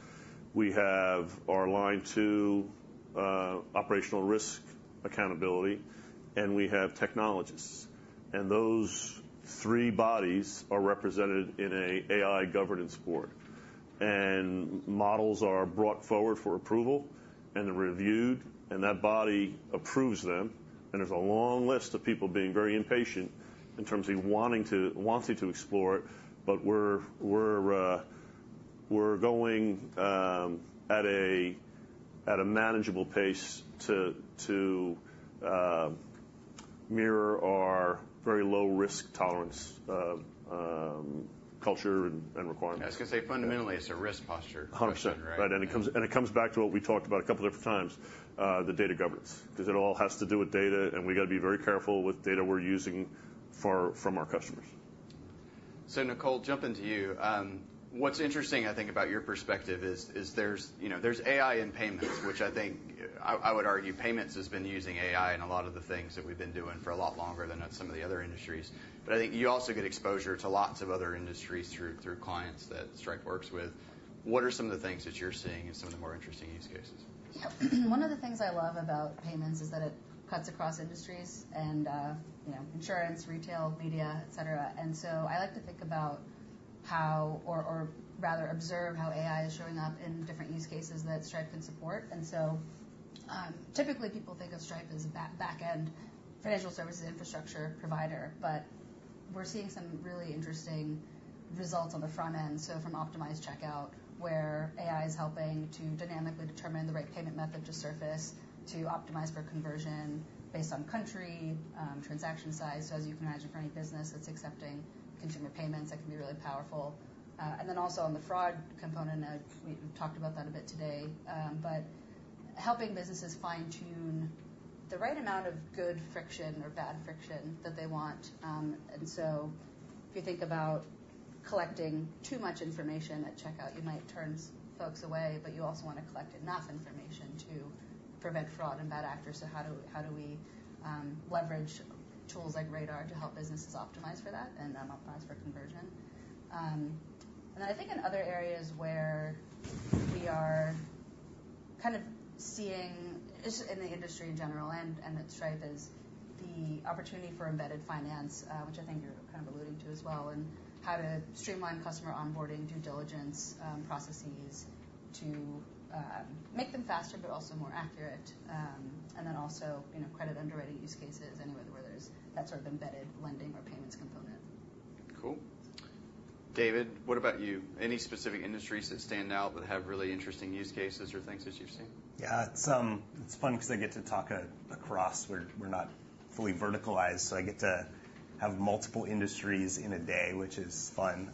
We have our line two operational risk accountability, and we have technologists, and those three bodies are represented in an AI governance board, and models are brought forward for approval and reviewed, and that body approves them, and there's a long list of people being very impatient in terms of wanting to explore it, but we're going at a manageable pace to mirror our very low risk tolerance culture and requirements. I was going to say fundamentally, it's a risk posture question, right? Right. And it comes back to what we talked about a couple of different times, the data governance, because it all has to do with data, and we got to be very careful with data we're using from our customers. So Nicole, jumping to you. What's interesting, I think, about your perspective is there's AI in payments, which I think I would argue payments has been using AI in a lot of the things that we've been doing for a lot longer than some of the other industries. But I think you also get exposure to lots of other industries through clients that Stripe works with. What are some of the things that you're seeing as some of the more interesting use cases? Yeah. One of the things I love about payments is that it cuts across industries and insurance, retail, media, etc. And so I like to think about how, or rather observe how AI is showing up in different use cases that Stripe can support. And so typically, people think of Stripe as a back-end financial services infrastructure provider, but we're seeing some really interesting results on the front end. So from optimized checkout, where AI is helping to dynamically determine the right payment method to surface, to optimize for conversion based on country, transaction size. So as you can imagine, for any business that's accepting consumer payments, that can be really powerful. And then also on the fraud component, we talked about that a bit today, but helping businesses fine-tune the right amount of good friction or bad friction that they want. If you think about collecting too much information at checkout, you might turn folks away, but you also want to collect enough information to prevent fraud and bad actors. So how do we leverage tools like Radar to help businesses optimize for that and optimize for conversion? And then I think in other areas where we are kind of seeing in the industry in general and at Stripe is the opportunity for embedded finance, which I think you're kind of alluding to as well, and how to streamline customer onboarding, due diligence processes to make them faster, but also more accurate. And then also credit underwriting use cases anywhere where there's that sort of embedded lending or payments component. Cool. David, what about you? Any specific industries that stand out that have really interesting use cases or things that you've seen? Yeah. It's fun because I get to talk across. We're not fully verticalized, so I get to have multiple industries in a day, which is fun.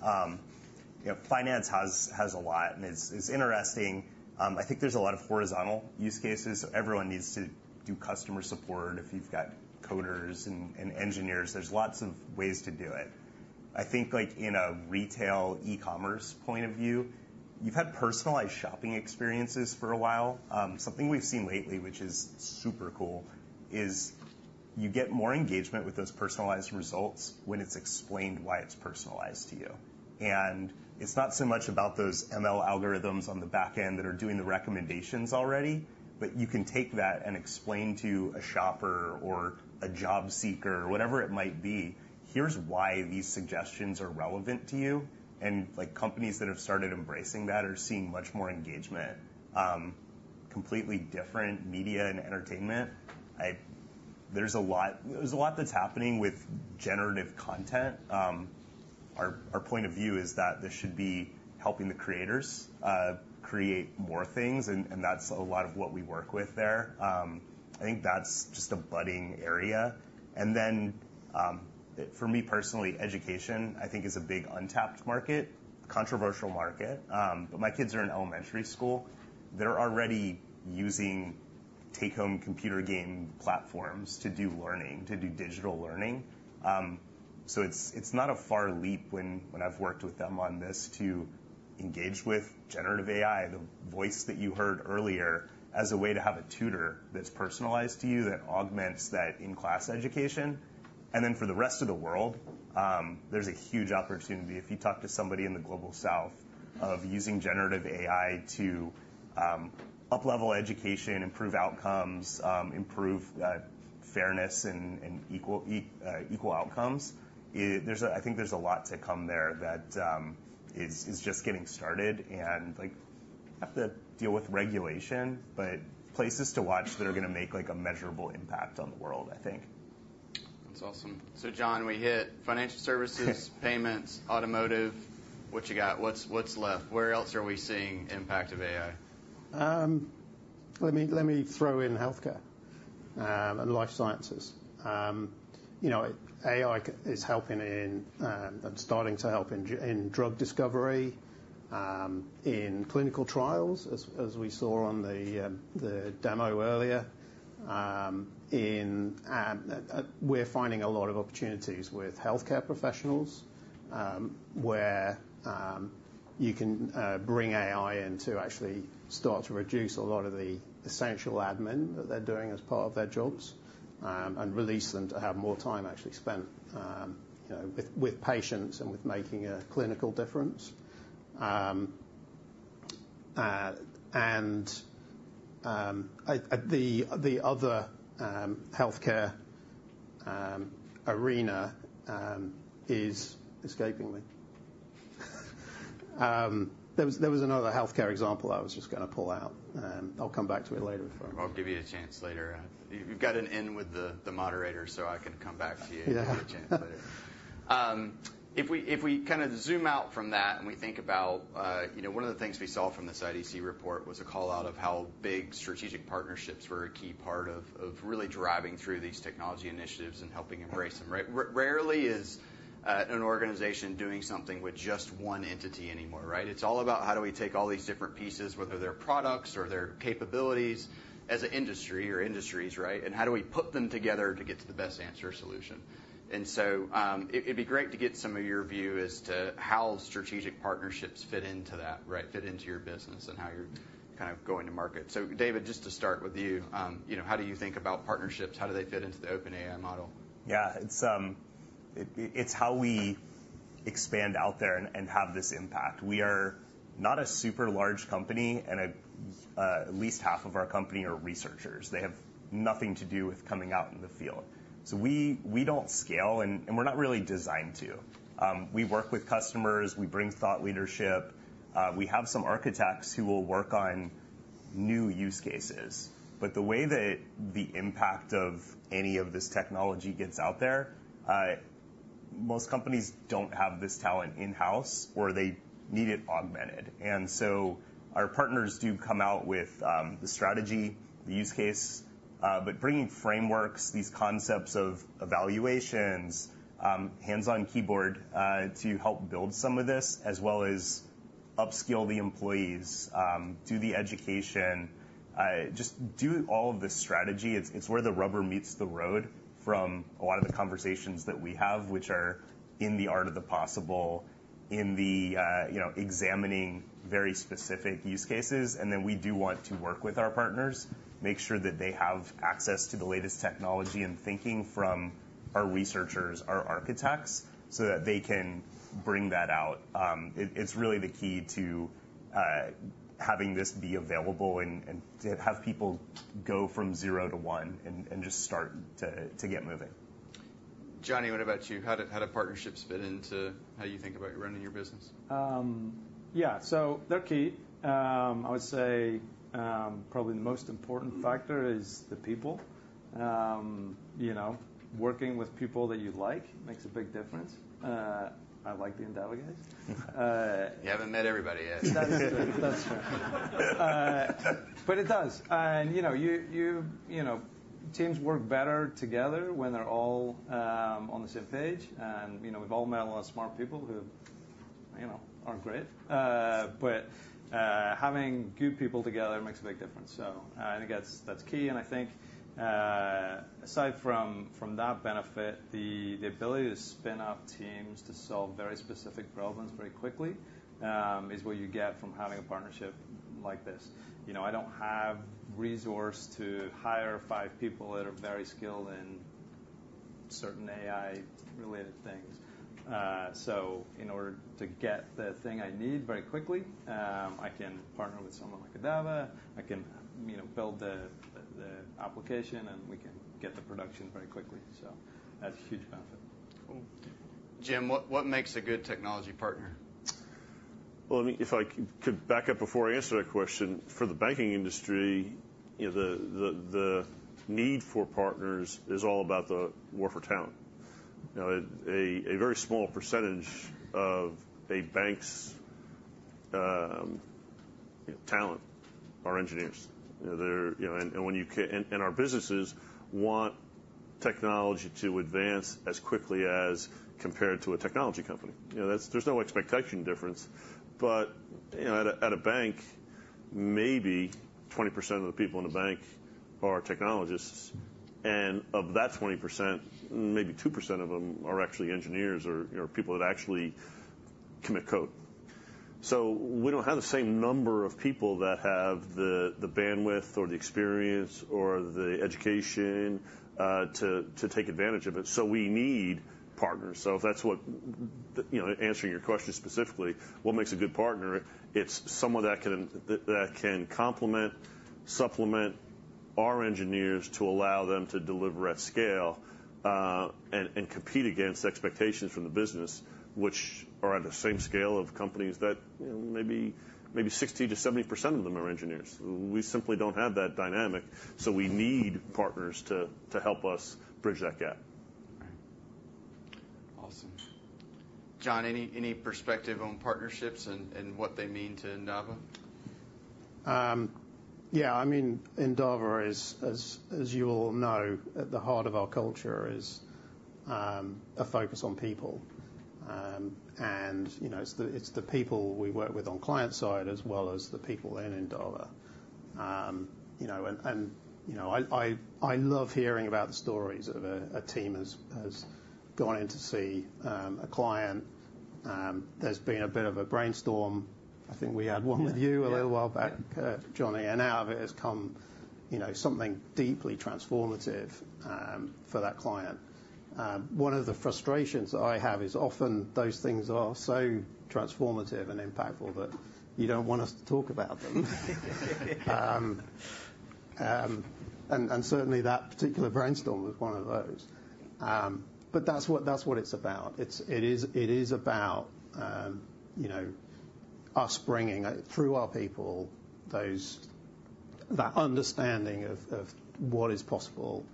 Finance has a lot, and it's interesting. I think there's a lot of horizontal use cases. Everyone needs to do customer support. If you've got coders and engineers, there's lots of ways to do it. I think in a retail e-commerce point of view, you've had personalized shopping experiences for a while. Something we've seen lately, which is super cool, is you get more engagement with those personalized results when it's explained why it's personalized to you, and it's not so much about those ML algorithms on the back end that are doing the recommendations already, but you can take that and explain to a shopper or a job seeker, whatever it might be, here's why these suggestions are relevant to you. Companies that have started embracing that are seeing much more engagement. Completely different media and entertainment. There's a lot that's happening with generative content. Our point of view is that this should be helping the creators create more things, and that's a lot of what we work with there. I think that's just a budding area. And then for me personally, education, I think, is a big untapped market, controversial market. But my kids are in elementary school. They're already using take-home computer game platforms to do learning, to do digital learning. So it's not a far leap when I've worked with them on this to engage with generative AI, the voice that you heard earlier, as a way to have a tutor that's personalized to you that augments that in-class education. And then for the rest of the world, there's a huge opportunity. If you talk to somebody in the Global South of using generative AI to uplevel education, improve outcomes, improve fairness and equal outcomes, I think there's a lot to come there that is just getting started and have to deal with regulation, but places to watch that are going to make a measurable impact on the world, I think. That's awesome. So John, we hit financial services, payments, automotive. What you got? What's left? Where else are we seeing impact of AI? Let me throw in healthcare and life sciences. AI is helping in and starting to help in drug discovery, in clinical trials, as we saw on the demo earlier. We're finding a lot of opportunities with healthcare professionals where you can bring AI in to actually start to reduce a lot of the essential admin that they're doing as part of their jobs and release them to have more time actually spent with patients and with making a clinical difference. And the other healthcare arena is escaping me. There was another healthcare example I was just going to pull out. I'll come back to it later if I want. I'll give you a chance later. You've got an in with the moderator, so I can come back to you and give you a chance later. If we kind of zoom out from that and we think about one of the things we saw from this IDC report was a call out of how big strategic partnerships were a key part of really driving through these technology initiatives and helping embrace them. Rarely is an organization doing something with just one entity anymore, right? It's all about how do we take all these different pieces, whether they're products or they're capabilities as an industry or industries, right? And so it'd be great to get some of your view as to how strategic partnerships fit into that, right? Fit into your business and how you're kind of going to market. So David, just to start with you, how do you think about partnerships? How do they fit into the OpenAI model? Yeah. It's how we expand out there and have this impact. We are not a super large company, and at least half of our company are researchers. They have nothing to do with coming out in the field. So we don't scale, and we're not really designed to. We work with customers. We bring thought leadership. We have some architects who will work on new use cases. But the way that the impact of any of this technology gets out there, most companies don't have this talent in-house or they need it augmented, and so our partners do come out with the strategy, the use case, but bringing frameworks, these concepts of evaluations, hands-on keyboard to help build some of this, as well as upskill the employees, do the education, just do all of the strategy. It's where the rubber meets the road from a lot of the conversations that we have, which are in the art of the possible, in the examining very specific use cases, and then we do want to work with our partners, make sure that they have access to the latest technology and thinking from our researchers, our architects, so that they can bring that out. It's really the key to having this be available and have people go from zero to one and just start to get moving. Jonny, what about you? How do partnerships fit into how you think about running your business? Yeah. So they're key. I would say probably the most important factor is the people. Working with people that you like makes a big difference. I like the Endava guys. You haven't met everybody yet. That's true. But it does. And teams work better together when they're all on the same page. And we've all met a lot of smart people who aren't great. But having good people together makes a big difference. So I think that's key. And I think aside from that benefit, the ability to spin up teams to solve very specific problems very quickly is what you get from having a partnership like this. I don't have resource to hire five people that are very skilled in certain AI-related things. So in order to get the thing I need very quickly, I can partner with someone like Endava. I can build the application, and we can get the production very quickly. So that's a huge benefit. Cool. Jim, what makes a good technology partner? If I could back up before I answer that question, for the banking industry, the need for partners is all about the war for talent. A very small percentage of a bank's talent are engineers, and our businesses want technology to advance as quickly as compared to a technology company. There's no expectation difference, but at a bank, maybe 20% of the people in a bank are technologists, and of that 20%, maybe 2% of them are actually engineers or people that actually commit code. So we don't have the same number of people that have the bandwidth or the experience or the education to take advantage of it, so we need partners. If that's what answering your question specifically, what makes a good partner? It's someone that can complement, supplement our engineers to allow them to deliver at scale and compete against expectations from the business, which are at the same scale of companies that maybe 60%-70% of them are engineers. We simply don't have that dynamic. So we need partners to help us bridge that gap. Awesome. John, any perspective on partnerships and what they mean to Endava? Yeah. I mean, Endava, as you all know, at the heart of our culture is a focus on people. And it's the people we work with on client side as well as the people in Endava. And I love hearing about the stories of a team has gone in to see a client. There's been a bit of a brainstorm. I think we had one with you a little while back, Jonny. And out of it has come something deeply transformative for that client. One of the frustrations that I have is often those things are so transformative and impactful that you don't want us to talk about them. And certainly that particular brainstorm was one of those. But that's what it's about. It is about us bringing through our people that understanding of what is possible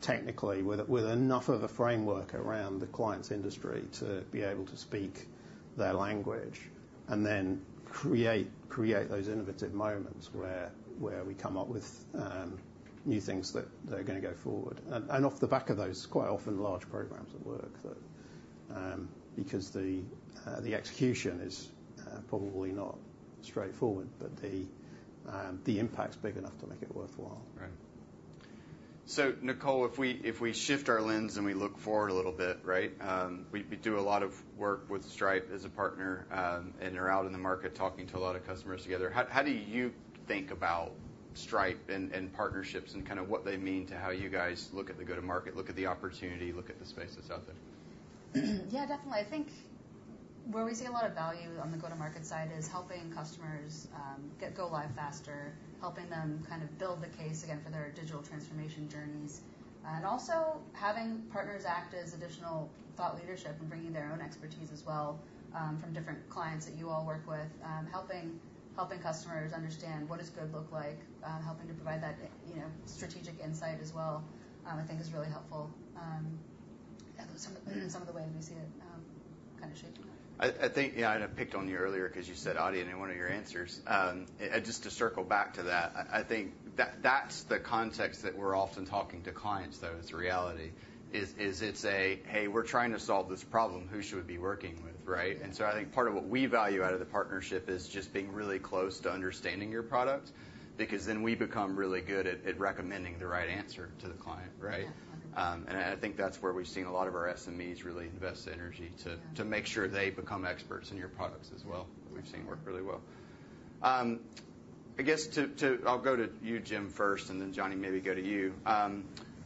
technically with enough of a framework around the client's industry to be able to speak their language and then create those innovative moments where we come up with new things that are going to go forward. And off the back of those, quite often large programs at work because the execution is probably not straightforward, but the impact's big enough to make it worthwhile. Right. So Nicole, if we shift our lens and we look forward a little bit, right? We do a lot of work with Stripe as a partner and are out in the market talking to a lot of customers together. How do you think about Stripe and partnerships and kind of what they mean to how you guys look at the go-to-market, look at the opportunity, look at the space that's out there? Yeah, definitely. I think where we see a lot of value on the go-to-market side is helping customers go live faster, helping them kind of build the case again for their digital transformation journeys, and also having partners act as additional thought leadership and bringing their own expertise as well from different clients that you all work with, helping customers understand what does good look like, helping to provide that strategic insight as well, I think is really helpful. Yeah, those are some of the ways we see it kind of shaping up. I think, yeah, I picked on you earlier because you said audit in one of your answers. Just to circle back to that, I think that's the context that we're often talking to clients though as a reality is it's a, "Hey, we're trying to solve this problem. Who should we be working with?" Right? And so I think part of what we value out of the partnership is just being really close to understanding your product because then we become really good at recommending the right answer to the client, right? And I think that's where we've seen a lot of our SMEs really invest energy to make sure they become experts in your products as well that we've seen work really well. I guess I'll go to you, Jim, first, and then Jonny, maybe go to you.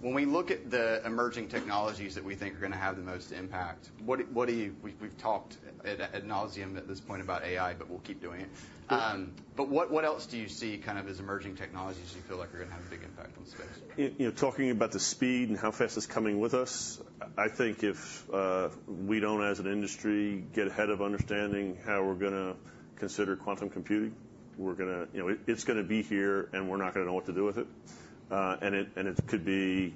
When we look at the emerging technologies that we think are going to have the most impact, what do you see? We've talked ad nauseam at this point about AI, but we'll keep doing it. But what else do you see kind of as emerging technologies you feel like are going to have a big impact on space? Talking about the speed and how fast it's coming with us, I think if we don't, as an industry, get ahead of understanding how we're going to consider quantum computing, we're going to. It's going to be here and we're not going to know what to do with it. It could be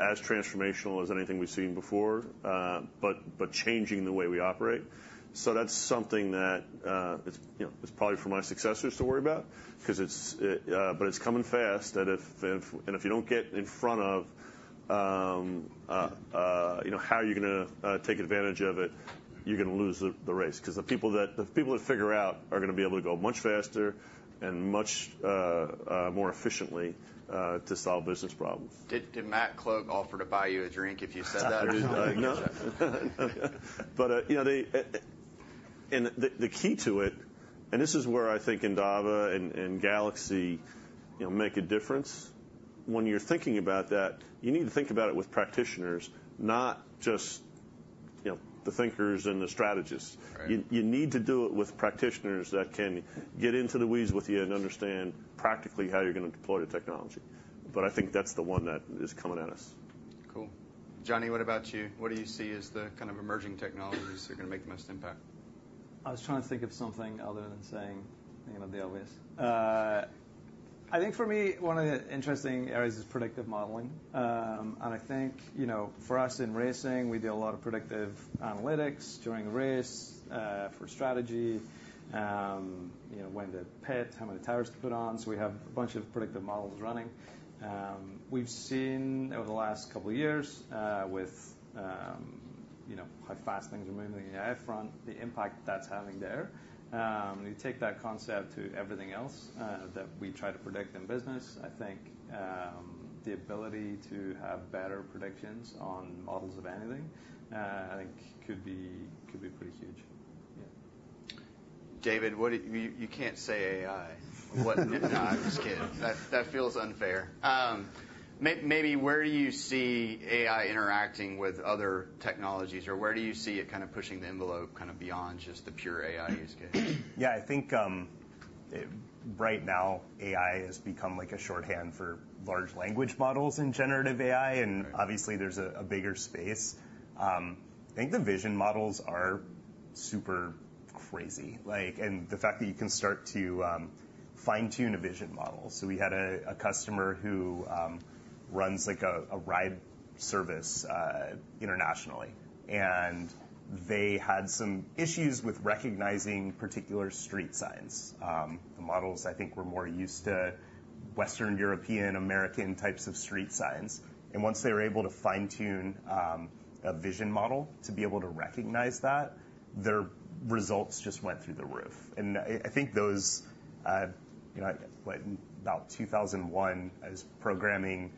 as transformational as anything we've seen before, but changing the way we operate. That's something that it's probably for my successors to worry about, but it's coming fast. If you don't get in front of how you're going to take advantage of it, you're going to lose the race because the people that figure out are going to be able to go much faster and much more efficiently to solve business problems. Did Matt Cloke offer to buy you a drink if you said that? No. But the key to it, and this is where I think Endava and GalaxE make a difference. When you're thinking about that, you need to think about it with practitioners, not just the thinkers and the strategists. You need to do it with practitioners that can get into the weeds with you and understand practically how you're going to deploy the technology. But I think that's the one that is coming at us. Cool. Jonny, what about you? What do you see as the kind of emerging technologies that are going to make the most impact? I was trying to think of something other than saying the obvious. I think for me, one of the interesting areas is predictive modeling. And I think for us in racing, we do a lot of predictive analytics during a race for strategy, when to pit, how many tires to put on. So we have a bunch of predictive models running. We've seen over the last couple of years with how fast things are moving in the AI front, the impact that's having there. You take that concept to everything else that we try to predict in business. I think the ability to have better predictions on models of anything I think could be pretty huge. Yeah. David, you can't say AI. I was kidding. That feels unfair. Maybe where do you see AI interacting with other technologies or where do you see it kind of pushing the envelope kind of beyond just the pure AI use case? Yeah, I think right now AI has become like a shorthand for large language models and generative AI. Obviously, there's a bigger space. I think the vision models are super crazy. The fact that you can start to fine-tune a vision model. We had a customer who runs a ride service internationally. They had some issues with recognizing particular street signs. The models, I think, were more used to Western European American types of street signs. Once they were able to fine-tune a vision model to be able to recognize that, their results just went through the roof. I think that was about 2001. I was programming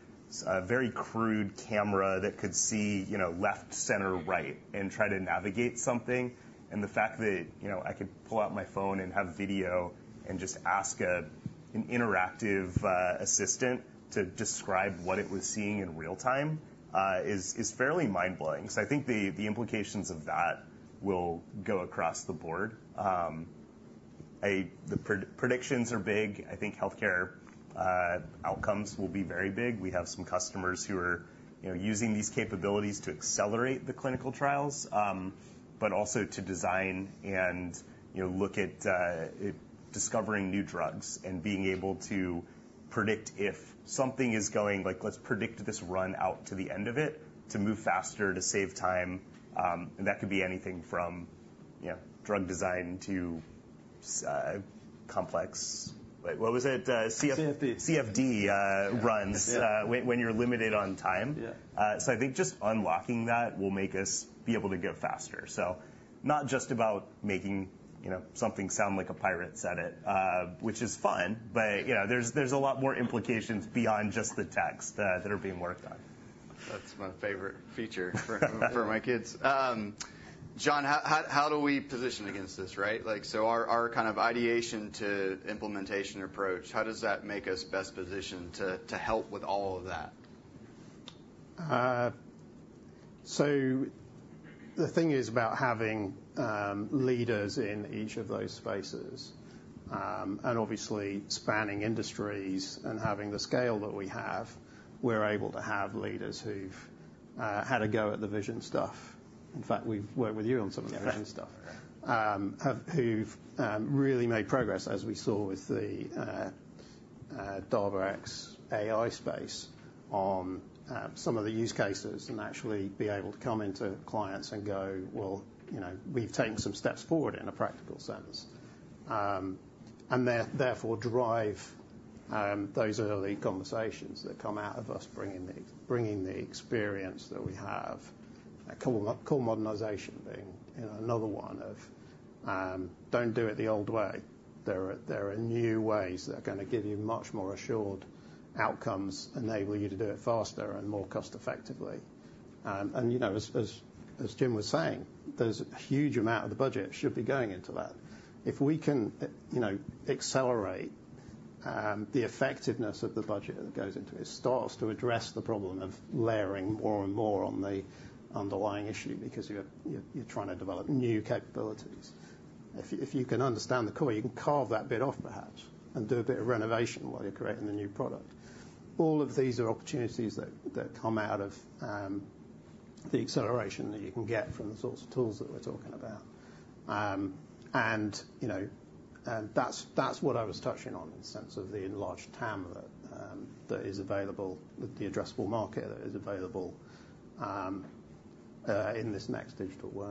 a very crude camera that could see left, center, right, and try to navigate something. And the fact that I could pull out my phone and have video and just ask an interactive assistant to describe what it was seeing in real time is fairly mind-blowing. So I think the implications of that will go across the board. The predictions are big. I think healthcare outcomes will be very big. We have some customers who are using these capabilities to accelerate the clinical trials, but also to design and look at discovering new drugs and being able to predict if something is going like, let's predict this run out to the end of it to move faster to save time. And that could be anything from drug design to complex, what was it? CFD. CFD runs when you're limited on time, so I think just unlocking that will make us be able to go faster, so not just about making something sound like a pirate said it, which is fun, but there's a lot more implications beyond just the text that are being worked on. That's my favorite feature for my kids. John, how do we position against this, right? So our kind of ideation to implementation approach, how does that make us best positioned to help with all of that? So the thing is about having leaders in each of those spaces. And obviously spanning industries and having the scale that we have, we're able to have leaders who've had a go at the vision stuff. In fact, we've worked with you on some of the vision stuff who've really made progress as we saw with the Dava.X AI space on some of the use cases and actually be able to come into clients and go, "Well, we've taken some steps forward in a practical sense." And therefore drive those early conversations that come out of us bringing the experience that we have. Core modernization being another one of, "Don't do it the old way. There are new ways that are going to give you much more assured outcomes, enable you to do it faster and more cost-effectively." And as Jim was saying, there's a huge amount of the budget should be going into that. If we can accelerate the effectiveness of the budget that goes into it, it starts to address the problem of layering more and more on the underlying issue because you're trying to develop new capabilities. If you can understand the core, you can carve that bit off perhaps and do a bit of renovation while you're creating the new product. All of these are opportunities that come out of the acceleration that you can get from the sorts of tools that we're talking about. That's what I was touching on in the sense of the enlarged TAM that is available, the addressable market that is available in this next digital wave.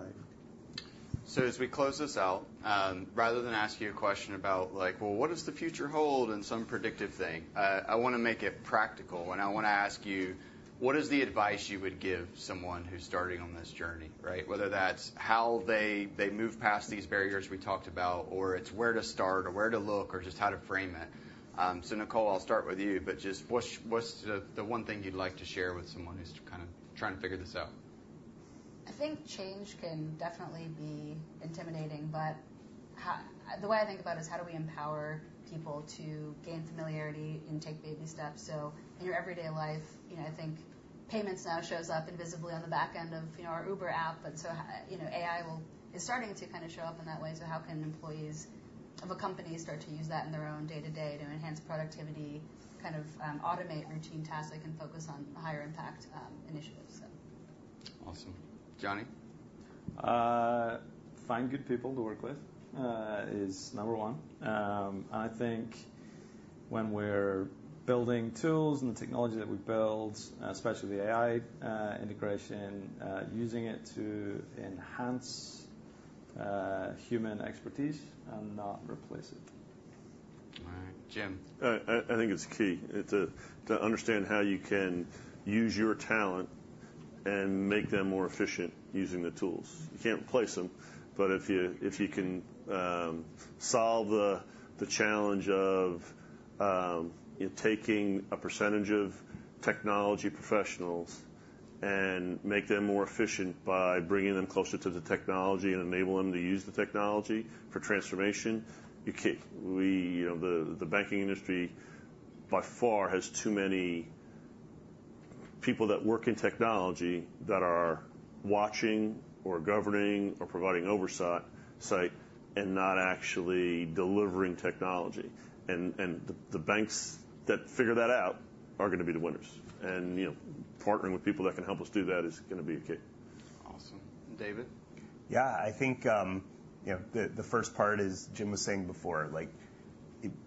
So as we close this out, rather than ask you a question about, "Well, what does the future hold?" and some predictive thing, I want to make it practical. And I want to ask you, what is the advice you would give someone who's starting on this journey, right? Whether that's how they move past these barriers we talked about or it's where to start or where to look or just how to frame it. So Nicole, I'll start with you, but just what's the one thing you'd like to share with someone who's kind of trying to figure this out? I think change can definitely be intimidating, but the way I think about it is how do we empower people to gain familiarity and take baby steps. So in your everyday life, I think payments now shows up invisibly on the back end of our Uber app. And so AI is starting to kind of show up in that way. So how can employees of a company start to use that in their own day-to-day to enhance productivity, kind of automate routine tasks that can focus on higher impact initiatives? Awesome. Jonny? Find good people to work with is number one. And I think when we're building tools and the technology that we build, especially the AI integration, using it to enhance human expertise and not replace it. All right. Jim? I think it's key to understand how you can use your talent and make them more efficient using the tools. You can't replace them, but if you can solve the challenge of taking a percentage of technology professionals and make them more efficient by bringing them closer to the technology and enable them to use the technology for transformation, the banking industry by far has too many people that work in technology that are watching or governing or providing oversight and not actually delivering technology. And the banks that figure that out are going to be the winners. And partnering with people that can help us do that is going to be a key. Awesome. David? Yeah, I think the first part is what Jim was saying before: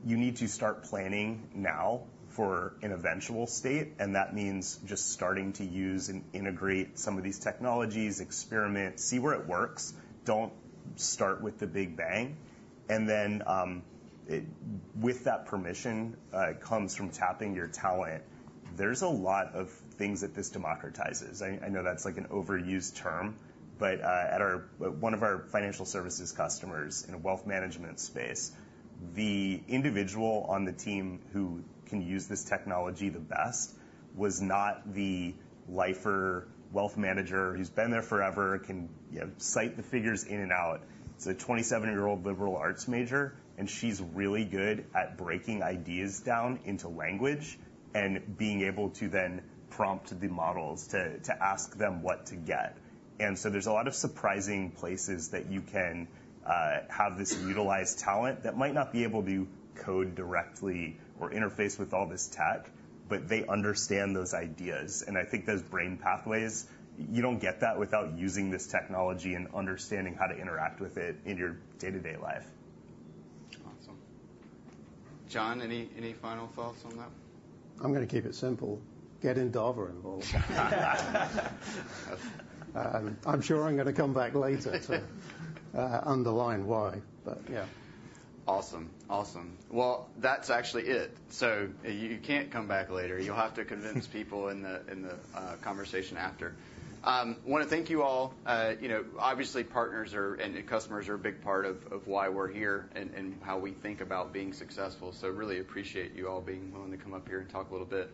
you need to start planning now for an eventual state, and that means just starting to use and integrate some of these technologies, experiment, see where it works. Don't start with the big bang, and then with that permission comes from tapping your talent. There's a lot of things that this democratizes. I know that's like an overused term, but at one of our financial services customers in a wealth management space, the individual on the team who can use this technology the best was not the lifer wealth manager who's been there forever, can cite the figures in and out. It's a 27-year-old liberal arts major, and she's really good at breaking ideas down into language and being able to then prompt the models to ask them what to get. And so there's a lot of surprising places that you can have this utilized talent that might not be able to code directly or interface with all this tech, but they understand those ideas. And I think those brain pathways, you don't get that without using this technology and understanding how to interact with it in your day-to-day life. Awesome. John, any final thoughts on that? I'm going to keep it simple. Get Endava involved. I'm sure I'm going to come back later to underline why, but yeah. Awesome. Awesome. Well, that's actually it. So you can't come back later. You'll have to convince people in the conversation after. I want to thank you all. Obviously, partners and customers are a big part of why we're here and how we think about being successful. So really appreciate you all being willing to come up here and talk a little bit.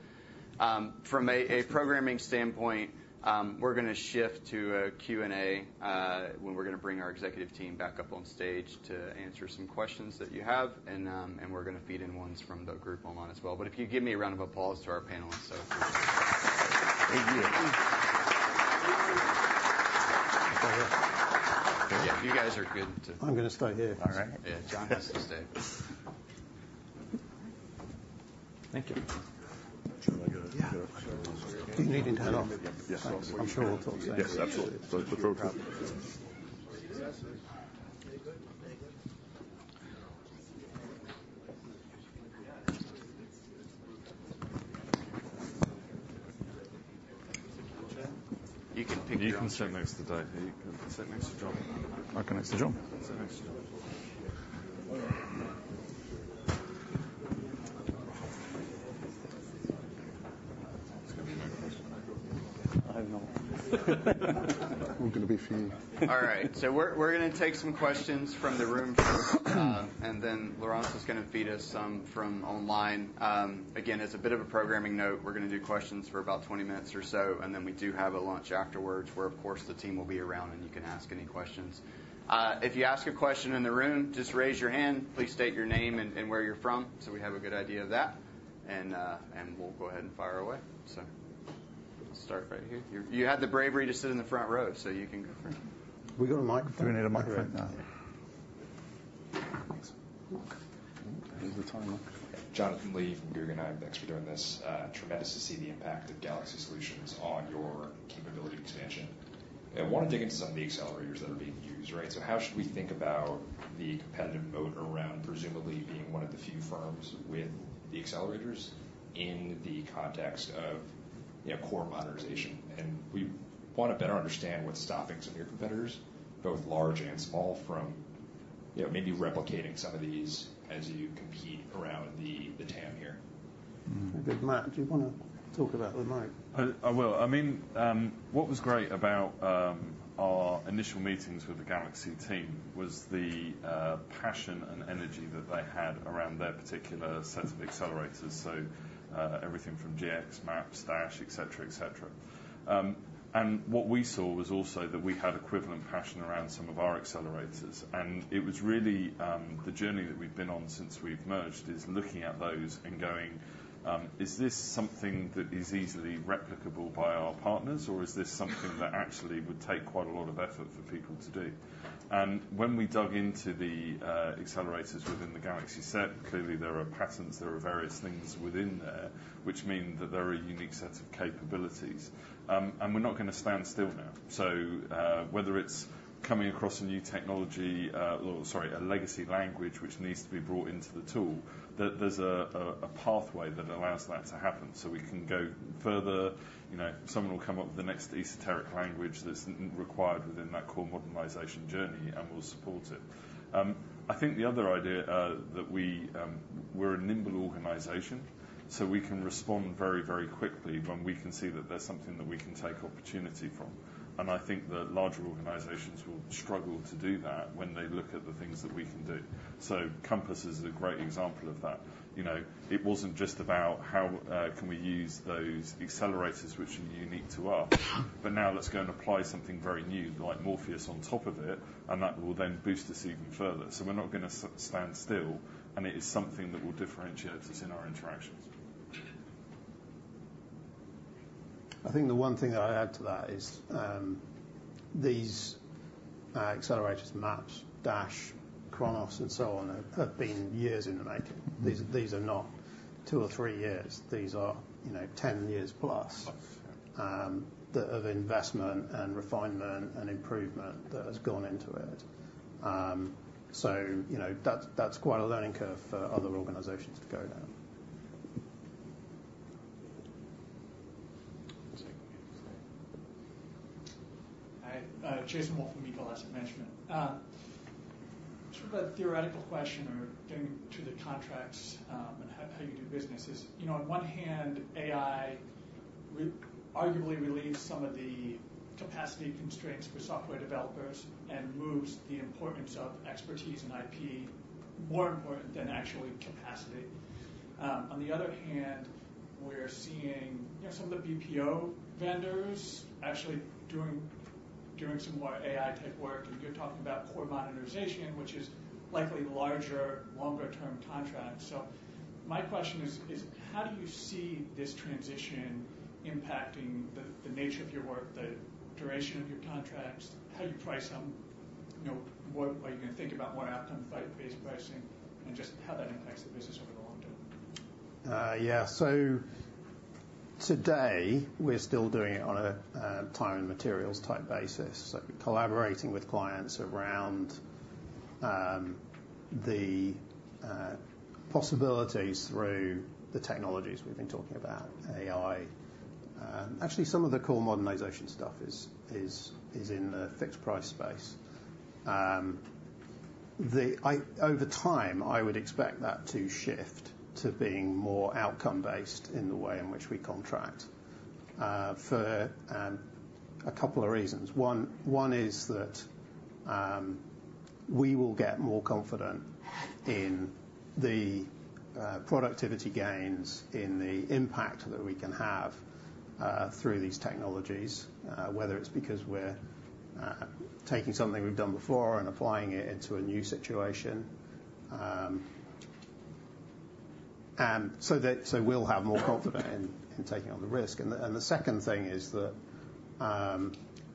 From a programming standpoint, we're going to shift to a Q&A when we're going to bring our executive team back up on stage to answer some questions that you have, and we're going to feed in ones from the group online as well, but if you give me a round of applause to our panelists. Thank you. You guys are good to. I'm going to stay here. All right. John has to stay. Thank you. Do you need anything to help? I'm sure we'll talk soon. Yes, absolutely. You can pick. You can sit next to David. You can sit next to John. I can next to John. It's going to be my question. I have not. I'm going to be for you. All right. So we're going to take some questions from the room first. And then Laurence is going to feed us some from online. Again, as a bit of a programming note, we're going to do questions for about 20 minutes or so. And then we do have a lunch afterwards where, of course, the team will be around and you can ask any questions. If you ask a question in the room, just raise your hand. Please state your name and where you're from so we have a good idea of that. And we'll go ahead and fire away. So let's start right here. You had the bravery to sit in the front row, so you can go first. We got a microphone. Do we need a microphone? Yeah. Here's the timer. Jonathan Lee from Guggenheim Securities and I have been expert on this. Tremendous to see the impact of GalaxE.Solutions on your capability expansion. I want to dig into some of the accelerators that are being used, right? So how should we think about the competitive moat around presumably being one of the few firms with the accelerators in the context of core modernization? And we want to better understand what's stopping some of your competitors, both large and small, from maybe replicating some of these as you compete around the TAM here. Do you want to talk about that, Matt? I mean, what was great about our initial meetings with the GalaxE team was the passion and energy that they had around their particular set of accelerators. Everything from GX, Maps, Dash, etc., etc. What we saw was also that we had equivalent passion around some of our accelerators. It was really the journey that we've been on since we've merged, looking at those and going, "Is this something that is easily replicable by our partners? Or is this something that actually would take quite a lot of effort for people to do?" When we dug into the accelerators within the GalaxE set, clearly there are patterns. There are various things within there, which mean that there are a unique set of capabilities. We're not going to stand still now. So whether it's coming across a new technology or, sorry, a legacy language which needs to be brought into the tool, there's a pathway that allows that to happen. So we can go further. Someone will come up with the next esoteric language that's required within that core modernization journey and will support it. I think the other idea that we're a nimble organization, so we can respond very, very quickly when we can see that there's something that we can take opportunity from. And I think that larger organizations will struggle to do that when they look at the things that we can do. So Compass is a great example of that. It wasn't just about how can we use those accelerators which are unique to us, but now let's go and apply something very new like Morpheus on top of it, and that will then boost us even further, so we're not going to stand still, and it is something that will differentiate us in our interactions. I think the one thing that I add to that is these accelerators, Maps, Dash, Chronos, and so on have been years in the making. These are not two or three years. These are 10 years plus of investment and refinement and improvement that has gone into it. So that's quite a learning curve for other organizations to go down. Hi. Jason Wolf from Ecolastic Management. Sort of a theoretical question or going to the contracts and how you do business is, on one hand, AI arguably relieves some of the capacity constraints for software developers and moves the importance of expertise and IP more important than actually capacity. On the other hand, we're seeing some of the BPO vendors actually doing some more AI-type work. And you're talking about core modernization, which is likely larger, longer-term contracts. So my question is, how do you see this transition impacting the nature of your work, the duration of your contracts, how you price them, what you're going to think about more outcome-based pricing, and just how that impacts the business over the long term? Yeah. So today, we're still doing it on a time and materials-type basis. So collaborating with clients around the possibilities through the technologies we've been talking about, AI. Actually, some of the core modernization stuff is in the fixed price space. Over time, I would expect that to shift to being more outcome-based in the way in which we contract for a couple of reasons. One is that we will get more confident in the productivity gains, in the impact that we can have through these technologies, whether it's because we're taking something we've done before and applying it into a new situation. So we'll have more confidence in taking on the risk. And the second thing is that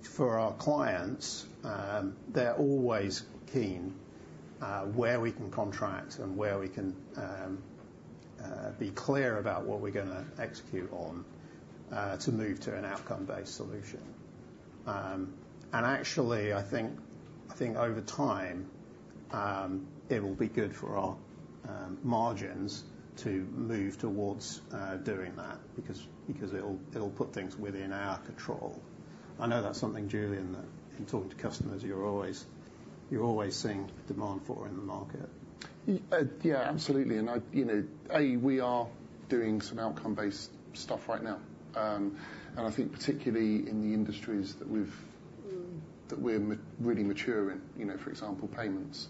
for our clients, they're always keen where we can contract and where we can be clear about what we're going to execute on to move to an outcome-based solution. And actually, I think over time, it will be good for our margins to move towards doing that because it'll put things within our control. I know that's something, Julian, that in talking to customers, you're always seeing demand for in the market. Yeah, absolutely. And A, we are doing some outcome-based stuff right now. And I think particularly in the industries that we're really mature in, for example, payments.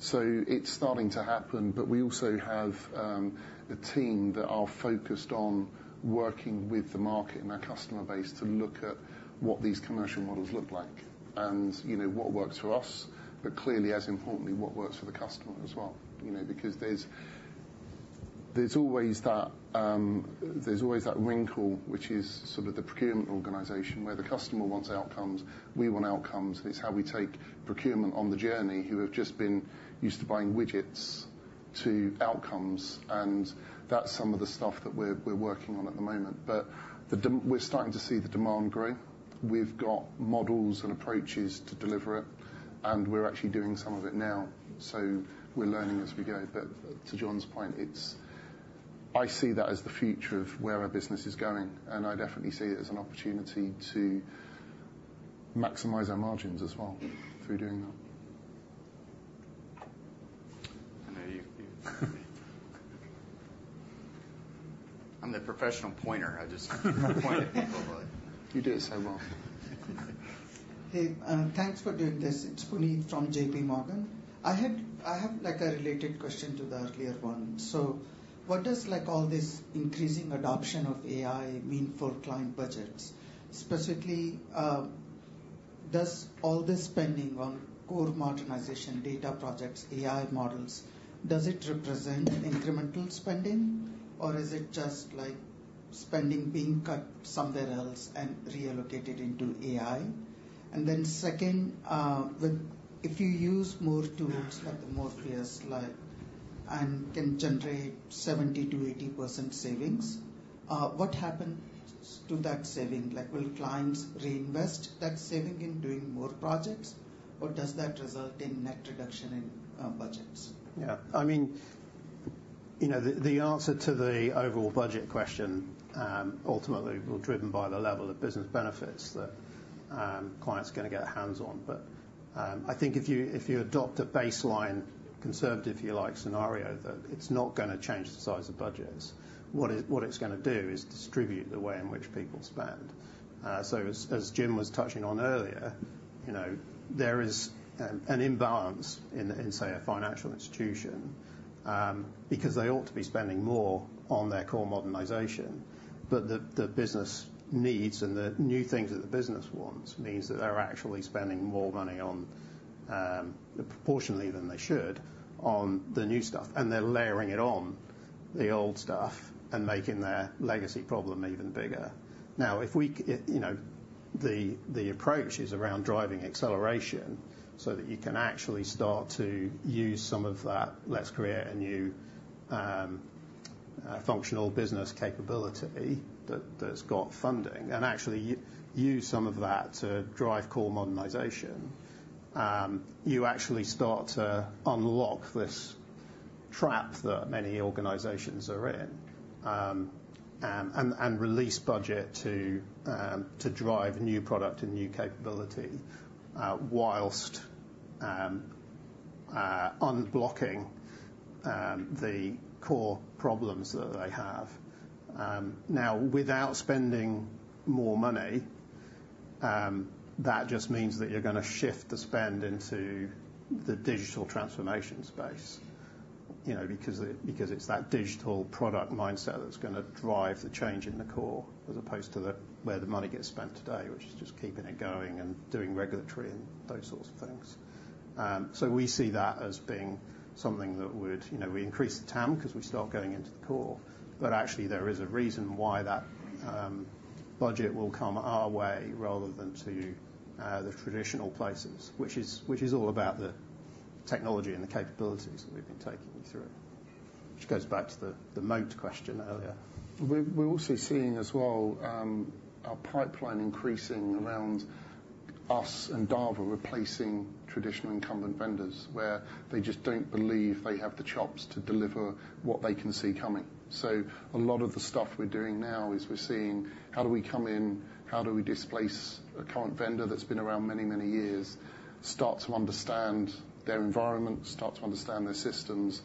So it's starting to happen, but we also have a team that are focused on working with the market and our customer base to look at what these commercial models look like and what works for us, but clearly, as importantly, what works for the customer as well. Because there's always that wrinkle, which is sort of the procurement organization where the customer wants outcomes, we want outcomes, and it's how we take procurement on the journey, who have just been used to buying widgets to outcomes. And that's some of the stuff that we're working on at the moment. But we're starting to see the demand grow. We've got models and approaches to deliver it, and we're actually doing some of it now. So we're learning as we go. But to John's point, I see that as the future of where our business is going. And I definitely see it as an opportunity to maximize our margins as well through doing that. I'm the professional pointer. I just point at people, but. You do it so well. Hey, thanks for doing this. It's Puneet from JPMorgan. I have a related question to the earlier one. So what does all this increasing adoption of AI mean for client budgets? Specifically, does all this spending on core modernization data projects, AI models, does it represent incremental spending, or is it just spending being cut somewhere else and reallocated into AI? And then second, if you use more tools like the Morpheus and can generate 70%-80% savings, what happens to that saving? Will clients reinvest that saving in doing more projects, or does that result in net reduction in budgets? Yeah. I mean, the answer to the overall budget question ultimately will be driven by the level of business benefits that clients are going to get hands-on. But I think if you adopt a baseline conservative, if you like, scenario, that it's not going to change the size of budgets. What it's going to do is distribute the way in which people spend. So as Jim was touching on earlier, there is an imbalance in, say, a financial institution because they ought to be spending more on their core modernization. But the business needs and the new things that the business wants means that they're actually spending more money proportionately than they should on the new stuff. And they're layering it on the old stuff and making their legacy problem even bigger. Now, if the approach is around driving acceleration so that you can actually start to use some of that, let's create a new functional business capability that's got funding and actually use some of that to drive core modernization, you actually start to unlock this trap that many organizations are in and release budget to drive a new product and new capability whilst unblocking the core problems that they have. Now, without spending more money, that just means that you're going to shift the spend into the digital transformation space because it's that digital product mindset that's going to drive the change in the core as opposed to where the money gets spent today, which is just keeping it going and doing regulatory and those sorts of things. So we see that as being something that would we increase the TAM because we start going into the core. But actually, there is a reason why that budget will come our way rather than to the traditional places, which is all about the technology and the capabilities that we've been taking you through, which goes back to the moat question earlier. We're also seeing as well our pipeline increasing around us and Endava replacing traditional incumbent vendors where they just don't believe they have the chops to deliver what they can see coming. So a lot of the stuff we're doing now is we're seeing how do we come in, how do we displace a current vendor that's been around many, many years, start to understand their environment, start to understand their systems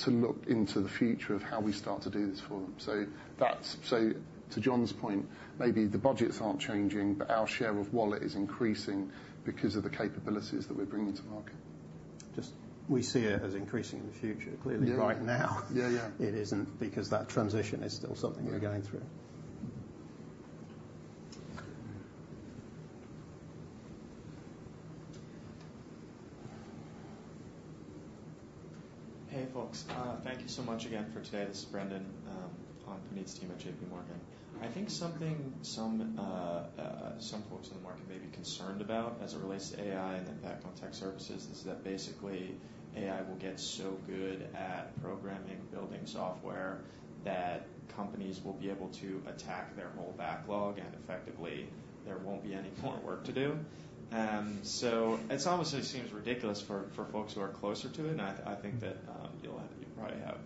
to look into the future of how we start to do this for them. So to John's point, maybe the budgets aren't changing, but our share of wallet is increasing because of the capabilities that we're bringing to market. Just. We see it as increasing in the future. Clearly, right now, it isn't because that transition is still something we're going through. Hey, folks. Thank you so much again for today. This is Brendan on Puneet's team at JPMorgan. I think something some folks in the market may be concerned about as it relates to AI and impact on tech services is that basically AI will get so good at programming, building software that companies will be able to attack their whole backlog, and effectively, there won't be any more work to do. So it obviously seems ridiculous for folks who are closer to it. And I think that you'll probably have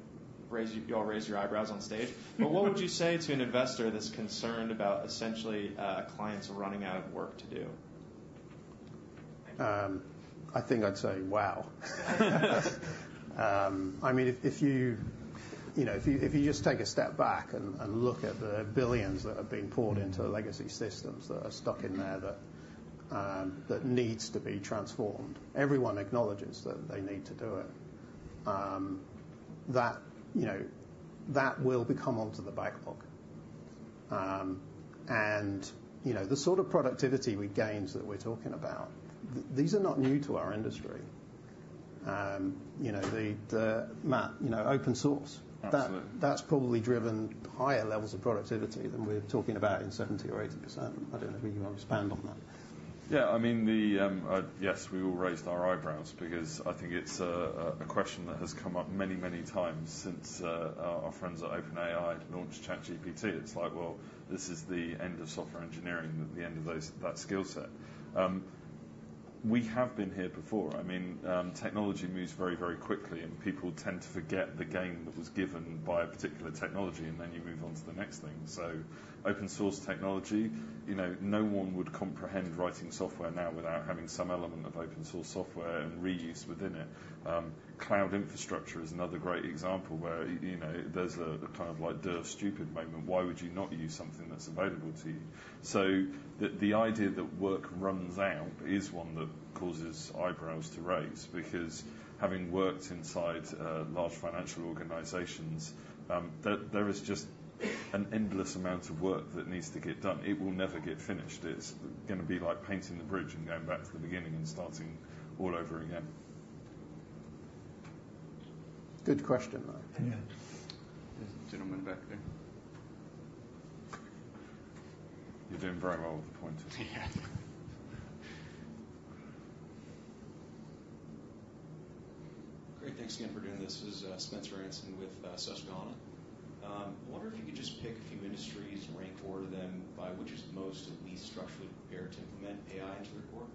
you all raise your eyebrows on stage. But what would you say to an investor that's concerned about essentially clients running out of work to do? I think I'd say, "Wow." I mean, if you just take a step back and look at the billions that are being poured into legacy systems that are stuck in there that needs to be transformed, everyone acknowledges that they need to do it, that will become onto the backlog. And the sort of productivity we gained that we're talking about, these are not new to our industry. The open source, that's probably driven higher levels of productivity than we're talking about in 70% or 80%. I don't know if you want to expand on that. Yeah. I mean, yes, we all raised our eyebrows because I think it's a question that has come up many, many times since our friends at OpenAI launched ChatGPT. It's like, "Well, this is the end of software engineering, the end of that skill set." We have been here before. I mean, technology moves very, very quickly, and people tend to forget the game that was given by a particular technology, and then you move on to the next thing. So open source technology, no one would comprehend writing software now without having some element of open source software and reuse within it. Cloud infrastructure is another great example where there's a kind of like daft stupid moment. Why would you not use something that's available to you? The idea that work runs out is one that causes eyebrows to raise because having worked inside large financial organizations, there is just an endless amount of work that needs to get done. It will never get finished. It's going to be like painting the bridge and going back to the beginning and starting all over again. Good question, though. Yeah. There's a gentleman back there. You're doing very well with the pointer. Yeah. Great. Thanks again for doing this. This is Spencer Anson with Susquehanna. I wonder if you could just pick a few industries and rank order them by which is most and least structurally prepared to implement AI into their core?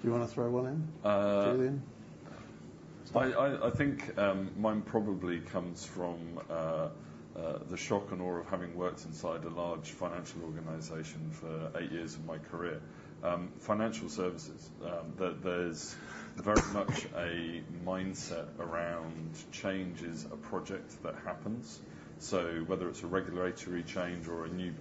Do you want to throw one in? Julian? I think mine probably comes from the shock and awe of having worked inside a large financial organization for eight years of my career. Financial services, there's very much a mindset around change as a project that happens. So whether it's a regulatory change or a new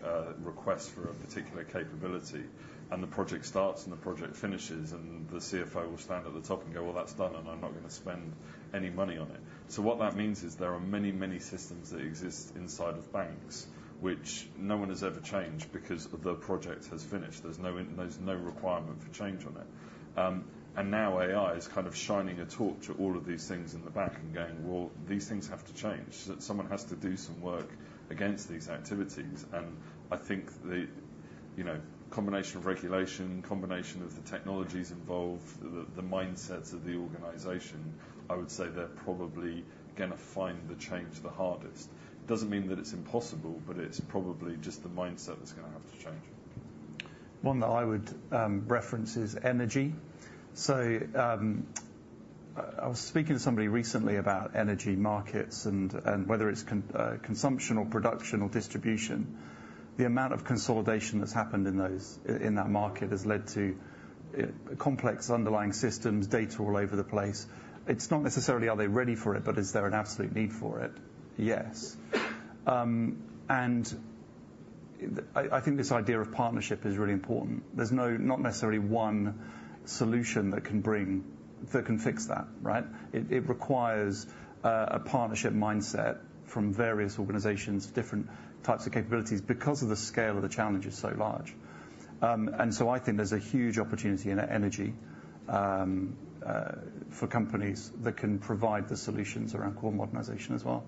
request for a particular capability, and the project starts and the project finishes, and the CFO will stand at the top and go, "Well, that's done, and I'm not going to spend any money on it." So what that means is there are many, many systems that exist inside of banks, which no one has ever changed because the project has finished. There's no requirement for change on it, and now AI is kind of shining a torch at all of these things in the back and going, "Well, these things have to change." Someone has to do some work against these activities. And I think the combination of regulation, combination of the technologies involved, the mindsets of the organization, I would say they're probably going to find the change the hardest. It doesn't mean that it's impossible, but it's probably just the mindset that's going to have to change. One that I would reference is energy. So I was speaking to somebody recently about energy markets and whether it's consumption or production or distribution. The amount of consolidation that's happened in that market has led to complex underlying systems, data all over the place. It's not necessarily are they ready for it, but is there an absolute need for it? Yes. And I think this idea of partnership is really important. There's not necessarily one solution that can fix that, right? It requires a partnership mindset from various organizations, different types of capabilities because of the scale of the challenge is so large. And so I think there's a huge opportunity in energy for companies that can provide the solutions around core modernization as well.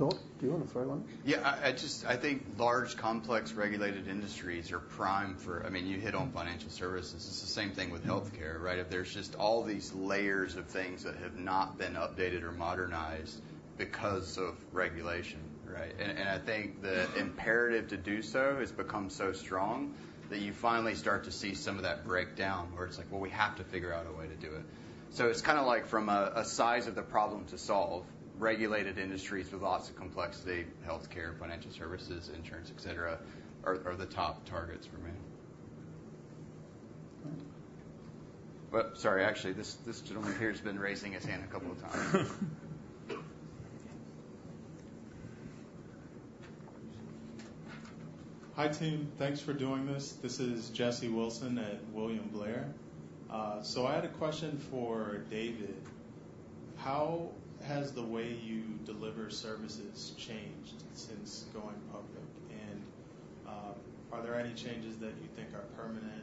Scott, do you want to throw one? Yeah. I think large, complex, regulated industries are primed for, I mean, you hit on financial services. It's the same thing with healthcare, right? There's just all these layers of things that have not been updated or modernized because of regulation, right? And I think the imperative to do so has become so strong that you finally start to see some of that breakdown where it's like, "Well, we have to figure out a way to do it." So it's kind of like from a size of the problem to solve, regulated industries with lots of complexity, healthcare, financial services, insurance, etc., are the top targets for me. Sorry. Actually, this gentleman here has been raising his hand a couple of times. Hi, team. Thanks for doing this. This is Jesse Wilson at William Blair. So I had a question for David. How has the way you deliver services changed since going public? And are there any changes that you think are permanent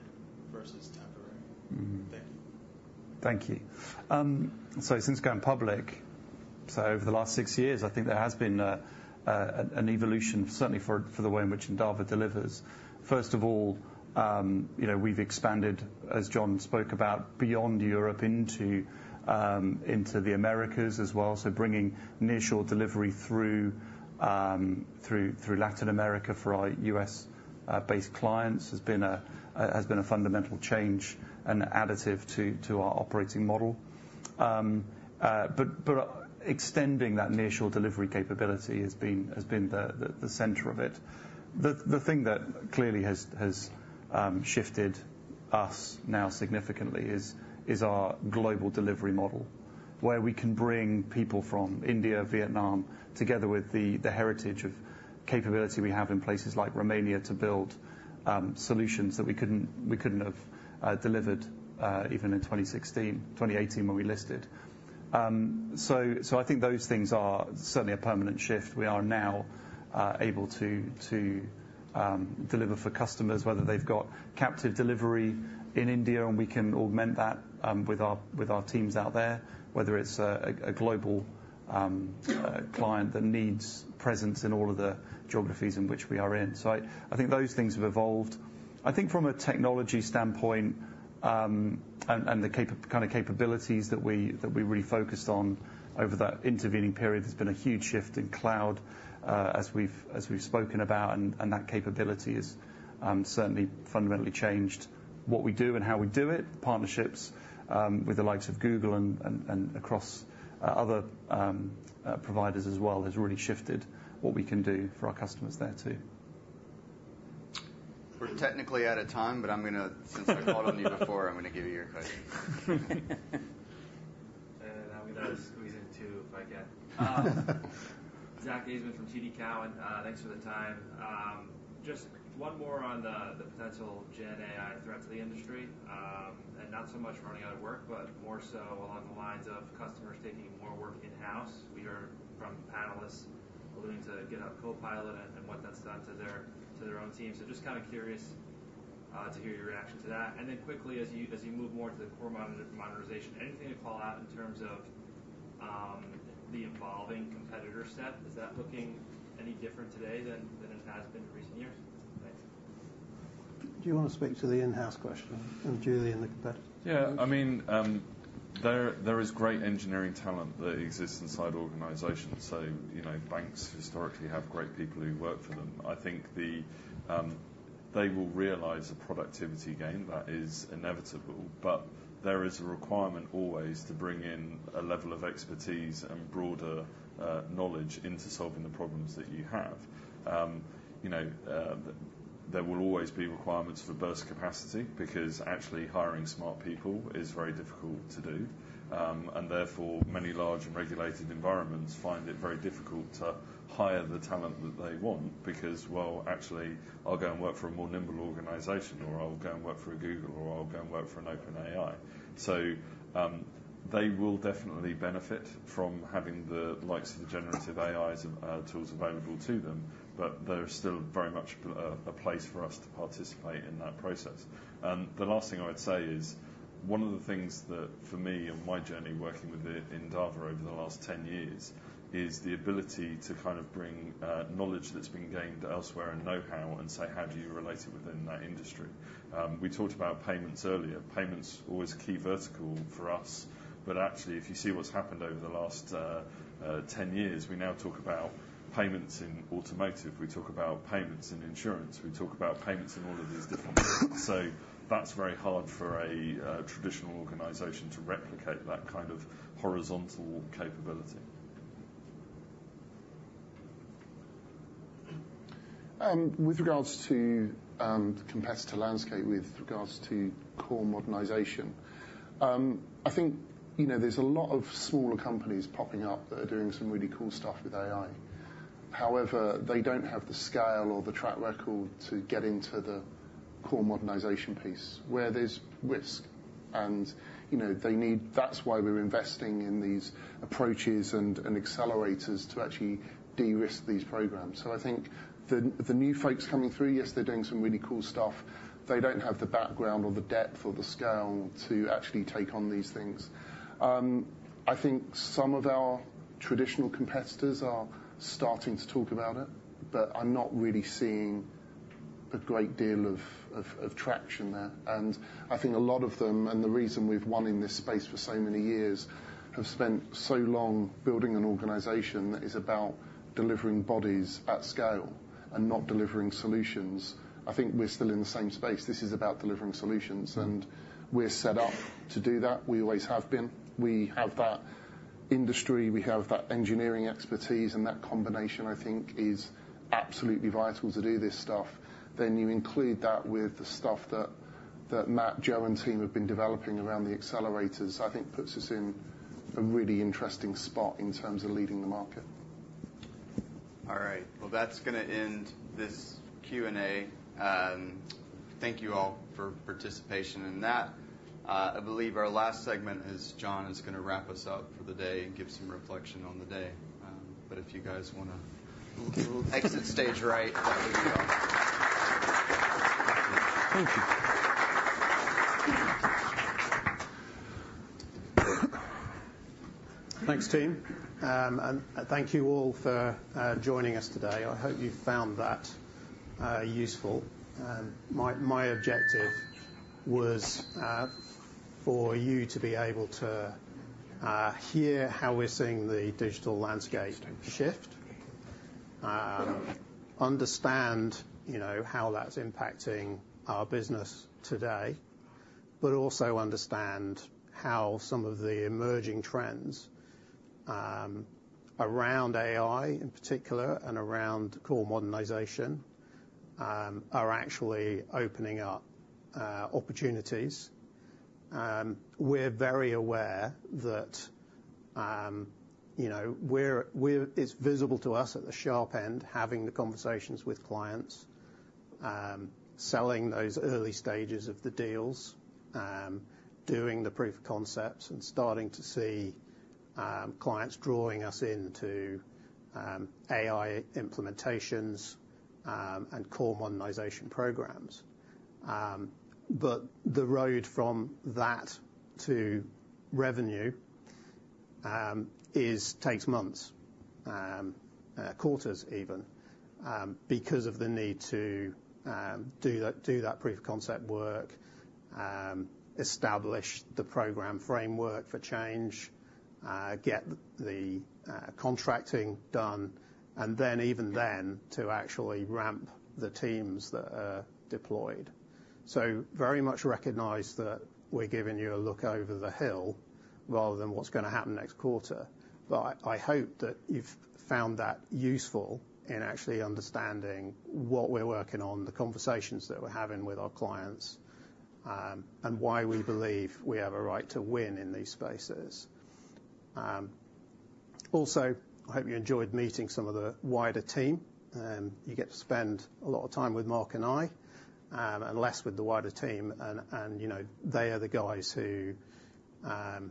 versus temporary? Thank you. Thank you. So since going public, so over the last six years, I think there has been an evolution, certainly for the way in which Endava delivers. First of all, we've expanded, as John spoke about, beyond Europe into the Americas as well. So bringing nearshore delivery through Latin America for our U.S.-based clients has been a fundamental change and additive to our operating model. But extending that nearshore delivery capability has been the center of it. The thing that clearly has shifted us now significantly is our global delivery model where we can bring people from India, Vietnam, together with the heritage of capability we have in places like Romania to build solutions that we couldn't have delivered even in 2016, 2018 when we listed. So I think those things are certainly a permanent shift. We are now able to deliver for customers, whether they've got captive delivery in India, and we can augment that with our teams out there, whether it's a global client that needs presence in all of the geographies in which we are in. So I think those things have evolved. I think from a technology standpoint and the kind of capabilities that we really focused on over that intervening period, there's been a huge shift in cloud, as we've spoken about, and that capability has certainly fundamentally changed what we do and how we do it. Partnerships with the likes of Google and across other providers as well has really shifted what we can do for our customers there too. We're technically out of time, but since I called on you before, I'm going to give you your question. And I'll be done with squeezing too if I can. Zack Ajzenman from TD Cowen, thanks for the time. Just one more on the potential GenAI threat to the industry, and not so much running out of work, but more so along the lines of customers taking more work in-house. We heard from panelists alluding to GitHub Copilot and what that's done to their own team. So just kind of curious to hear your reaction to that. And then quickly, as you move more to the core modernization, anything to call out in terms of the evolving competitor set? Is that looking any different today than it has been in recent years? Thanks. Do you want to speak to the in-house question? And, Julian, that. Yeah. I mean, there is great engineering talent that exists inside organizations. So banks historically have great people who work for them. I think they will realize a productivity gain that is inevitable, but there is a requirement always to bring in a level of expertise and broader knowledge into solving the problems that you have. There will always be requirements for burst capacity because actually hiring smart people is very difficult to do. Therefore, many large and regulated environments find it very difficult to hire the talent that they want because, "Well, actually, I'll go and work for a more nimble organization, or I'll go and work for a Google, or I'll go and work for an OpenAI." They will definitely benefit from having the likes of the generative AI tools available to them, but there is still very much a place for us to participate in that process. The last thing I would say is one of the things that, for me and my journey working with it in Endava over the last 10 years, is the ability to kind of bring knowledge that's been gained elsewhere and know-how and say, "How do you relate it within that industry?" We talked about payments earlier. Payments are always a key vertical for us, but actually, if you see what's happened over the last 10 years, we now talk about payments in automotive. We talk about payments in insurance. We talk about payments in all of these different things. So that's very hard for a traditional organization to replicate that kind of horizontal capability. With regards to the competitor landscape, with regards to core modernization, I think there's a lot of smaller companies popping up that are doing some really cool stuff with AI. However, they don't have the scale or the track record to get into the core modernization piece where there's risk, and that's why we're investing in these approaches and accelerators to actually de-risk these programs. So I think the new folks coming through, yes, they're doing some really cool stuff. They don't have the background or the depth or the scale to actually take on these things. I think some of our traditional competitors are starting to talk about it, but I'm not really seeing a great deal of traction there. And I think a lot of them, and the reason we've won in this space for so many years, have spent so long building an organization that is about delivering bodies at scale and not delivering solutions. I think we're still in the same space. This is about delivering solutions, and we're set up to do that. We always have been. We have that industry. We have that engineering expertise, and that combination, I think, is absolutely vital to do this stuff. Then you include that with the stuff that Matt, Joe, and team have been developing around the accelerators. I think puts us in a really interesting spot in terms of leading the market. All right. Well, that's going to end this Q&A. Thank you all for participation in that. I believe our last segment is John is going to wrap us up for the day and give some reflection on the day. But if you guys want to exit stage right, that way we all. Thank you. Thanks, team and thank you all for joining us today. I hope you found that useful. My objective was for you to be able to hear how we're seeing the digital landscape shift, understand how that's impacting our business today, but also understand how some of the emerging trends around AI in particular and around core modernization are actually opening up opportunities. We're very aware that it's visible to us at the sharp end, having the conversations with clients, selling those early stages of the deals, doing the proof of concepts, and starting to see clients drawing us into AI implementations and core modernization programs. But the road from that to revenue takes months, quarters even, because of the need to do that proof of concept work, establish the program framework for change, get the contracting done, and then even then to actually ramp the teams that are deployed. So we very much recognize that we're giving you a look over the hill rather than what's going to happen next quarter. But I hope that you've found that useful in actually understanding what we're working on, the conversations that we're having with our clients, and why we believe we have a right to win in these spaces. Also, I hope you enjoyed meeting some of the wider team. You get to spend a lot of time with Mark and I, and less with the wider team. And they are the guys who are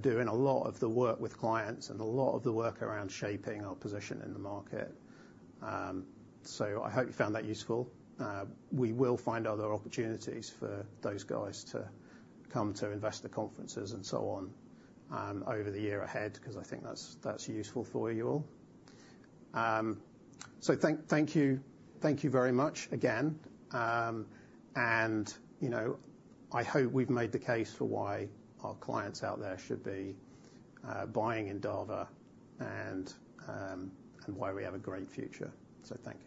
doing a lot of the work with clients and a lot of the work around shaping our position in the market. So I hope you found that useful. We will find other opportunities for those guys to come to investor conferences and so on over the year ahead because I think that's useful for you all. So thank you very much again. And I hope we've made the case for why our clients out there should be buying in Endava and why we have a great future. So thanks.